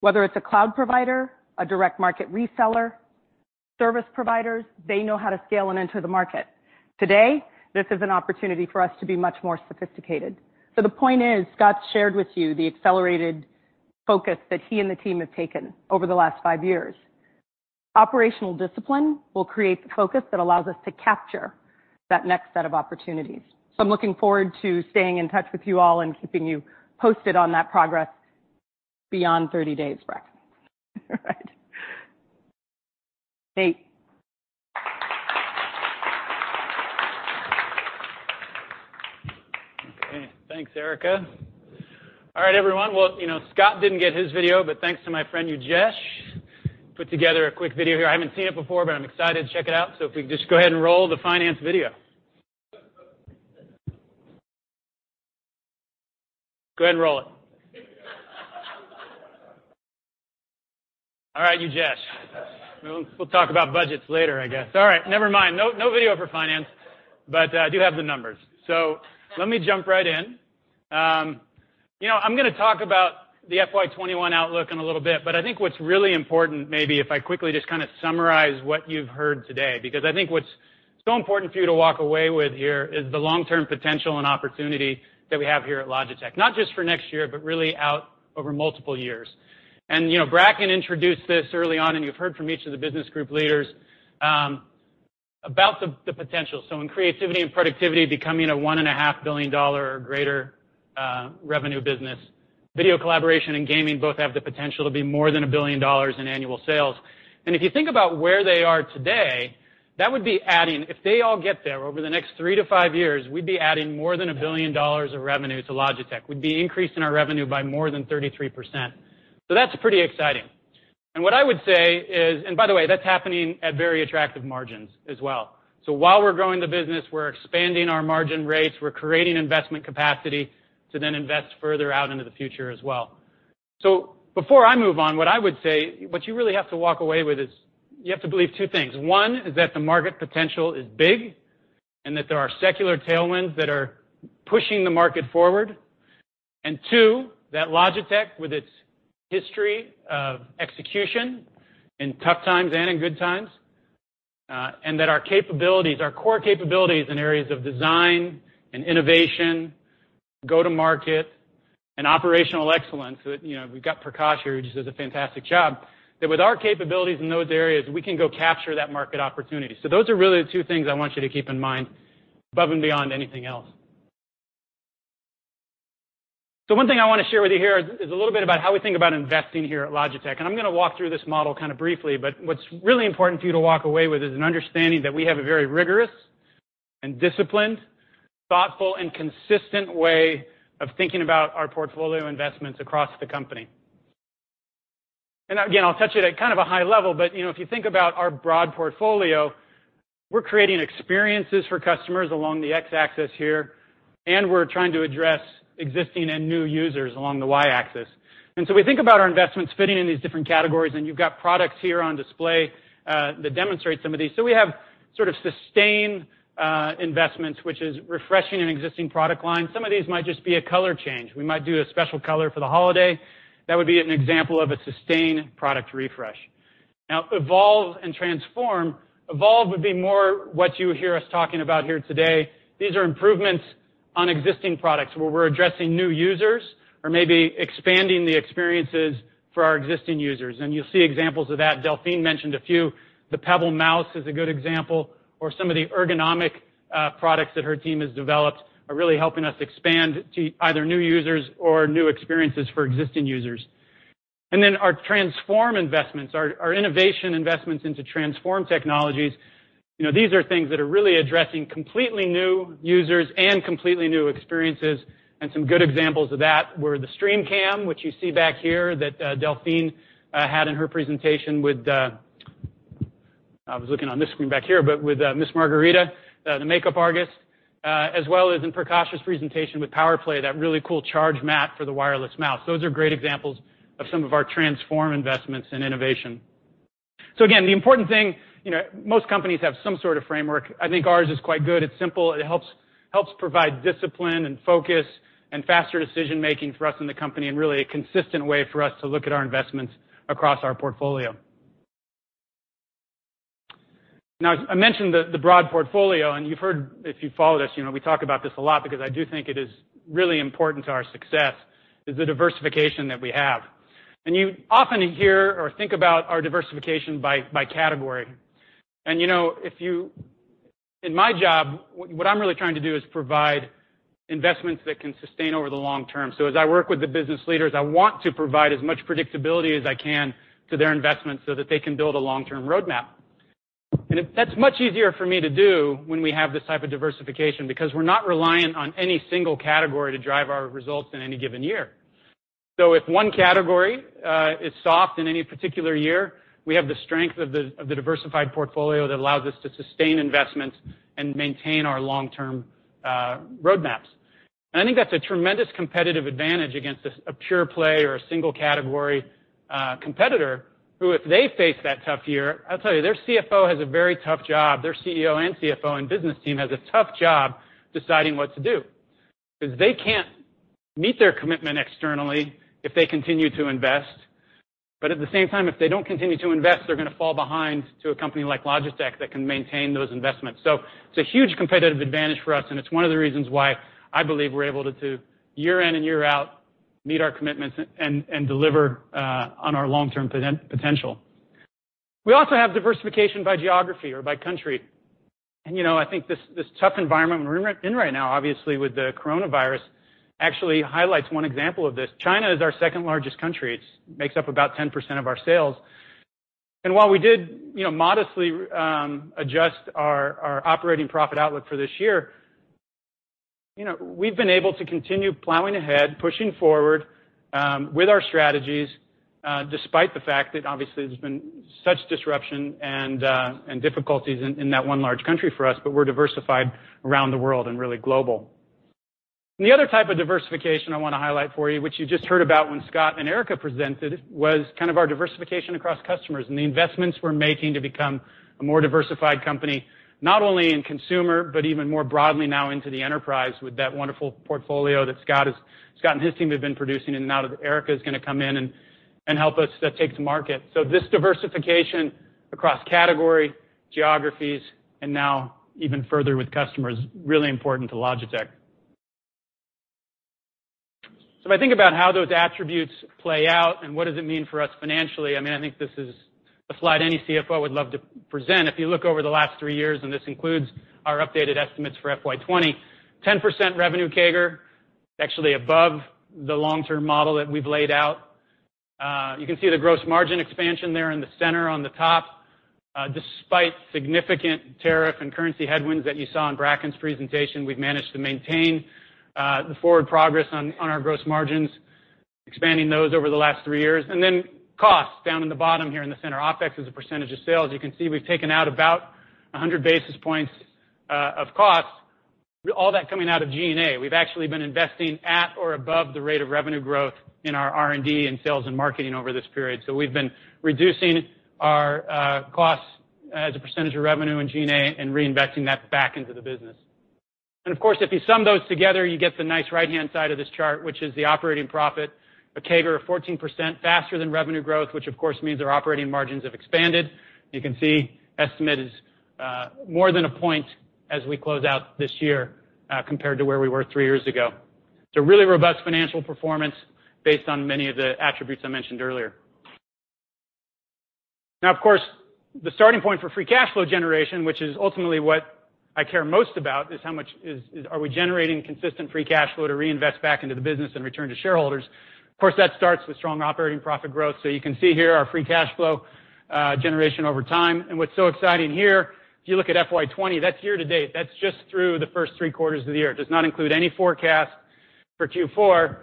Whether it's a cloud provider, a direct market reseller, service providers, they know how to scale and enter the market. Today, this is an opportunity for us to be much more sophisticated. The point is, Scott's shared with you the accelerated focus that he and the team have taken over the last five years. Operational discipline will create the focus that allows us to capture that next set of opportunities. I'm looking forward to staying in touch with you all and keeping you posted on that progress beyond 30 days, Bracken. All right. Thanks. Okay, thanks, Ehrika. All right, everyone. Well, Scott didn't get his video, but thanks to my friend Ujesh, put together a quick video here. I haven't seen it before, but I'm excited to check it out. If we could just go ahead and roll the finance video. Go ahead and roll it. All right, Ujesh. We'll talk about budgets later, I guess. All right, never mind. No video for finance, but I do have the numbers. Let me jump right in. I'm going to talk about the FY 2021 outlook in a little bit, but I think what's really important maybe if I quickly just kind of summarize what you've heard today, because I think what's so important for you to walk away with here is the long-term potential and opportunity that we have here at Logitech. Not just for next year, but really out over multiple years. Bracken introduced this early on, and you've heard from each of the business group leaders. About the potential. In creativity and productivity becoming a $1.5 billion or greater revenue business, video collaboration and gaming both have the potential to be more than a billion dollars in annual sales. If you think about where they are today, that would be adding, if they all get there over the next three to five years, we'd be adding more than a billion dollars of revenue to Logitech. We'd be increasing our revenue by more than 33%. That's pretty exciting. What I would say is, and by the way, that's happening at very attractive margins as well. While we're growing the business, we're expanding our margin rates, we're creating investment capacity to then invest further out into the future as well. Before I move on, what I would say, what you really have to walk away with is you have to believe two things. One is that the market potential is big and that there are secular tailwinds that are pushing the market forward. Two, that Logitech, with its history of execution in tough times and in good times, and that our capabilities, our core capabilities in areas of design and innovation, go to market and operational excellence, we've got Prakash here, who does a fantastic job, that with our capabilities in those areas, we can go capture that market opportunity. Those are really the two things I want you to keep in mind above and beyond anything else. One thing I want to share with you here is a little bit about how we think about investing here at Logitech, and I'm going to walk through this model kind of briefly, but what's really important for you to walk away with is an understanding that we have a very rigorous and disciplined, thoughtful, and consistent way of thinking about our portfolio investments across the company. Again, I'll touch it at kind of a high level, but, if you think about our broad portfolio, we're creating experiences for customers along the X-axis here, and we're trying to address existing and new users along the Y-axis. We think about our investments fitting in these different categories, and you've got products here on display that demonstrate some of these. We have sort of sustain investments, which is refreshing an existing product line. Some of these might just be a color change. We might do a special color for the holiday. That would be an example of a sustained product refresh. Now evolve and transform. Evolve would be more what you hear us talking about here today. These are improvements on existing products, where we're addressing new users or maybe expanding the experiences for our existing users. You'll see examples of that. Delphine mentioned a few. The Pebble Mouse is a good example, or some of the ergonomic products that her team has developed are really helping us expand to either new users or new experiences for existing users. Our transform investments, our innovation investments into transform technologies, these are things that are really addressing completely new users and completely new experiences, and some good examples of that were the StreamCam, which you see back here, that Delphine had in her presentation with, I was looking on this screen back here, but with Miss Margarita, the makeup artist, as well as in Prakash's presentation with PowerPlay, that really cool charge mat for the wireless mouse. Those are great examples of some of our transform investments and innovation. Again, the important thing, most companies have some sort of framework. I think ours is quite good. It's simple. It helps provide discipline and focus and faster decision-making for us in the company, and really a consistent way for us to look at our investments across our portfolio. Now, I mentioned the broad portfolio, and you've heard, if you follow this, we talk about this a lot because I do think it is really important to our success, is the diversification that we have. In my job, what I'm really trying to do is provide investments that can sustain over the long term. As I work with the business leaders, I want to provide as much predictability as I can to their investments so that they can build a long-term roadmap. That's much easier for me to do when we have this type of diversification because we're not reliant on any single category to drive our results in any given year. If one category is soft in any particular year, we have the strength of the diversified portfolio that allows us to sustain investments and maintain our long-term roadmaps. I think that's a tremendous competitive advantage against a pure play or a single-category competitor, who, if they face that tough year, I'll tell you, their CFO has a very tough job. Their CEO and CFO and business team has a tough job deciding what to do, because they can't meet their commitment externally if they continue to invest. At the same time, if they don't continue to invest, they're going to fall behind to a company like Logitech that can maintain those investments. It's a huge competitive advantage for us, and it's one of the reasons why I believe we're able to, year in and year out, meet our commitments and deliver on our long-term potential. We also have diversification by geography or by country. I think this tough environment we're in right now, obviously, with the coronavirus, actually highlights one example of this. China is our second-largest country. It makes up about 10% of our sales. While we did modestly adjust our operating profit outlook for this year, we've been able to continue plowing ahead, pushing forward, with our strategies, despite the fact that obviously there's been such disruption and difficulties in that one large country for us, but we're diversified around the world and really global. the other type of diversification I want to highlight for you, which you just heard about when Scott and Ehrika presented, was kind of our diversification across customers and the investments we're making to become a more diversified company, not only in consumer, but even more broadly now into the enterprise with that wonderful portfolio that Scott and his team have been producing and now that Ehrika is going to come in and help us take to market. this diversification across category, geographies, and now even further with customers, really important to Logitech. If I think about how those attributes play out and what does it mean for us financially, I think this is a slide any CFO would love to present. If you look over the last three years, and this includes our updated estimates for FY 2020, 10% revenue CAGR, actually above the long-term model that we've laid out. You can see the gross margin expansion there in the center on the top. Despite significant tariff and currency headwinds that you saw in Bracken's presentation, we've managed to maintain the forward progress on our gross margins, expanding those over the last three years. costs, down in the bottom here in the center, OpEx as a percent of sales. You can see we've taken out about 100 basis points of costs, all that coming out of G&A. We've actually been investing at or above the rate of revenue growth in our R&D and sales and marketing over this period. we've been reducing our costs as a percent of revenue in G&A and reinvesting that back into the business. Of course, if you sum those together, you get the nice right-hand side of this chart, which is the operating profit, a CAGR of 14%, faster than revenue growth, which of course means our operating margins have expanded. You can see estimate is more than one point as we close out this year compared to where we were three years ago. Really robust financial performance based on many of the attributes I mentioned earlier. Of course, the starting point for free cash flow generation, which is ultimately what I care most about, is how much are we generating consistent free cash flow to reinvest back into the business and return to shareholders? Of course, that starts with strong operating profit growth. You can see here our free cash flow generation over time. What's so exciting here, if you look at FY 2020, that's year to date. That's just through the first three quarters of the year. Does not include any forecast for Q4.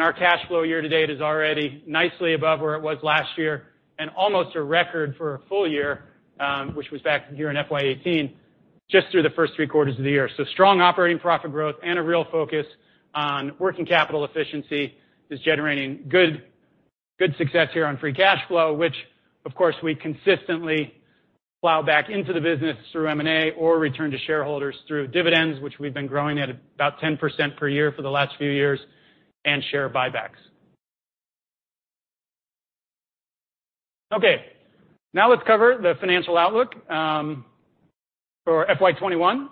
Our cash flow year to date is already nicely above where it was last year and almost a record for a full year, which was back here in FY 2018, just through the first three quarters of the year. Strong operating profit growth and a real focus on working capital efficiency is generating good success here on free cash flow, which of course we consistently plow back into the business through M&A or return to shareholders through dividends, which we've been growing at about 10% per year for the last few years, and share buybacks. Okay, now let's cover the financial outlook for FY 2021.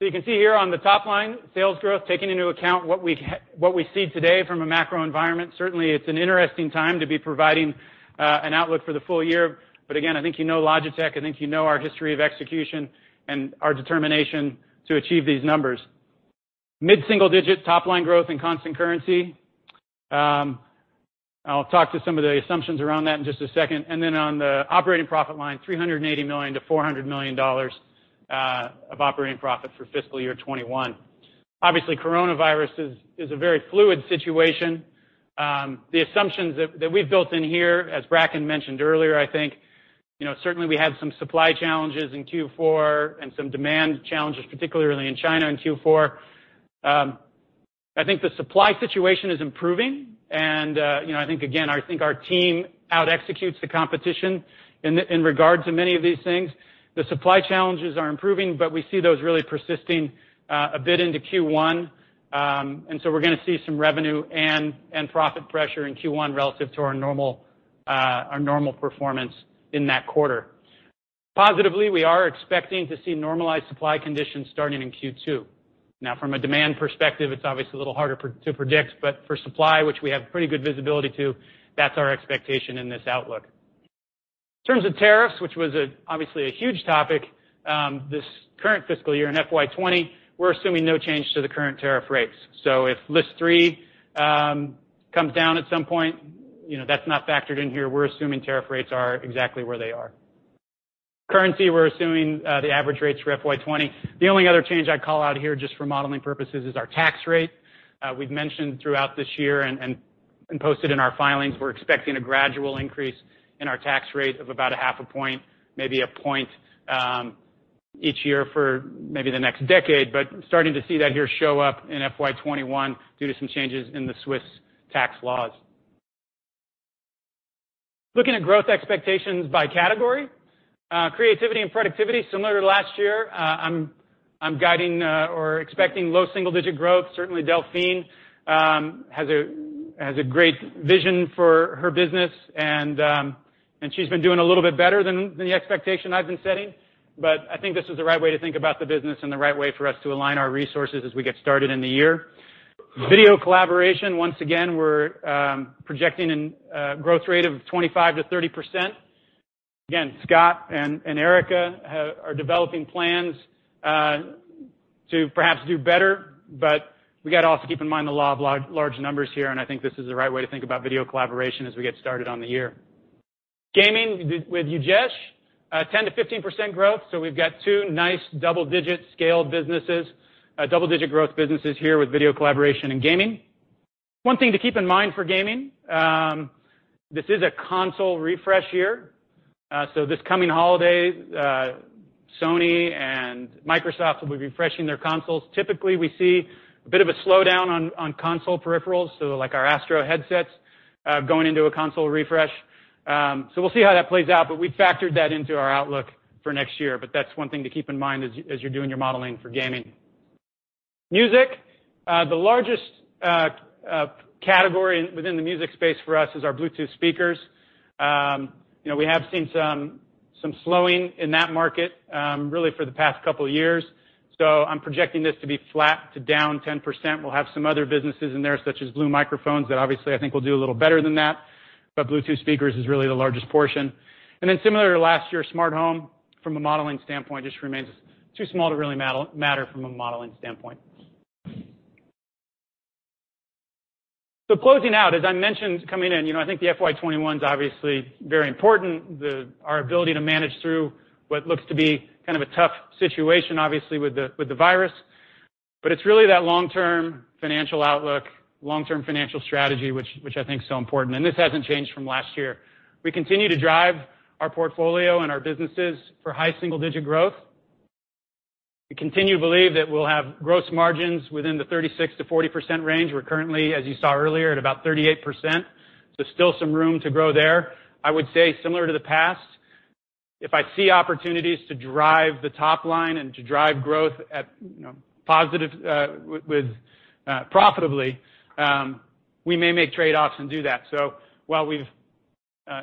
You can see here on the top line, sales growth, taking into account what we see today from a macro environment. Certainly, it's an interesting time to be providing an outlook for the full year. Again, I think you know Logitech, I think you know our history of execution and our determination to achieve these numbers. Mid-single-digit top-line growth in constant currency. I'll talk to some of the assumptions around that in just a second. Then on the operating profit line, $380 million-$400 million of operating profit for fiscal year 2021. Obviously, coronavirus is a very fluid situation. The assumptions that we've built in here, as Bracken mentioned earlier, I think, certainly we had some supply challenges in Q4 and some demand challenges, particularly in China in Q4. I think the supply situation is improving, and I think, again, I think our team out executes the competition in regards to many of these things. The supply challenges are improving, but we see those really persisting a bit into Q1. We're going to see some revenue and profit pressure in Q1 relative to our normal performance in that quarter. Positively, we are expecting to see normalized supply conditions starting in Q2. Now, from a demand perspective, it's obviously a little harder to predict, but for supply, which we have pretty good visibility to, that's our expectation in this outlook. In terms of tariffs, which was obviously a huge topic this current fiscal year in FY 2020, we're assuming no change to the current tariff rates. If List 3 comes down at some point, that's not factored in here. We're assuming tariff rates are exactly where they are. Currency, we're assuming the average rates for FY 2020. The only other change I'd call out here just for modeling purposes is our tax rate. We've mentioned throughout this year and posted in our filings, we're expecting a gradual increase in our tax rate of about a half a point, maybe a point, each year for maybe the next decade. Starting to see that here show up in FY 2021 due to some changes in the Swiss tax laws. Looking at growth expectations by category, creativity and productivity, similar to last year, I'm guiding or expecting low double digit growth. Certainly, Delphine has a great vision for her business, and she's been doing a little bit better than the expectation I've been setting. I think this is the right way to think about the business and the right way for us to align our resources as we get started in the year. Video collaboration, once again, we're projecting a growth rate of 25%-30%. Again, Scott and Ehrika are developing plans to perhaps do better, but we got to also keep in mind the law of large numbers here, and I think this is the right way to think about video collaboration as we get started on the year. Gaming with Ujesh, 10%-15% growth. we've got two nice double-digit scale businesses, double-digit growth businesses here with video collaboration and gaming. One thing to keep in mind for gaming, this is a console refresh year. this coming holiday, Sony and Microsoft will be refreshing their consoles. Typically, we see a bit of a slowdown on console peripherals, so like our Astro headsets going into a console refresh. We'll see how that plays out, but we factored that into our outlook for next year. That's one thing to keep in mind as you're doing your modeling for gaming. Music, the largest category within the music space for us is our Bluetooth speakers. We have seen some slowing in that market, really for the past couple of years. I'm projecting this to be flat to down 10%. We'll have some other businesses in there, such as Blue Microphones that obviously I think will do a little better than that. Bluetooth speakers is really the largest portion. Similar to last year, smart home from a modeling standpoint, just remains too small to really matter from a modeling standpoint. Closing out, as I mentioned coming in, I think the FY 2021 is obviously very important. Our ability to manage through what looks to be kind of a tough situation, obviously with the virus. It's really that long-term financial outlook, long-term financial strategy, which I think is so important. This hasn't changed from last year. We continue to drive our portfolio and our businesses for high single-digit growth. We continue to believe that we'll have gross margins within the 36%-40% range. We're currently, as you saw earlier, at about 38%. Still some room to grow there. I would say similar to the past, if I see opportunities to drive the top line and to drive growth profitably, we may make trade-offs and do that. While we've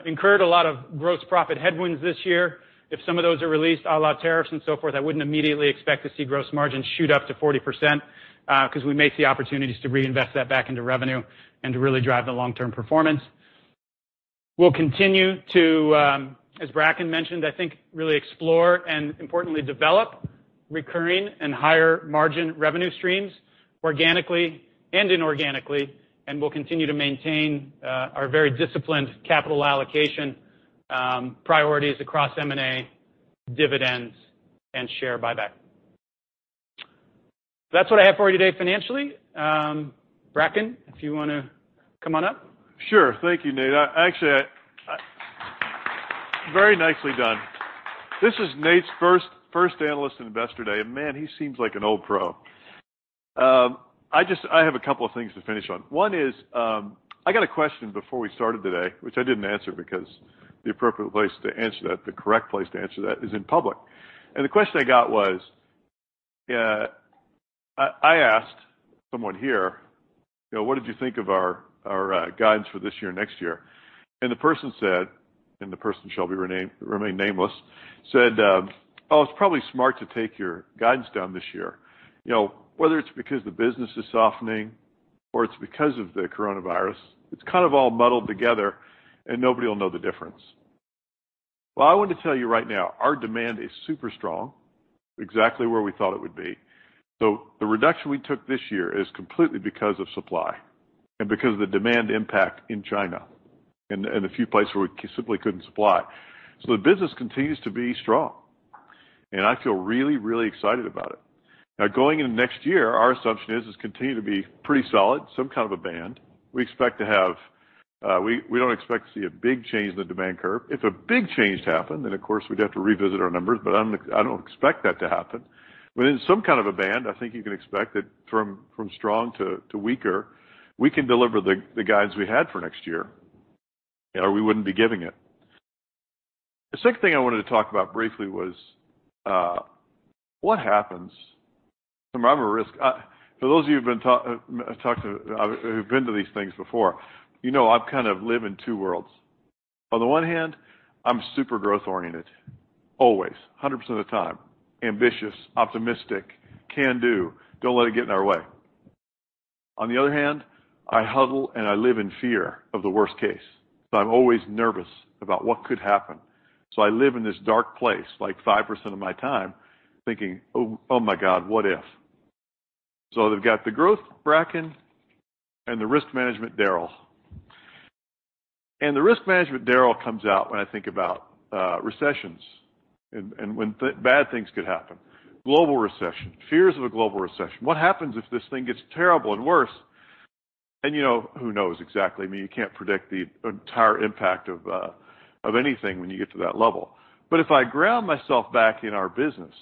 incurred a lot of gross profit headwinds this year, if some of those are released, a lot of tariffs and so forth, I wouldn't immediately expect to see gross margins shoot up to 40%, because we may see opportunities to reinvest that back into revenue and to really drive the long-term performance. We'll continue to, as Bracken mentioned, I think, really explore and importantly, develop recurring and higher margin revenue streams organically and inorganically, and we'll continue to maintain our very disciplined capital allocation priorities across M&A, dividends, and share buyback. That's what I have for you today financially. Bracken, if you want to come on up. Sure. Thank you, Nate. Actually, very nicely done. This is Nate's first analyst and Investor Day. Man, he seems like an old pro. I have a couple of things to finish on. One is, I got a question before we started today, which I didn't answer because the appropriate place to answer that, the correct place to answer that is in public. The question I got was, I asked someone here, "What did you think of our guidance for this year, next year?" The person said, and the person shall remain nameless, said, "Oh, it's probably smart to take your guidance down this year. Whether it's because the business is softening or it's because of the coronavirus, it's kind of all muddled together and nobody will know the difference." Well, I want to tell you right now, our demand is super strong, exactly where we thought it would be. The reduction we took this year is completely because of supply and because of the demand impact in China and a few places where we simply couldn't supply. The business continues to be strong, and I feel really, really excited about it. Now going into next year, our assumption is it's continued to be pretty solid, some kind of a band. We don't expect to see a big change in the demand curve. If a big change happened, then, of course, we'd have to revisit our numbers, but I don't expect that to happen. In some kind of a band, I think you can expect that from strong to weaker, we can deliver the guidance we had for next year, or we wouldn't be giving it. The second thing I wanted to talk about briefly was, what happens, for those of you who've been to these things before, you know I kind of live in two worlds. On the one hand, I'm super growth-oriented, always, 100% of the time. Ambitious, optimistic, can-do. Don't let it get in our way. On the other hand, I huddle and I live in fear of the worst case, so I'm always nervous about what could happen. I live in this dark place, like 5% of my time thinking, "Oh my God, what if?" they've got the growth Bracken and the risk management Darrell. The risk management Darrell comes out when I think about recessions and when bad things could happen. Global recession, fears of a global recession. What happens if this thing gets terrible and worse? Who knows exactly. You can't predict the entire impact of anything when you get to that level. If I ground myself back in our business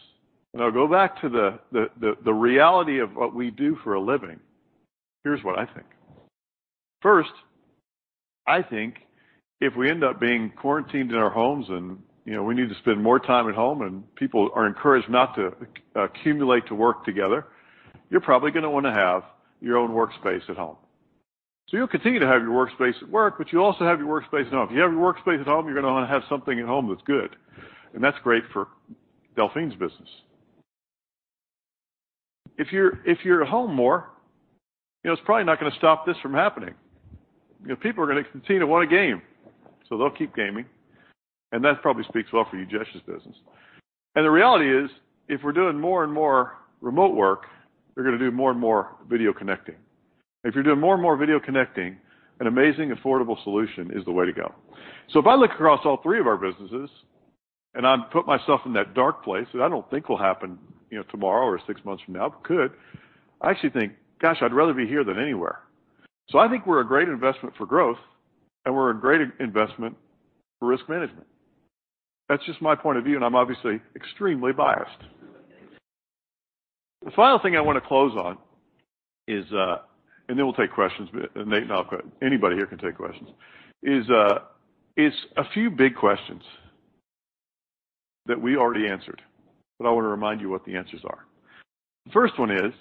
and I go back to the reality of what we do for a living, here's what I think. First, I think if we end up being quarantined in our homes and we need to spend more time at home and people are encouraged not to accumulate to work together, you're probably going to want to have your own workspace at home. You'll continue to have your workspace at work, but you'll also have your workspace at home. If you have your workspace at home, you're going to want to have something at home that's good, and that's great for Delphine's business. If you're at home more, it's probably not going to stop this from happening. People are going to continue to want to game, so they'll keep gaming. That probably speaks well for you, Ujesh's business. The reality is, if we're doing more and more remote work, you're going to do more and more video connecting. If you're doing more and more video connecting, an amazing, affordable solution is the way to go. If I look across all three of our businesses and I put myself in that dark place that I don't think will happen tomorrow or six months from now, but could, I actually think, gosh, I'd rather be here than anywhere. I think we're a great investment for growth and we're a great investment for risk management. That's just my point of view, and I'm obviously extremely biased. The final thing I want to close on is, and then we'll take questions. Anybody here can take questions, is a few big questions that we already answered, but I want to remind you what the answers are. The first one is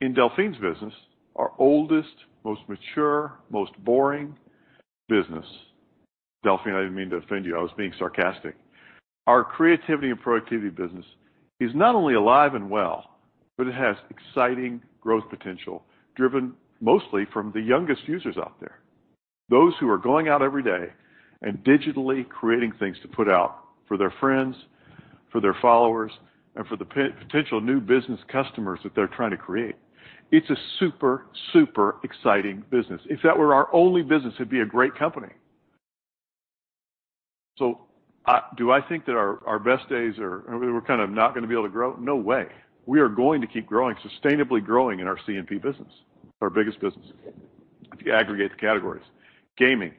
in Delphine's business, our oldest, most mature, most boring business. Delphine, I didn't mean to offend you. I was being sarcastic. Our creativity and productivity business is not only alive and well, but it has exciting growth potential driven mostly from the youngest users out there. Those who are going out every day and digitally creating things to put out for their friends, for their followers, and for the potential new business customers that they're trying to create. It's a super exciting business. If that were our only business, it'd be a great company. Do I think that we're kind of not going to be able to grow? No way. We are going to keep growing, sustainably growing in our C&P business, our biggest business, if you aggregate the categories. Gaming.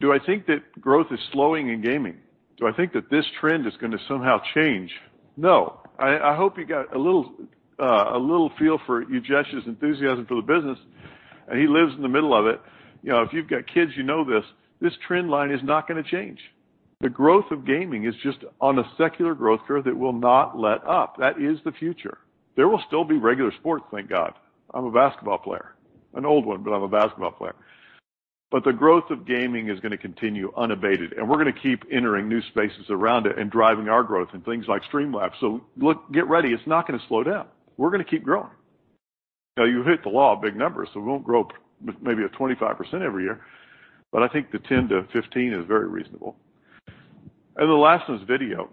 Do I think that growth is slowing in gaming? Do I think that this trend is going to somehow change? No. I hope you got a little feel for Ujesh's enthusiasm for the business, and he lives in the middle of it. If you've got kids, you know this trend line is not going to change. The growth of gaming is just on a secular growth curve that will not let up. That is the future. There will still be regular sports, thank God. I'm a basketball player. An old one, but I'm a basketball player. The growth of gaming is going to continue unabated, and we're going to keep entering new spaces around it and driving our growth in things like Streamlabs. Look, get ready. It's not going to slow down. We're going to keep growing. You hit the law of big numbers, so we won't grow maybe at 25% every year, but I think the 10%-15% is very reasonable. The last one is video.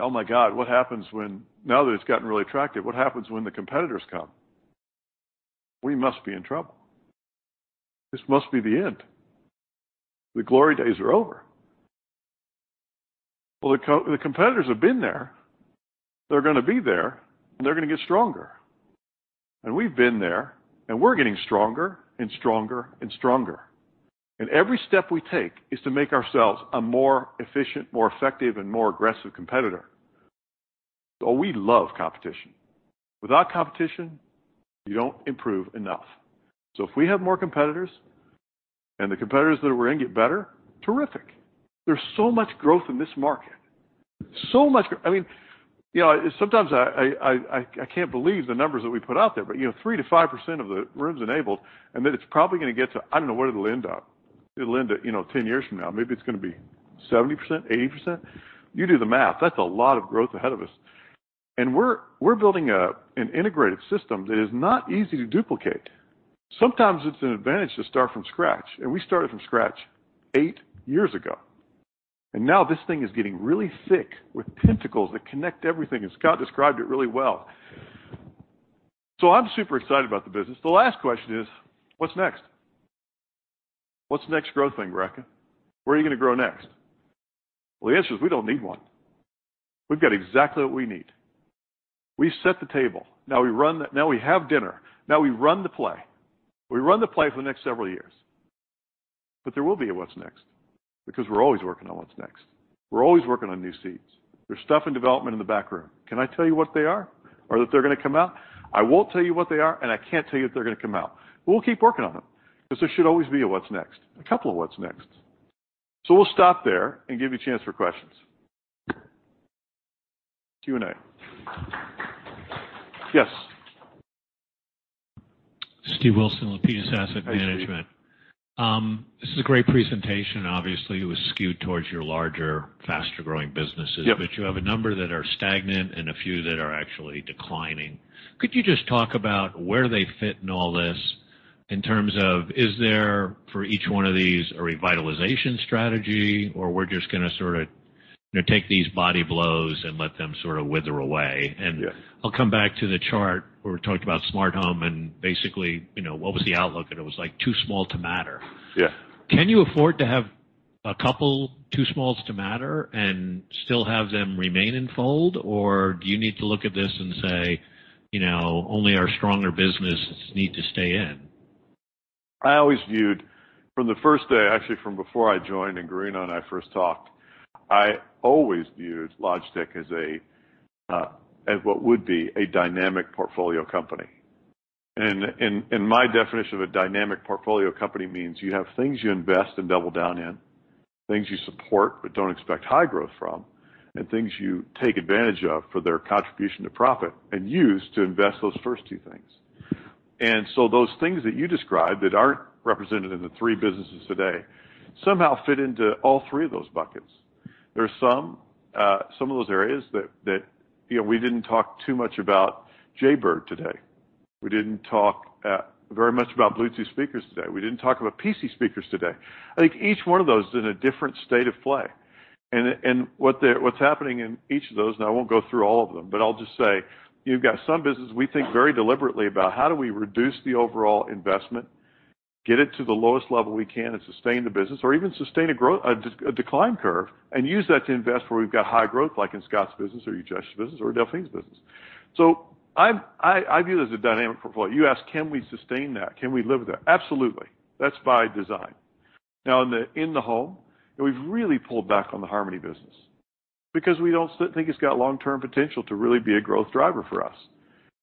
Oh my God, now that it's gotten really attractive, what happens when the competitors come? We must be in trouble. This must be the end. The glory days are over. Well, the competitors have been there, they're going to be there, and they're going to get stronger. We've been there, and we're getting stronger and stronger. Every step we take is to make ourselves a more efficient, more effective, and more aggressive competitor. We love competition. Without competition, you don't improve enough. If we have more competitors, and the competitors that we're in get better, terrific. There's so much growth in this market. Sometimes I can't believe the numbers that we put out there, but 3%-5% of the rooms enabled, and then it's probably going to get to, I don't know, where did it end up? It'll end at 10 years from now. Maybe it's going to be 70%, 80%. You do the math. That's a lot of growth ahead of us. We're building an integrated system that is not easy to duplicate. Sometimes it's an advantage to start from scratch, and we started from scratch eight years ago. Now this thing is getting really thick with tentacles that connect everything, as Scott described it really well. I'm super excited about the business. The last question is, what's next? What's the next growth thing, Bracken? Where are you going to grow next? Well, the answer is we don't need one. We've got exactly what we need. We set the table. Now we have dinner. Now we run the play. We run the play for the next several years. there will be a what's next, because we're always working on what's next. We're always working on new seeds. There's stuff in development in the backroom. Can I tell you what they are or that they're going to come out? I won't tell you what they are, and I can't tell you that they're going to come out. We'll keep working on them because there should always be a what's next, a couple of what's nexts. We'll stop there and give you a chance for questions. Q&A. Yes. Steve Wilson with Wilson Asset Management. Hi, Steve. This is a great presentation. Obviously, it was skewed towards your larger, faster-growing businesses. Yep. You have a number that are stagnant and a few that are actually declining. Could you just talk about where they fit in all this in terms of, is there, for each one of these, a revitalization strategy, or we're just going to sort of take these body blows and let them sort of wither away? Yeah. I'll come back to the chart where we talked about smart home and basically, what was the outlook? It was like too small to matter. Yeah. Can you afford to have a couple too smalls to matter and still have them remain in fold? Do you need to look at this and say, only our stronger businesses need to stay in? From the first day, actually, from before I joined and Guerrino and I first talked, I always viewed Logitech as what would be a dynamic portfolio company. My definition of a dynamic portfolio company means you have things you invest and double down in, things you support but don't expect high growth from, and things you take advantage of for their contribution to profit and use to invest those first two things. Those things that you described that aren't represented in the three businesses today somehow fit into all three of those buckets. Some of those areas that we didn't talk too much about Jaybird today. We didn't talk very much about Bluetooth speakers today. We didn't talk about PC speakers today. I think each one of those is in a different state of play, and what's happening in each of those, and I won't go through all of them, but I'll just say, you've got some business we think very deliberately about how do we reduce the overall investment, get it to the lowest level we can, and sustain the business or even sustain a decline curve and use that to invest where we've got high growth like in Scott's business or Ujesh's business or Delphine's business. I view it as a dynamic portfolio. You ask, can we sustain that? Can we live with that? Absolutely. That's by design. Now, in the home, and we've really pulled back on the Harmony business because we don't think it's got long-term potential to really be a growth driver for us.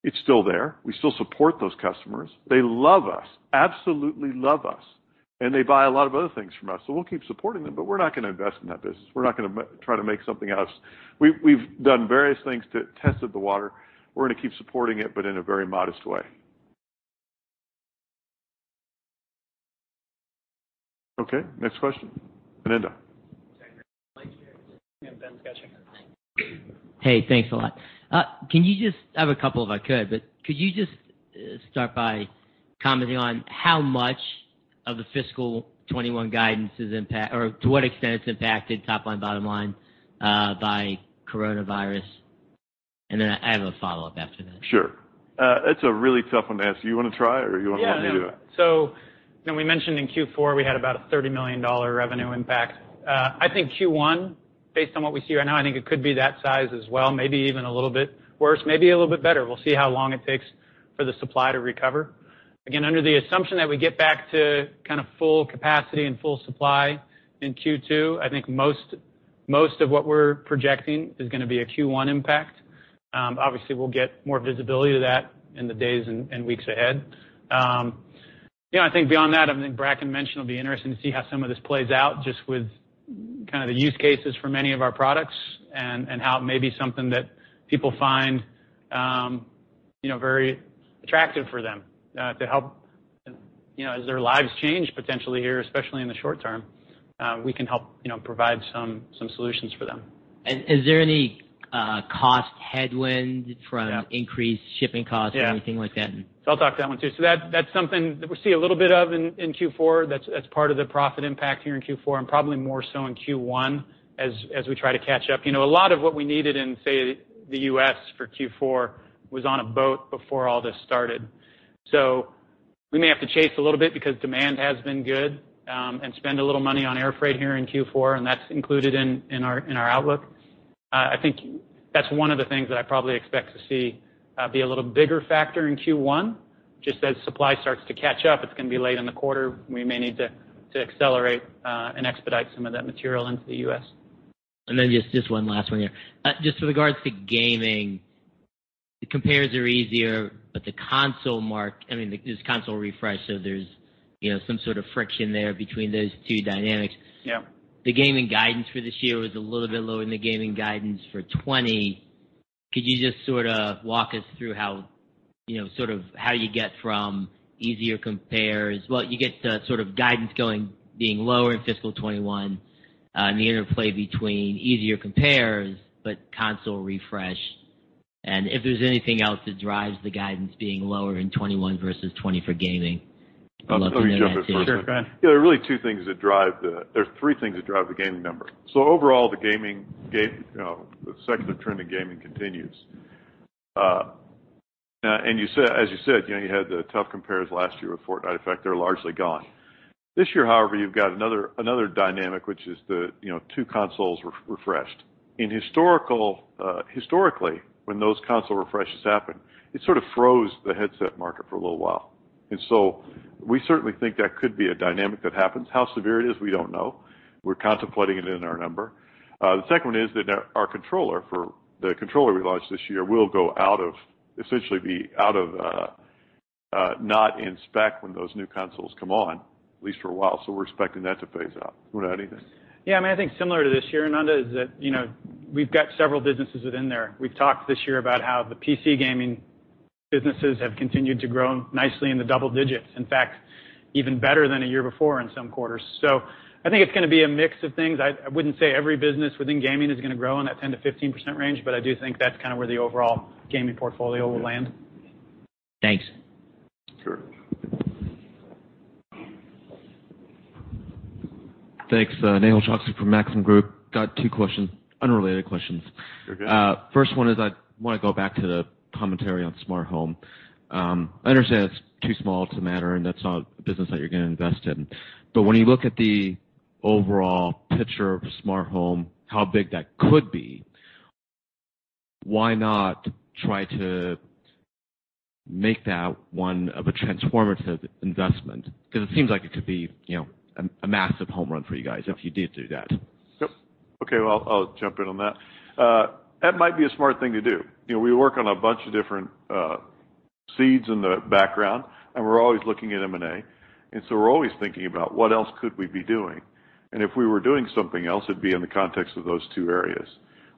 It's still there. We still support those customers. They love us, absolutely love us, and they buy a lot of other things from us, so we'll keep supporting them, but we're not going to invest in that business. We're not going to try to make something out of. We've done various things to test the water. We're going to keep supporting it, but in a very modest way. Okay, next question. Ananda. Hey, thanks a lot. I have a couple if I could, but could you just start by commenting on how much of the fiscal 2021 guidance or to what extent it's impacted top line, bottom line by coronavirus? I have a follow-up after that. Sure. It's a really tough one to answer. You want to try, or you want to let me do it? Yeah, no. we mentioned in Q4, we had about a $30 million revenue impact. I think Q1, based on what we see right now, I think it could be that size as well, maybe even a little bit worse, maybe a little bit better. We'll see how long it takes for the supply to recover. Again, under the assumption that we get back to kind of full capacity and full supply in Q2, I think most of what we're projecting is going to be a Q1 impact. Obviously, we'll get more visibility to that in the days and weeks ahead. I think beyond that, I think Bracken mentioned it'll be interesting to see how some of this plays out just with kind of the use cases for many of our products and how it may be something that people find very attractive for them to help as their lives change potentially here, especially in the short term. We can help provide some solutions for them. Is there any cost headwind from increased shipping costs or anything like that? I'll talk to that one, too. That's something that we see a little bit of in Q4 that's part of the profit impact here in Q4 and probably more so in Q1 as we try to catch up. A lot of what we needed in, say, the U.S. for Q4 was on a boat before all this started. We may have to chase a little bit because demand has been good and spend a little money on air freight here in Q4, and that's included in our outlook. I think that's one of the things that I probably expect to see be a little bigger factor in Q1. Just as supply starts to catch up, it's going to be late in the quarter. We may need to accelerate and expedite some of that material into the U.S. Just one last one here. Just with regards to gaming, the compares are easier, but the console mark, I mean, there's console refresh, so there's some sort of friction there between those two dynamics. Yeah. The gaming guidance for this year was a little bit lower than the gaming guidance for 2020. Could you just sort of walk us through how you get the sort of guidance going being lower in fiscal 2021 and the interplay between easier compares, but console refresh, and if there's anything else that drives the guidance being lower in 2021 versus 2020 for gaming. I'd love to know that, too. Let me jump in first. Sure, Bracken. There are three things that drive the gaming number. Overall, the secular trend of gaming continues. As you said, you had the tough compares last year with Fortnite effect. They're largely gone. This year, however, you've got another dynamic, which is the two consoles refreshed. Historically, when those console refreshes happen, it sort of froze the headset market for a little while. We certainly think that could be a dynamic that happens. How severe it is, we don't know. We're contemplating it in our number. The second one is that our controller we launched this year will essentially be out of not in spec when those new consoles come on, at least for a while. We're expecting that to phase out. You want to add anything? Yeah, I think similar to this year, Ananda, is that we've got several businesses within there. We've talked this year about how the PC gaming businesses have continued to grow nicely in the double digits. In fact, even better than a year before in some quarters. I think it's going to be a mix of things. I wouldn't say every business within gaming is going to grow in that 10%-15% range, but I do think that's kind of where the overall gaming portfolio will land. Thanks. Sure. Thanks. Nehal Chokshi from Maxim Group. Got two questions, unrelated questions. You're good. First one is I want to go back to the commentary on smart home. I understand it's too small to matter, and that's not a business that you're going to invest in. When you look at the overall picture of smart home, how big that could be, why not try to make that one of a transformative investment? Because it seems like it could be a massive home run for you guys if you did do that. Yep. Okay, I'll jump in on that. That might be a smart thing to do. We work on a bunch of different seeds in the background, and we're always looking at M&A, and so we're always thinking about what else could we be doing, and if we were doing something else, it'd be in the context of those two areas.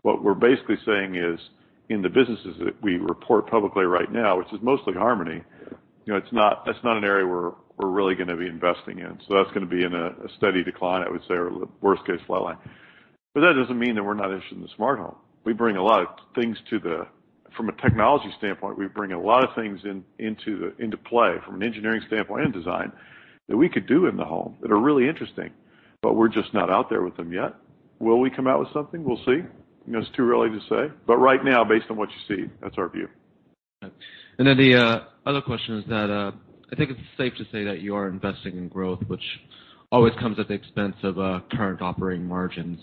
What we're basically saying is in the businesses that we report publicly right now, which is mostly Harmony, that's not an area where we're really going to be investing in. That's going to be in a steady decline, I would say, or worst case, leveling. That doesn't mean that we're not interested in the smart home. From a technology standpoint, we bring a lot of things into play from an engineering standpoint and design that we could do in the home that are really interesting, but we're just not out there with them yet. Will we come out with something? We'll see. It's too early to say. right now, based on what you see, that's our view. The other question is that I think it's safe to say that you are investing in growth, which always comes at the expense of current operating margins.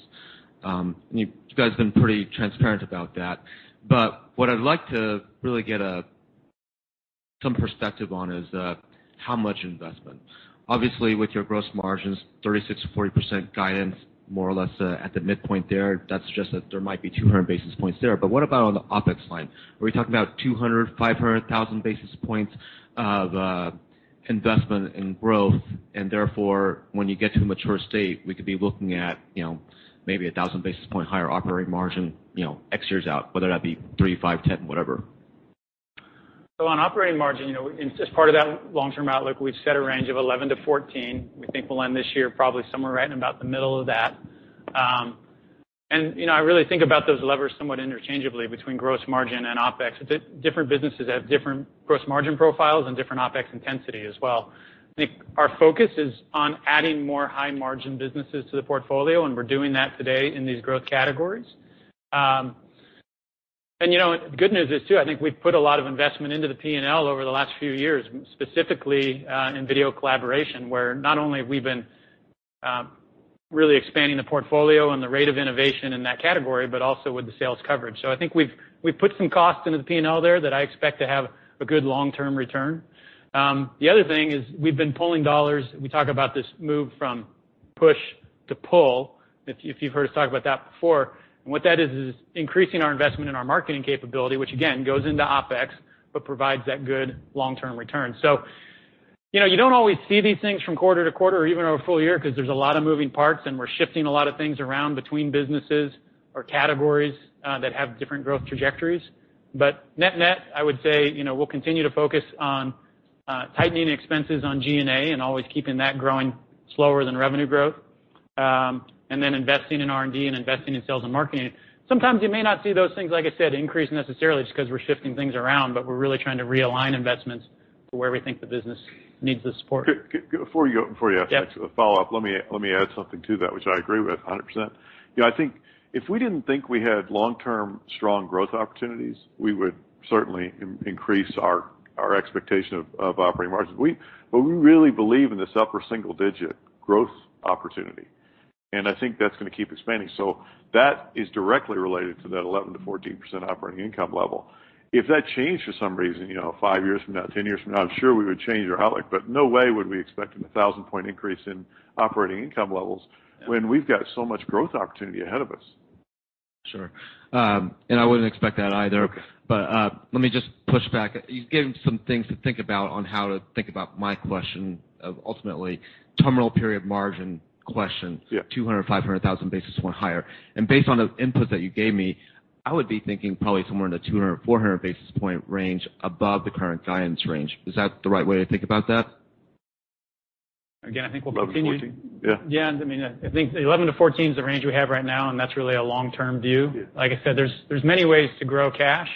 You guys have been pretty transparent about that. What I'd like to really get some perspective on is how much investment? Obviously, with your gross margins 36%-40% guidance, more or less at the midpoint there, that suggests that there might be 200 basis points there. What about on the OpEx line? Are we talking about 200, 500, 1,000 basis points of investment in growth, and therefore, when you get to a mature state, we could be looking at maybe 1,000 basis point higher operating margin, X years out, whether that be three, five, 10, whatever. On operating margin, as part of that long-term outlook, we've set a range of 11-14. We think we'll end this year probably somewhere right about the middle of that. I really think about those levers somewhat interchangeably between gross margin and OpEx. Different businesses have different gross margin profiles and different OpEx intensity as well. I think our focus is on adding more high-margin businesses to the portfolio, and we're doing that today in these growth categories. the good news is too, I think we've put a lot of investment into the P&L over the last few years, specifically, in video collaboration, where not only have we been really expanding the portfolio and the rate of innovation in that category, but also with the sales coverage. I think we've put some cost into the P&L there that I expect to have a good long-term return. The other thing is, we've been pulling dollars. We talk about this move from push to pull, if you've heard us talk about that before. What that is increasing our investment in our marketing capability, which again, goes into OpEx, but provides that good long-term return. You don't always see these things from quarter to quarter or even over a full year because there's a lot of moving parts, and we're shifting a lot of things around between businesses or categories that have different growth trajectories. Net-net, I would say, we'll continue to focus on tightening expenses on G&A and always keeping that growing slower than revenue growth, and then investing in R&D and investing in sales and marketing. Sometimes you may not see those things, like I said, increase necessarily just because we're shifting things around, but we're really trying to realign investments to where we think the business needs the support. Before you go, before you ask. Yep A follow-up, let me add something to that, which I agree with 100%. I think if we didn't think we had long-term strong growth opportunities, we would certainly increase our expectation of operating margins. We really believe in this upper single-digit growth opportunity, and I think that's going to keep expanding. that is directly related to that 11%-14% operating income level. If that changed for some reason, five years from now, 10 years from now, I'm sure we would change our outlook, but no way would we expect a 1,000-point increase in operating income levels when we've got so much growth opportunity ahead of us. Sure. I wouldn't expect that either. Okay. Let me just push back. You gave some things to think about on how to think about my question of ultimately terminal period margin question. Yeah. 200, 500, 1,000 basis point higher. Based on the input that you gave me, I would be thinking probably somewhere in the 200 or 400 basis point range above the current guidance range. Is that the right way to think about that? Again, I think we'll continue 11 to 14. Yeah. Yeah. I think 11 to 14 is the range we have right now, and that's really a long-term view. Yeah. Like I said, there's many ways to grow cash.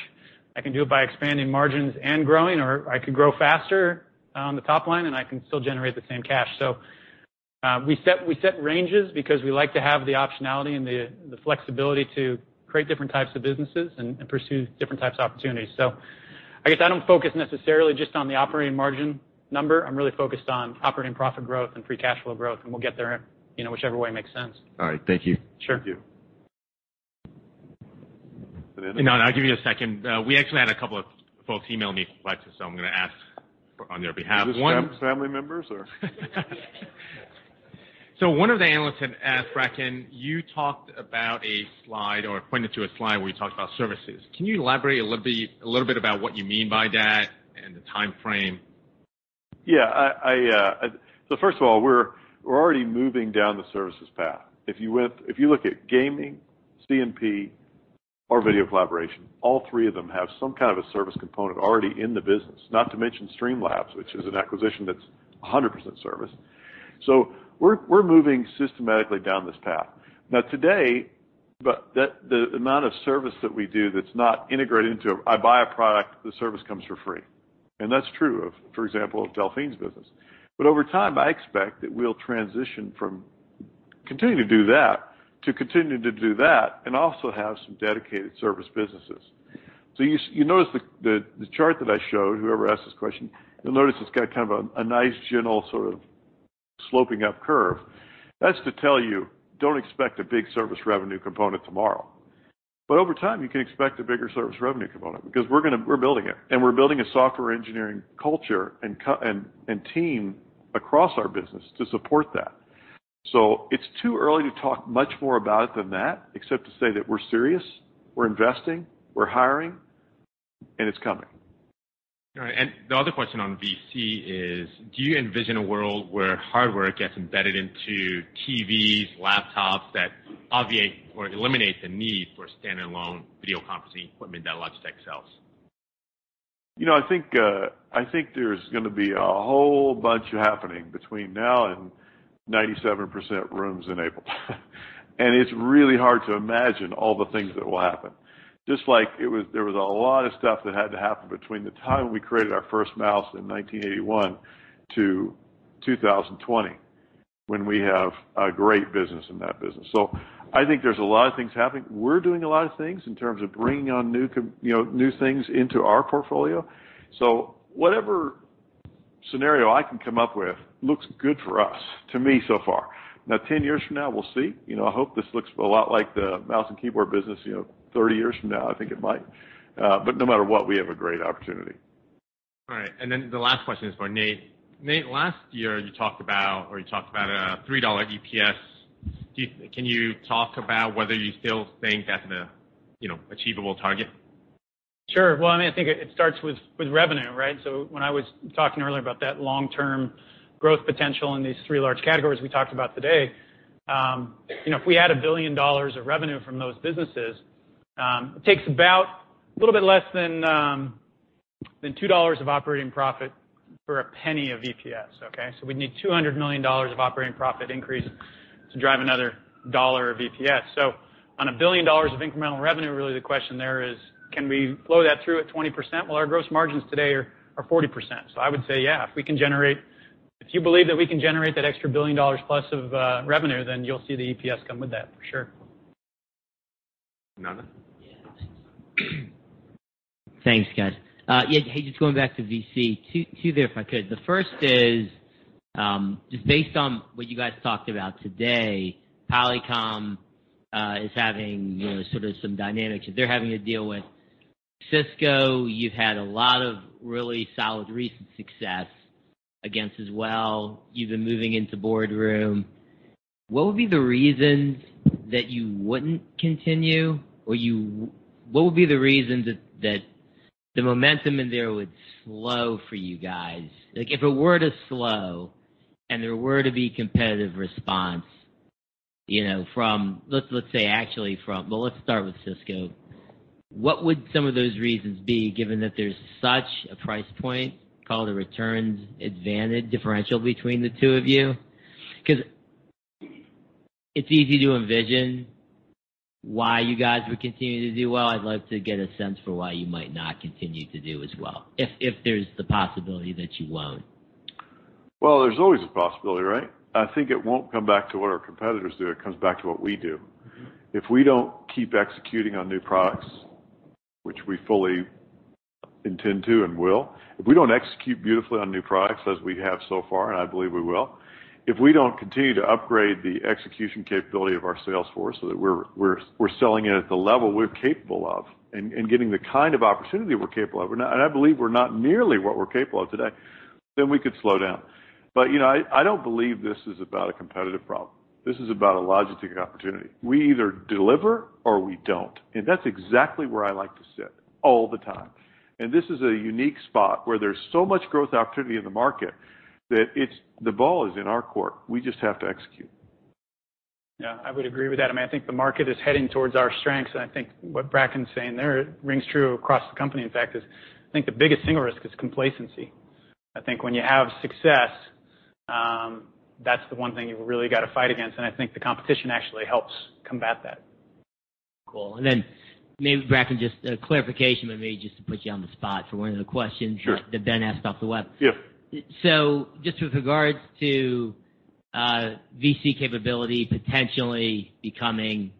I can do it by expanding margins and growing, or I could grow faster on the top line, and I can still generate the same cash. we set ranges because we like to have the optionality and the flexibility to create different types of businesses and pursue different types of opportunities. I guess I don't focus necessarily just on the operating margin number. I'm really focused on operating profit growth and free cash flow growth, and we'll get there whichever way makes sense. All right. Thank you. Sure. Thank you. Brandon? No, I'll give you a second. We actually had a couple of folks email me for flex, so I'm going to ask on their behalf. One- Is this family members, or? One of the analysts had asked, Bracken, you talked about a slide or pointed to a slide where you talked about services. Can you elaborate a little bit about what you mean by that and the timeframe? First of all, we're already moving down the services path. If you look at gaming, C&P, or video collaboration, all three of them have some kind of a service component already in the business. Not to mention Streamlabs, which is an acquisition that's 100% service. We're moving systematically down this path. Now, today, the amount of service that we do that's not integrated into, I buy a product, the service comes for free. That's true, for example, of Delphine's business. Over time, I expect that we'll transition from continuing to do that, to continuing to do that and also have some dedicated service businesses. You notice the chart that I showed, whoever asked this question, you'll notice it's got kind of a nice general sort of sloping up curve. That's to tell you, don't expect a big service revenue component tomorrow. Over time, you can expect a bigger service revenue component because we're building it, and we're building a software engineering culture and team across our business to support that. It's too early to talk much more about it than that, except to say that we're serious, we're investing, we're hiring, and it's coming. All right. The other question on VC is, do you envision a world where hardware gets embedded into TVs, laptops that obviate or eliminate the need for standalone video conferencing equipment that Logitech sells? I think there's going to be a whole bunch happening between now and 97% rooms enabled. It's really hard to imagine all the things that will happen. Just like there was a lot of stuff that had to happen between the time we created our first mouse in 1981-2020, when we have a great business in that business. I think there's a lot of things happening. We're doing a lot of things in terms of bringing on new things into our portfolio. Whatever scenario I can come up with looks good for us, to me so far. Now, 10 years from now, we'll see. I hope this looks a lot like the mouse and keyboard business 30 years from now, I think it might. No matter what, we have a great opportunity. All right. The last question is for Nate. Nate, last year you talked about a $3 EPS. Can you talk about whether you still think that's an achievable target? Sure. Well, I think it starts with revenue, right? When I was talking earlier about that long-term growth potential in these three large categories we talked about today. If we add $1 billion of revenue from those businesses, it takes about a little bit less than $2 of operating profit for a penny of EPS, okay? We'd need $200 million of operating profit increase to drive another dollar of EPS. On $1 billion of incremental revenue, really the question there is, can we flow that through at 20%? Well, our gross margins today are 40%. I would say, yeah. If you believe that we can generate that extra $1 billion+ of revenue, then you'll see the EPS come with that, for sure. Ananda? Yeah. Thanks, guys. Yeah, hey, just going back to VC. Two there, if I could. The first is, just based on what you guys talked about today, Polycom is having sort of some dynamics that they're having to deal with. Cisco, you've had a lot of really solid recent success against as well. You've been moving into boardroom. What would be the reasons that you wouldn't continue, or what would be the reasons that the momentum in there would slow for you guys? Like if it were to slow and there were to be competitive response, let's say actually Well, let's start with Cisco. What would some of those reasons be given that there's such a price point called a returns advantage differential between the two of you? Because it's easy to envision why you guys would continue to do well. I'd love to get a sense for why you might not continue to do as well, if there's the possibility that you won't. Well, there's always a possibility, right? I think it won't come back to what our competitors do, it comes back to what we do. If we don't keep executing on new products, which we fully intend to and will, if we don't execute beautifully on new products as we have so far, and I believe we will, if we don't continue to upgrade the execution capability of our sales force so that we're selling it at the level we're capable of and getting the kind of opportunity we're capable of, and I believe we're not nearly what we're capable of today, then we could slow down. I don't believe this is about a competitive problem. This is about a logistics opportunity. We either deliver or we don't, and that's exactly where I like to sit all the time. This is a unique spot where there's so much growth opportunity in the market that the ball is in our court. We just have to execute. Yeah, I would agree with that. I think the market is heading towards our strengths, and I think what Bracken's saying there rings true across the company, in fact, is I think the biggest single risk is complacency. I think when you have success, that's the one thing you've really got to fight against, and I think the competition actually helps combat that. Cool. maybe Bracken, just a clarification maybe just to put you on the spot for one of the questions- Sure That Ben asked off the web. Yeah. Just with regards to VC capability potentially becoming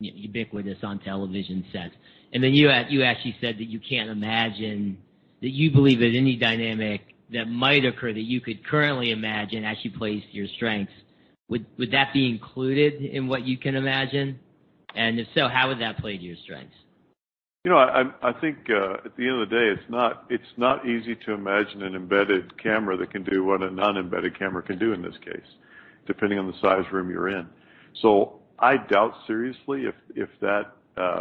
ubiquitous on television sets, and then you actually said that you can't imagine that you believe that any dynamic that might occur that you could currently imagine actually plays to your strengths, would that be included in what you can imagine? if so, how would that play to your strengths? I think, at the end of the day, it's not easy to imagine an embedded camera that can do what a non-embedded camera can do in this case, depending on the size room you're in. I doubt seriously if that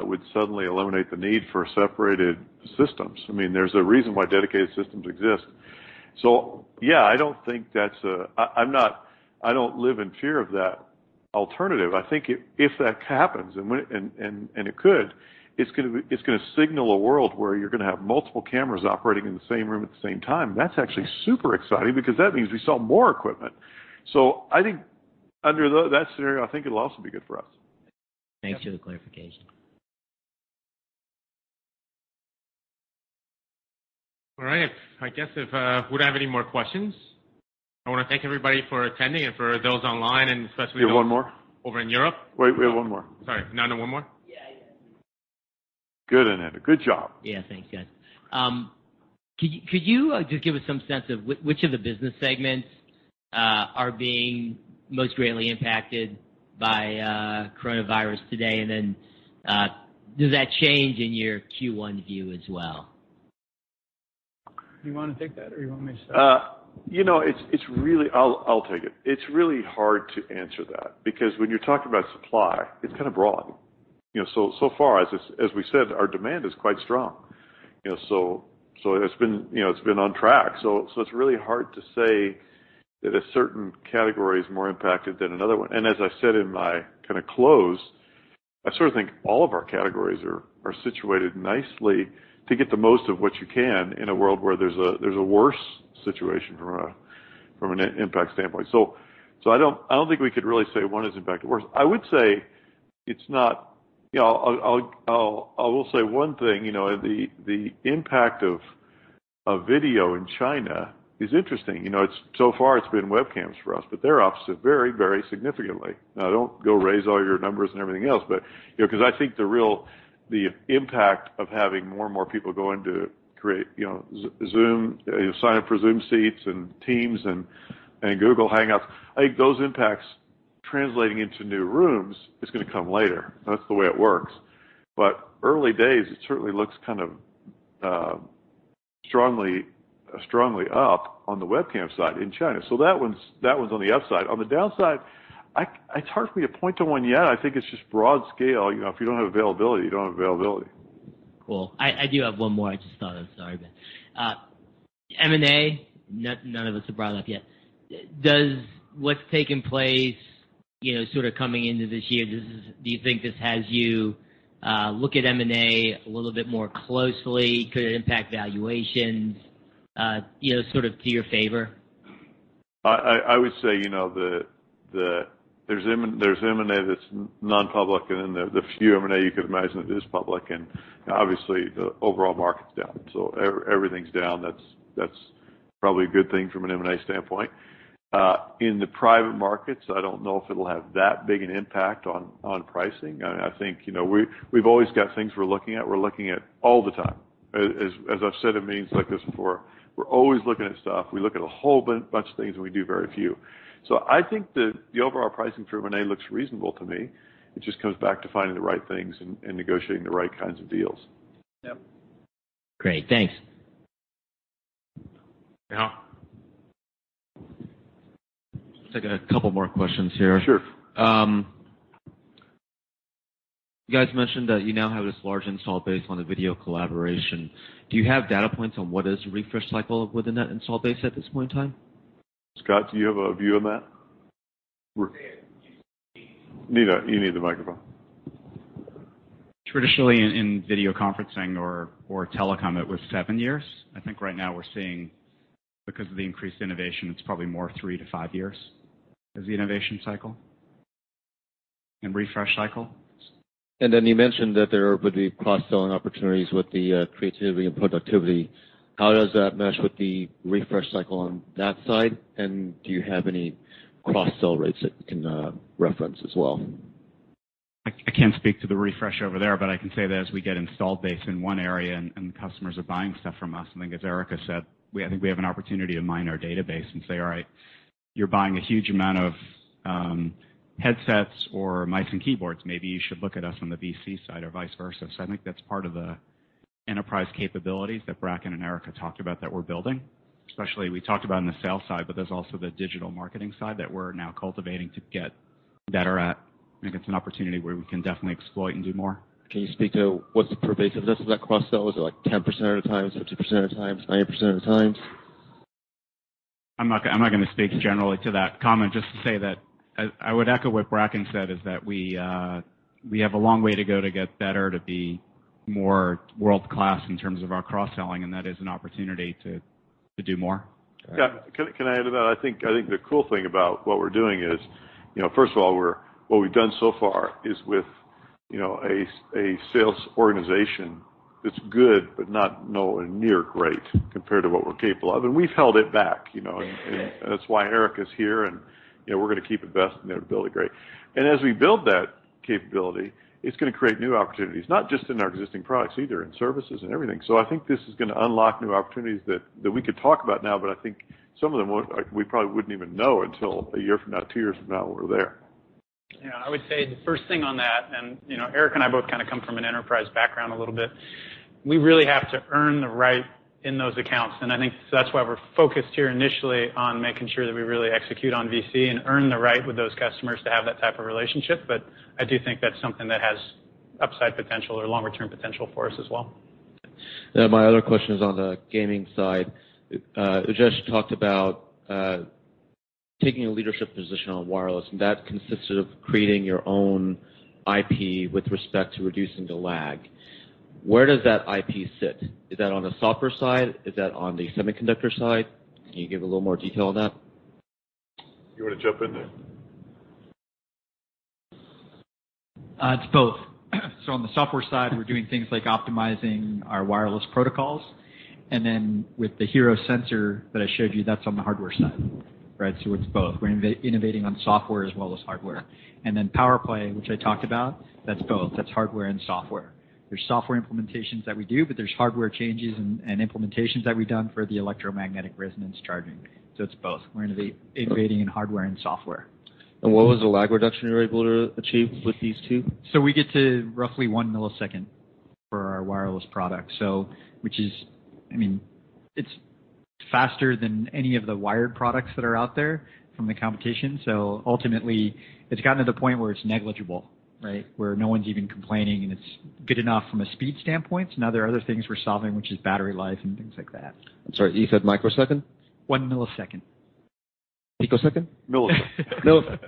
would suddenly eliminate the need for separated systems. There's a reason why dedicated systems exist. Yeah, I don't live in fear of that alternative. I think if that happens, and it could, it's going to signal a world where you're going to have multiple cameras operating in the same room at the same time. That's actually super exciting because that means we sell more equipment. I think under that scenario, I think it'll also be good for us. Thanks for the clarification. All right. I guess if we don't have any more questions, I want to thank everybody for attending and for those online, and especially those- We have one more Over in Europe. Wait, we have one more. Sorry. Ananda, one more? Yeah. Good, Ananda. Good job. Yeah. Thanks, guys. Could you just give us some sense of which of the business segments are being most greatly impacted by coronavirus today? Does that change in your Q1 view as well? Do you want to take that or you want me to start? I'll take it. It's really hard to answer that because when you're talking about supply, it's kind of broad. Far as we said, our demand is quite strong. It's been on track. It's really hard to say that a certain category is more impacted than another one. As I said in my close, I sort of think all of our categories are situated nicely to get the most of what you can in a world where there's a worse situation from an impact standpoint. I don't think we could really say one is impacted worse. I will say one thing, the impact of video in China is interesting. Far it's been webcams for us, but their offices vary very significantly. Now, don't go raise all your numbers and everything else, because I think the impact of having more and more people going to sign up for Zoom seats and Teams and Google Hangouts, I think those impacts translating into new rooms is going to come later. That's the way it works. early days, it certainly looks strongly up on the webcam side in China. that one's on the upside. On the downside, it's hard for me to point to one yet. I think it's just broad scale. If you don't have availability, you don't have availability. Cool. I do have one more I just thought of, sorry. M&A, none of us have brought it up yet. What's taken place coming into this year, do you think this has you look at M&A a little bit more closely? Could it impact valuations to your favor? I would say, there's M&A that's non-public and then the few M&A you could imagine that is public, and obviously, the overall market's down. Everything's down. That's probably a good thing from an M&A standpoint. In the private markets, I don't know if it'll have that big an impact on pricing. I think we've always got things we're looking at. We're looking at all the time. As I've said in meetings like this before, we're always looking at stuff. We look at a whole bunch of things, and we do very few. I think the overall pricing for M&A looks reasonable to me. It just comes back to finding the right things and negotiating the right kinds of deals. Yep. Great. Thanks. Yeah. Let's take a couple more questions here. Sure. You guys mentioned that you now have this large install base on the video collaboration. Do you have data points on what is the refresh cycle within that install base at this point in time? Scott, do you have a view on that? Nina, you need the microphone. Traditionally, in video conferencing or telecom, it was seven years. I think right now we're seeing, because of the increased innovation, it's probably more three to five years as the innovation cycle and refresh cycle. You mentioned that there would be cross-selling opportunities with the creativity and productivity. How does that mesh with the refresh cycle on that side, and do you have any cross-sell rates that you can reference as well? I can't speak to the refresh over there, but I can say that as we get install base in one area and customers are buying stuff from us, and then as Ehrika said, I think we have an opportunity to mine our database and say, "All right. You're buying a huge amount of headsets or mice and keyboards. Maybe you should look at us on the VC side or vice versa." I think that's part of the enterprise capabilities that Bracken and Ehrika talked about that we're building, especially we talked about on the sales side, but there's also the digital marketing side that we're now cultivating to get better at. I think it's an opportunity where we can definitely exploit and do more. Can you speak to what's the pervasiveness of that cross-sell? Is it 10% of the times, 50% of the times, 90% of the times? I'm not going to speak generally to that comment. Just to say that I would echo what Bracken said, is that we have a long way to go to get better, to be more world-class in terms of our cross-selling, and that is an opportunity to do more. Yeah. Can I add to that? I think the cool thing about what we're doing is, first of all, what we've done so far is with a sales organization that's good but not nowhere near great compared to what we're capable of, and we've held it back. That's why Eric is here, and we're going to keep investing and build it great. As we build that capability, it's going to create new opportunities, not just in our existing products either, in services and everything. I think this is going to unlock new opportunities that we could talk about now, but I think some of them we probably wouldn't even know until a year from now, two years from now, when we're there. Yeah. I would say the first thing on that, and Eric and I both come from an enterprise background a little bit, we really have to earn the right in those accounts. I think that's why we're focused here initially on making sure that we really execute on VC and earn the right with those customers to have that type of relationship. I do think that's something that has upside potential or longer-term potential for us as well. My other question is on the gaming side. Ujesh talked about taking a leadership position on wireless, and that consisted of creating your own IP with respect to reducing the lag. Where does that IP sit? Is that on the software side? Is that on the semiconductor side? Can you give a little more detail on that? You want to jump in there? It's both. On the software side, we're doing things like optimizing our wireless protocols, and then with the HERO sensor that I showed you, that's on the hardware side, right? It's both. We're innovating on software as well as hardware. POWERPLAY, which I talked about, that's both. That's hardware and software. There's software implementations that we do, but there's hardware changes and implementations that we've done for the electromagnetic resonance charging. It's both. We're innovating in hardware and software. What was the lag reduction you were able to achieve with these two? We get to roughly one millisecond for our wireless product. It's faster than any of the wired products that are out there from the competition. Ultimately, it's gotten to the point where it's negligible, right? Where no one's even complaining, and it's good enough from a speed standpoint. Now there are other things we're solving, which is battery life and things like that. I'm sorry, you said microsecond? One millisecond. Picosecond? Millisecond. Milli-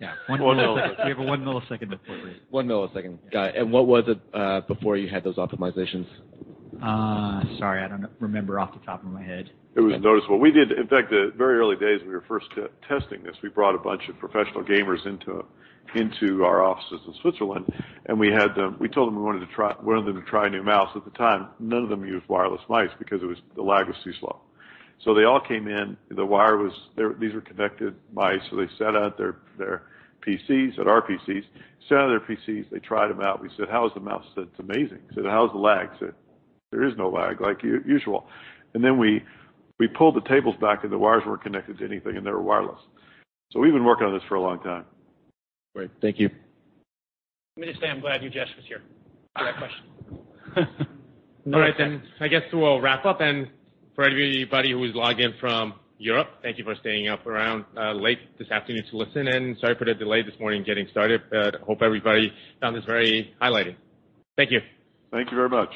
Yeah. One millisecond. You have a one-millisecond delay. One millisecond. Got it. What was it before you had those optimizations? Sorry, I don't remember off the top of my head. It was noticeable. In fact, the very early days when we were first testing this, we brought a bunch of professional gamers into our offices in Switzerland, and we told them we wanted them to try a new mouse. At the time, none of them used wireless mice because the lag was too slow. They all came in. These were connected mice, so they sat at our PCs, they tried them out. We said, "How is the mouse?" They said, "It's amazing." Said, "How's the lag?" Said, "There is no lag like usual." Then we pulled the tables back, and the wires weren't connected to anything, and they were wireless. We've been working on this for a long time. Great. Thank you. Let me just say, I'm glad Ujesh was here for that question. All right, then I guess we'll wrap up. For anybody who has logged in from Europe, thank you for staying up around late this afternoon to listen, and sorry for the delay this morning getting started, but hope everybody found this very highlighting. Thank you. Thank you very much.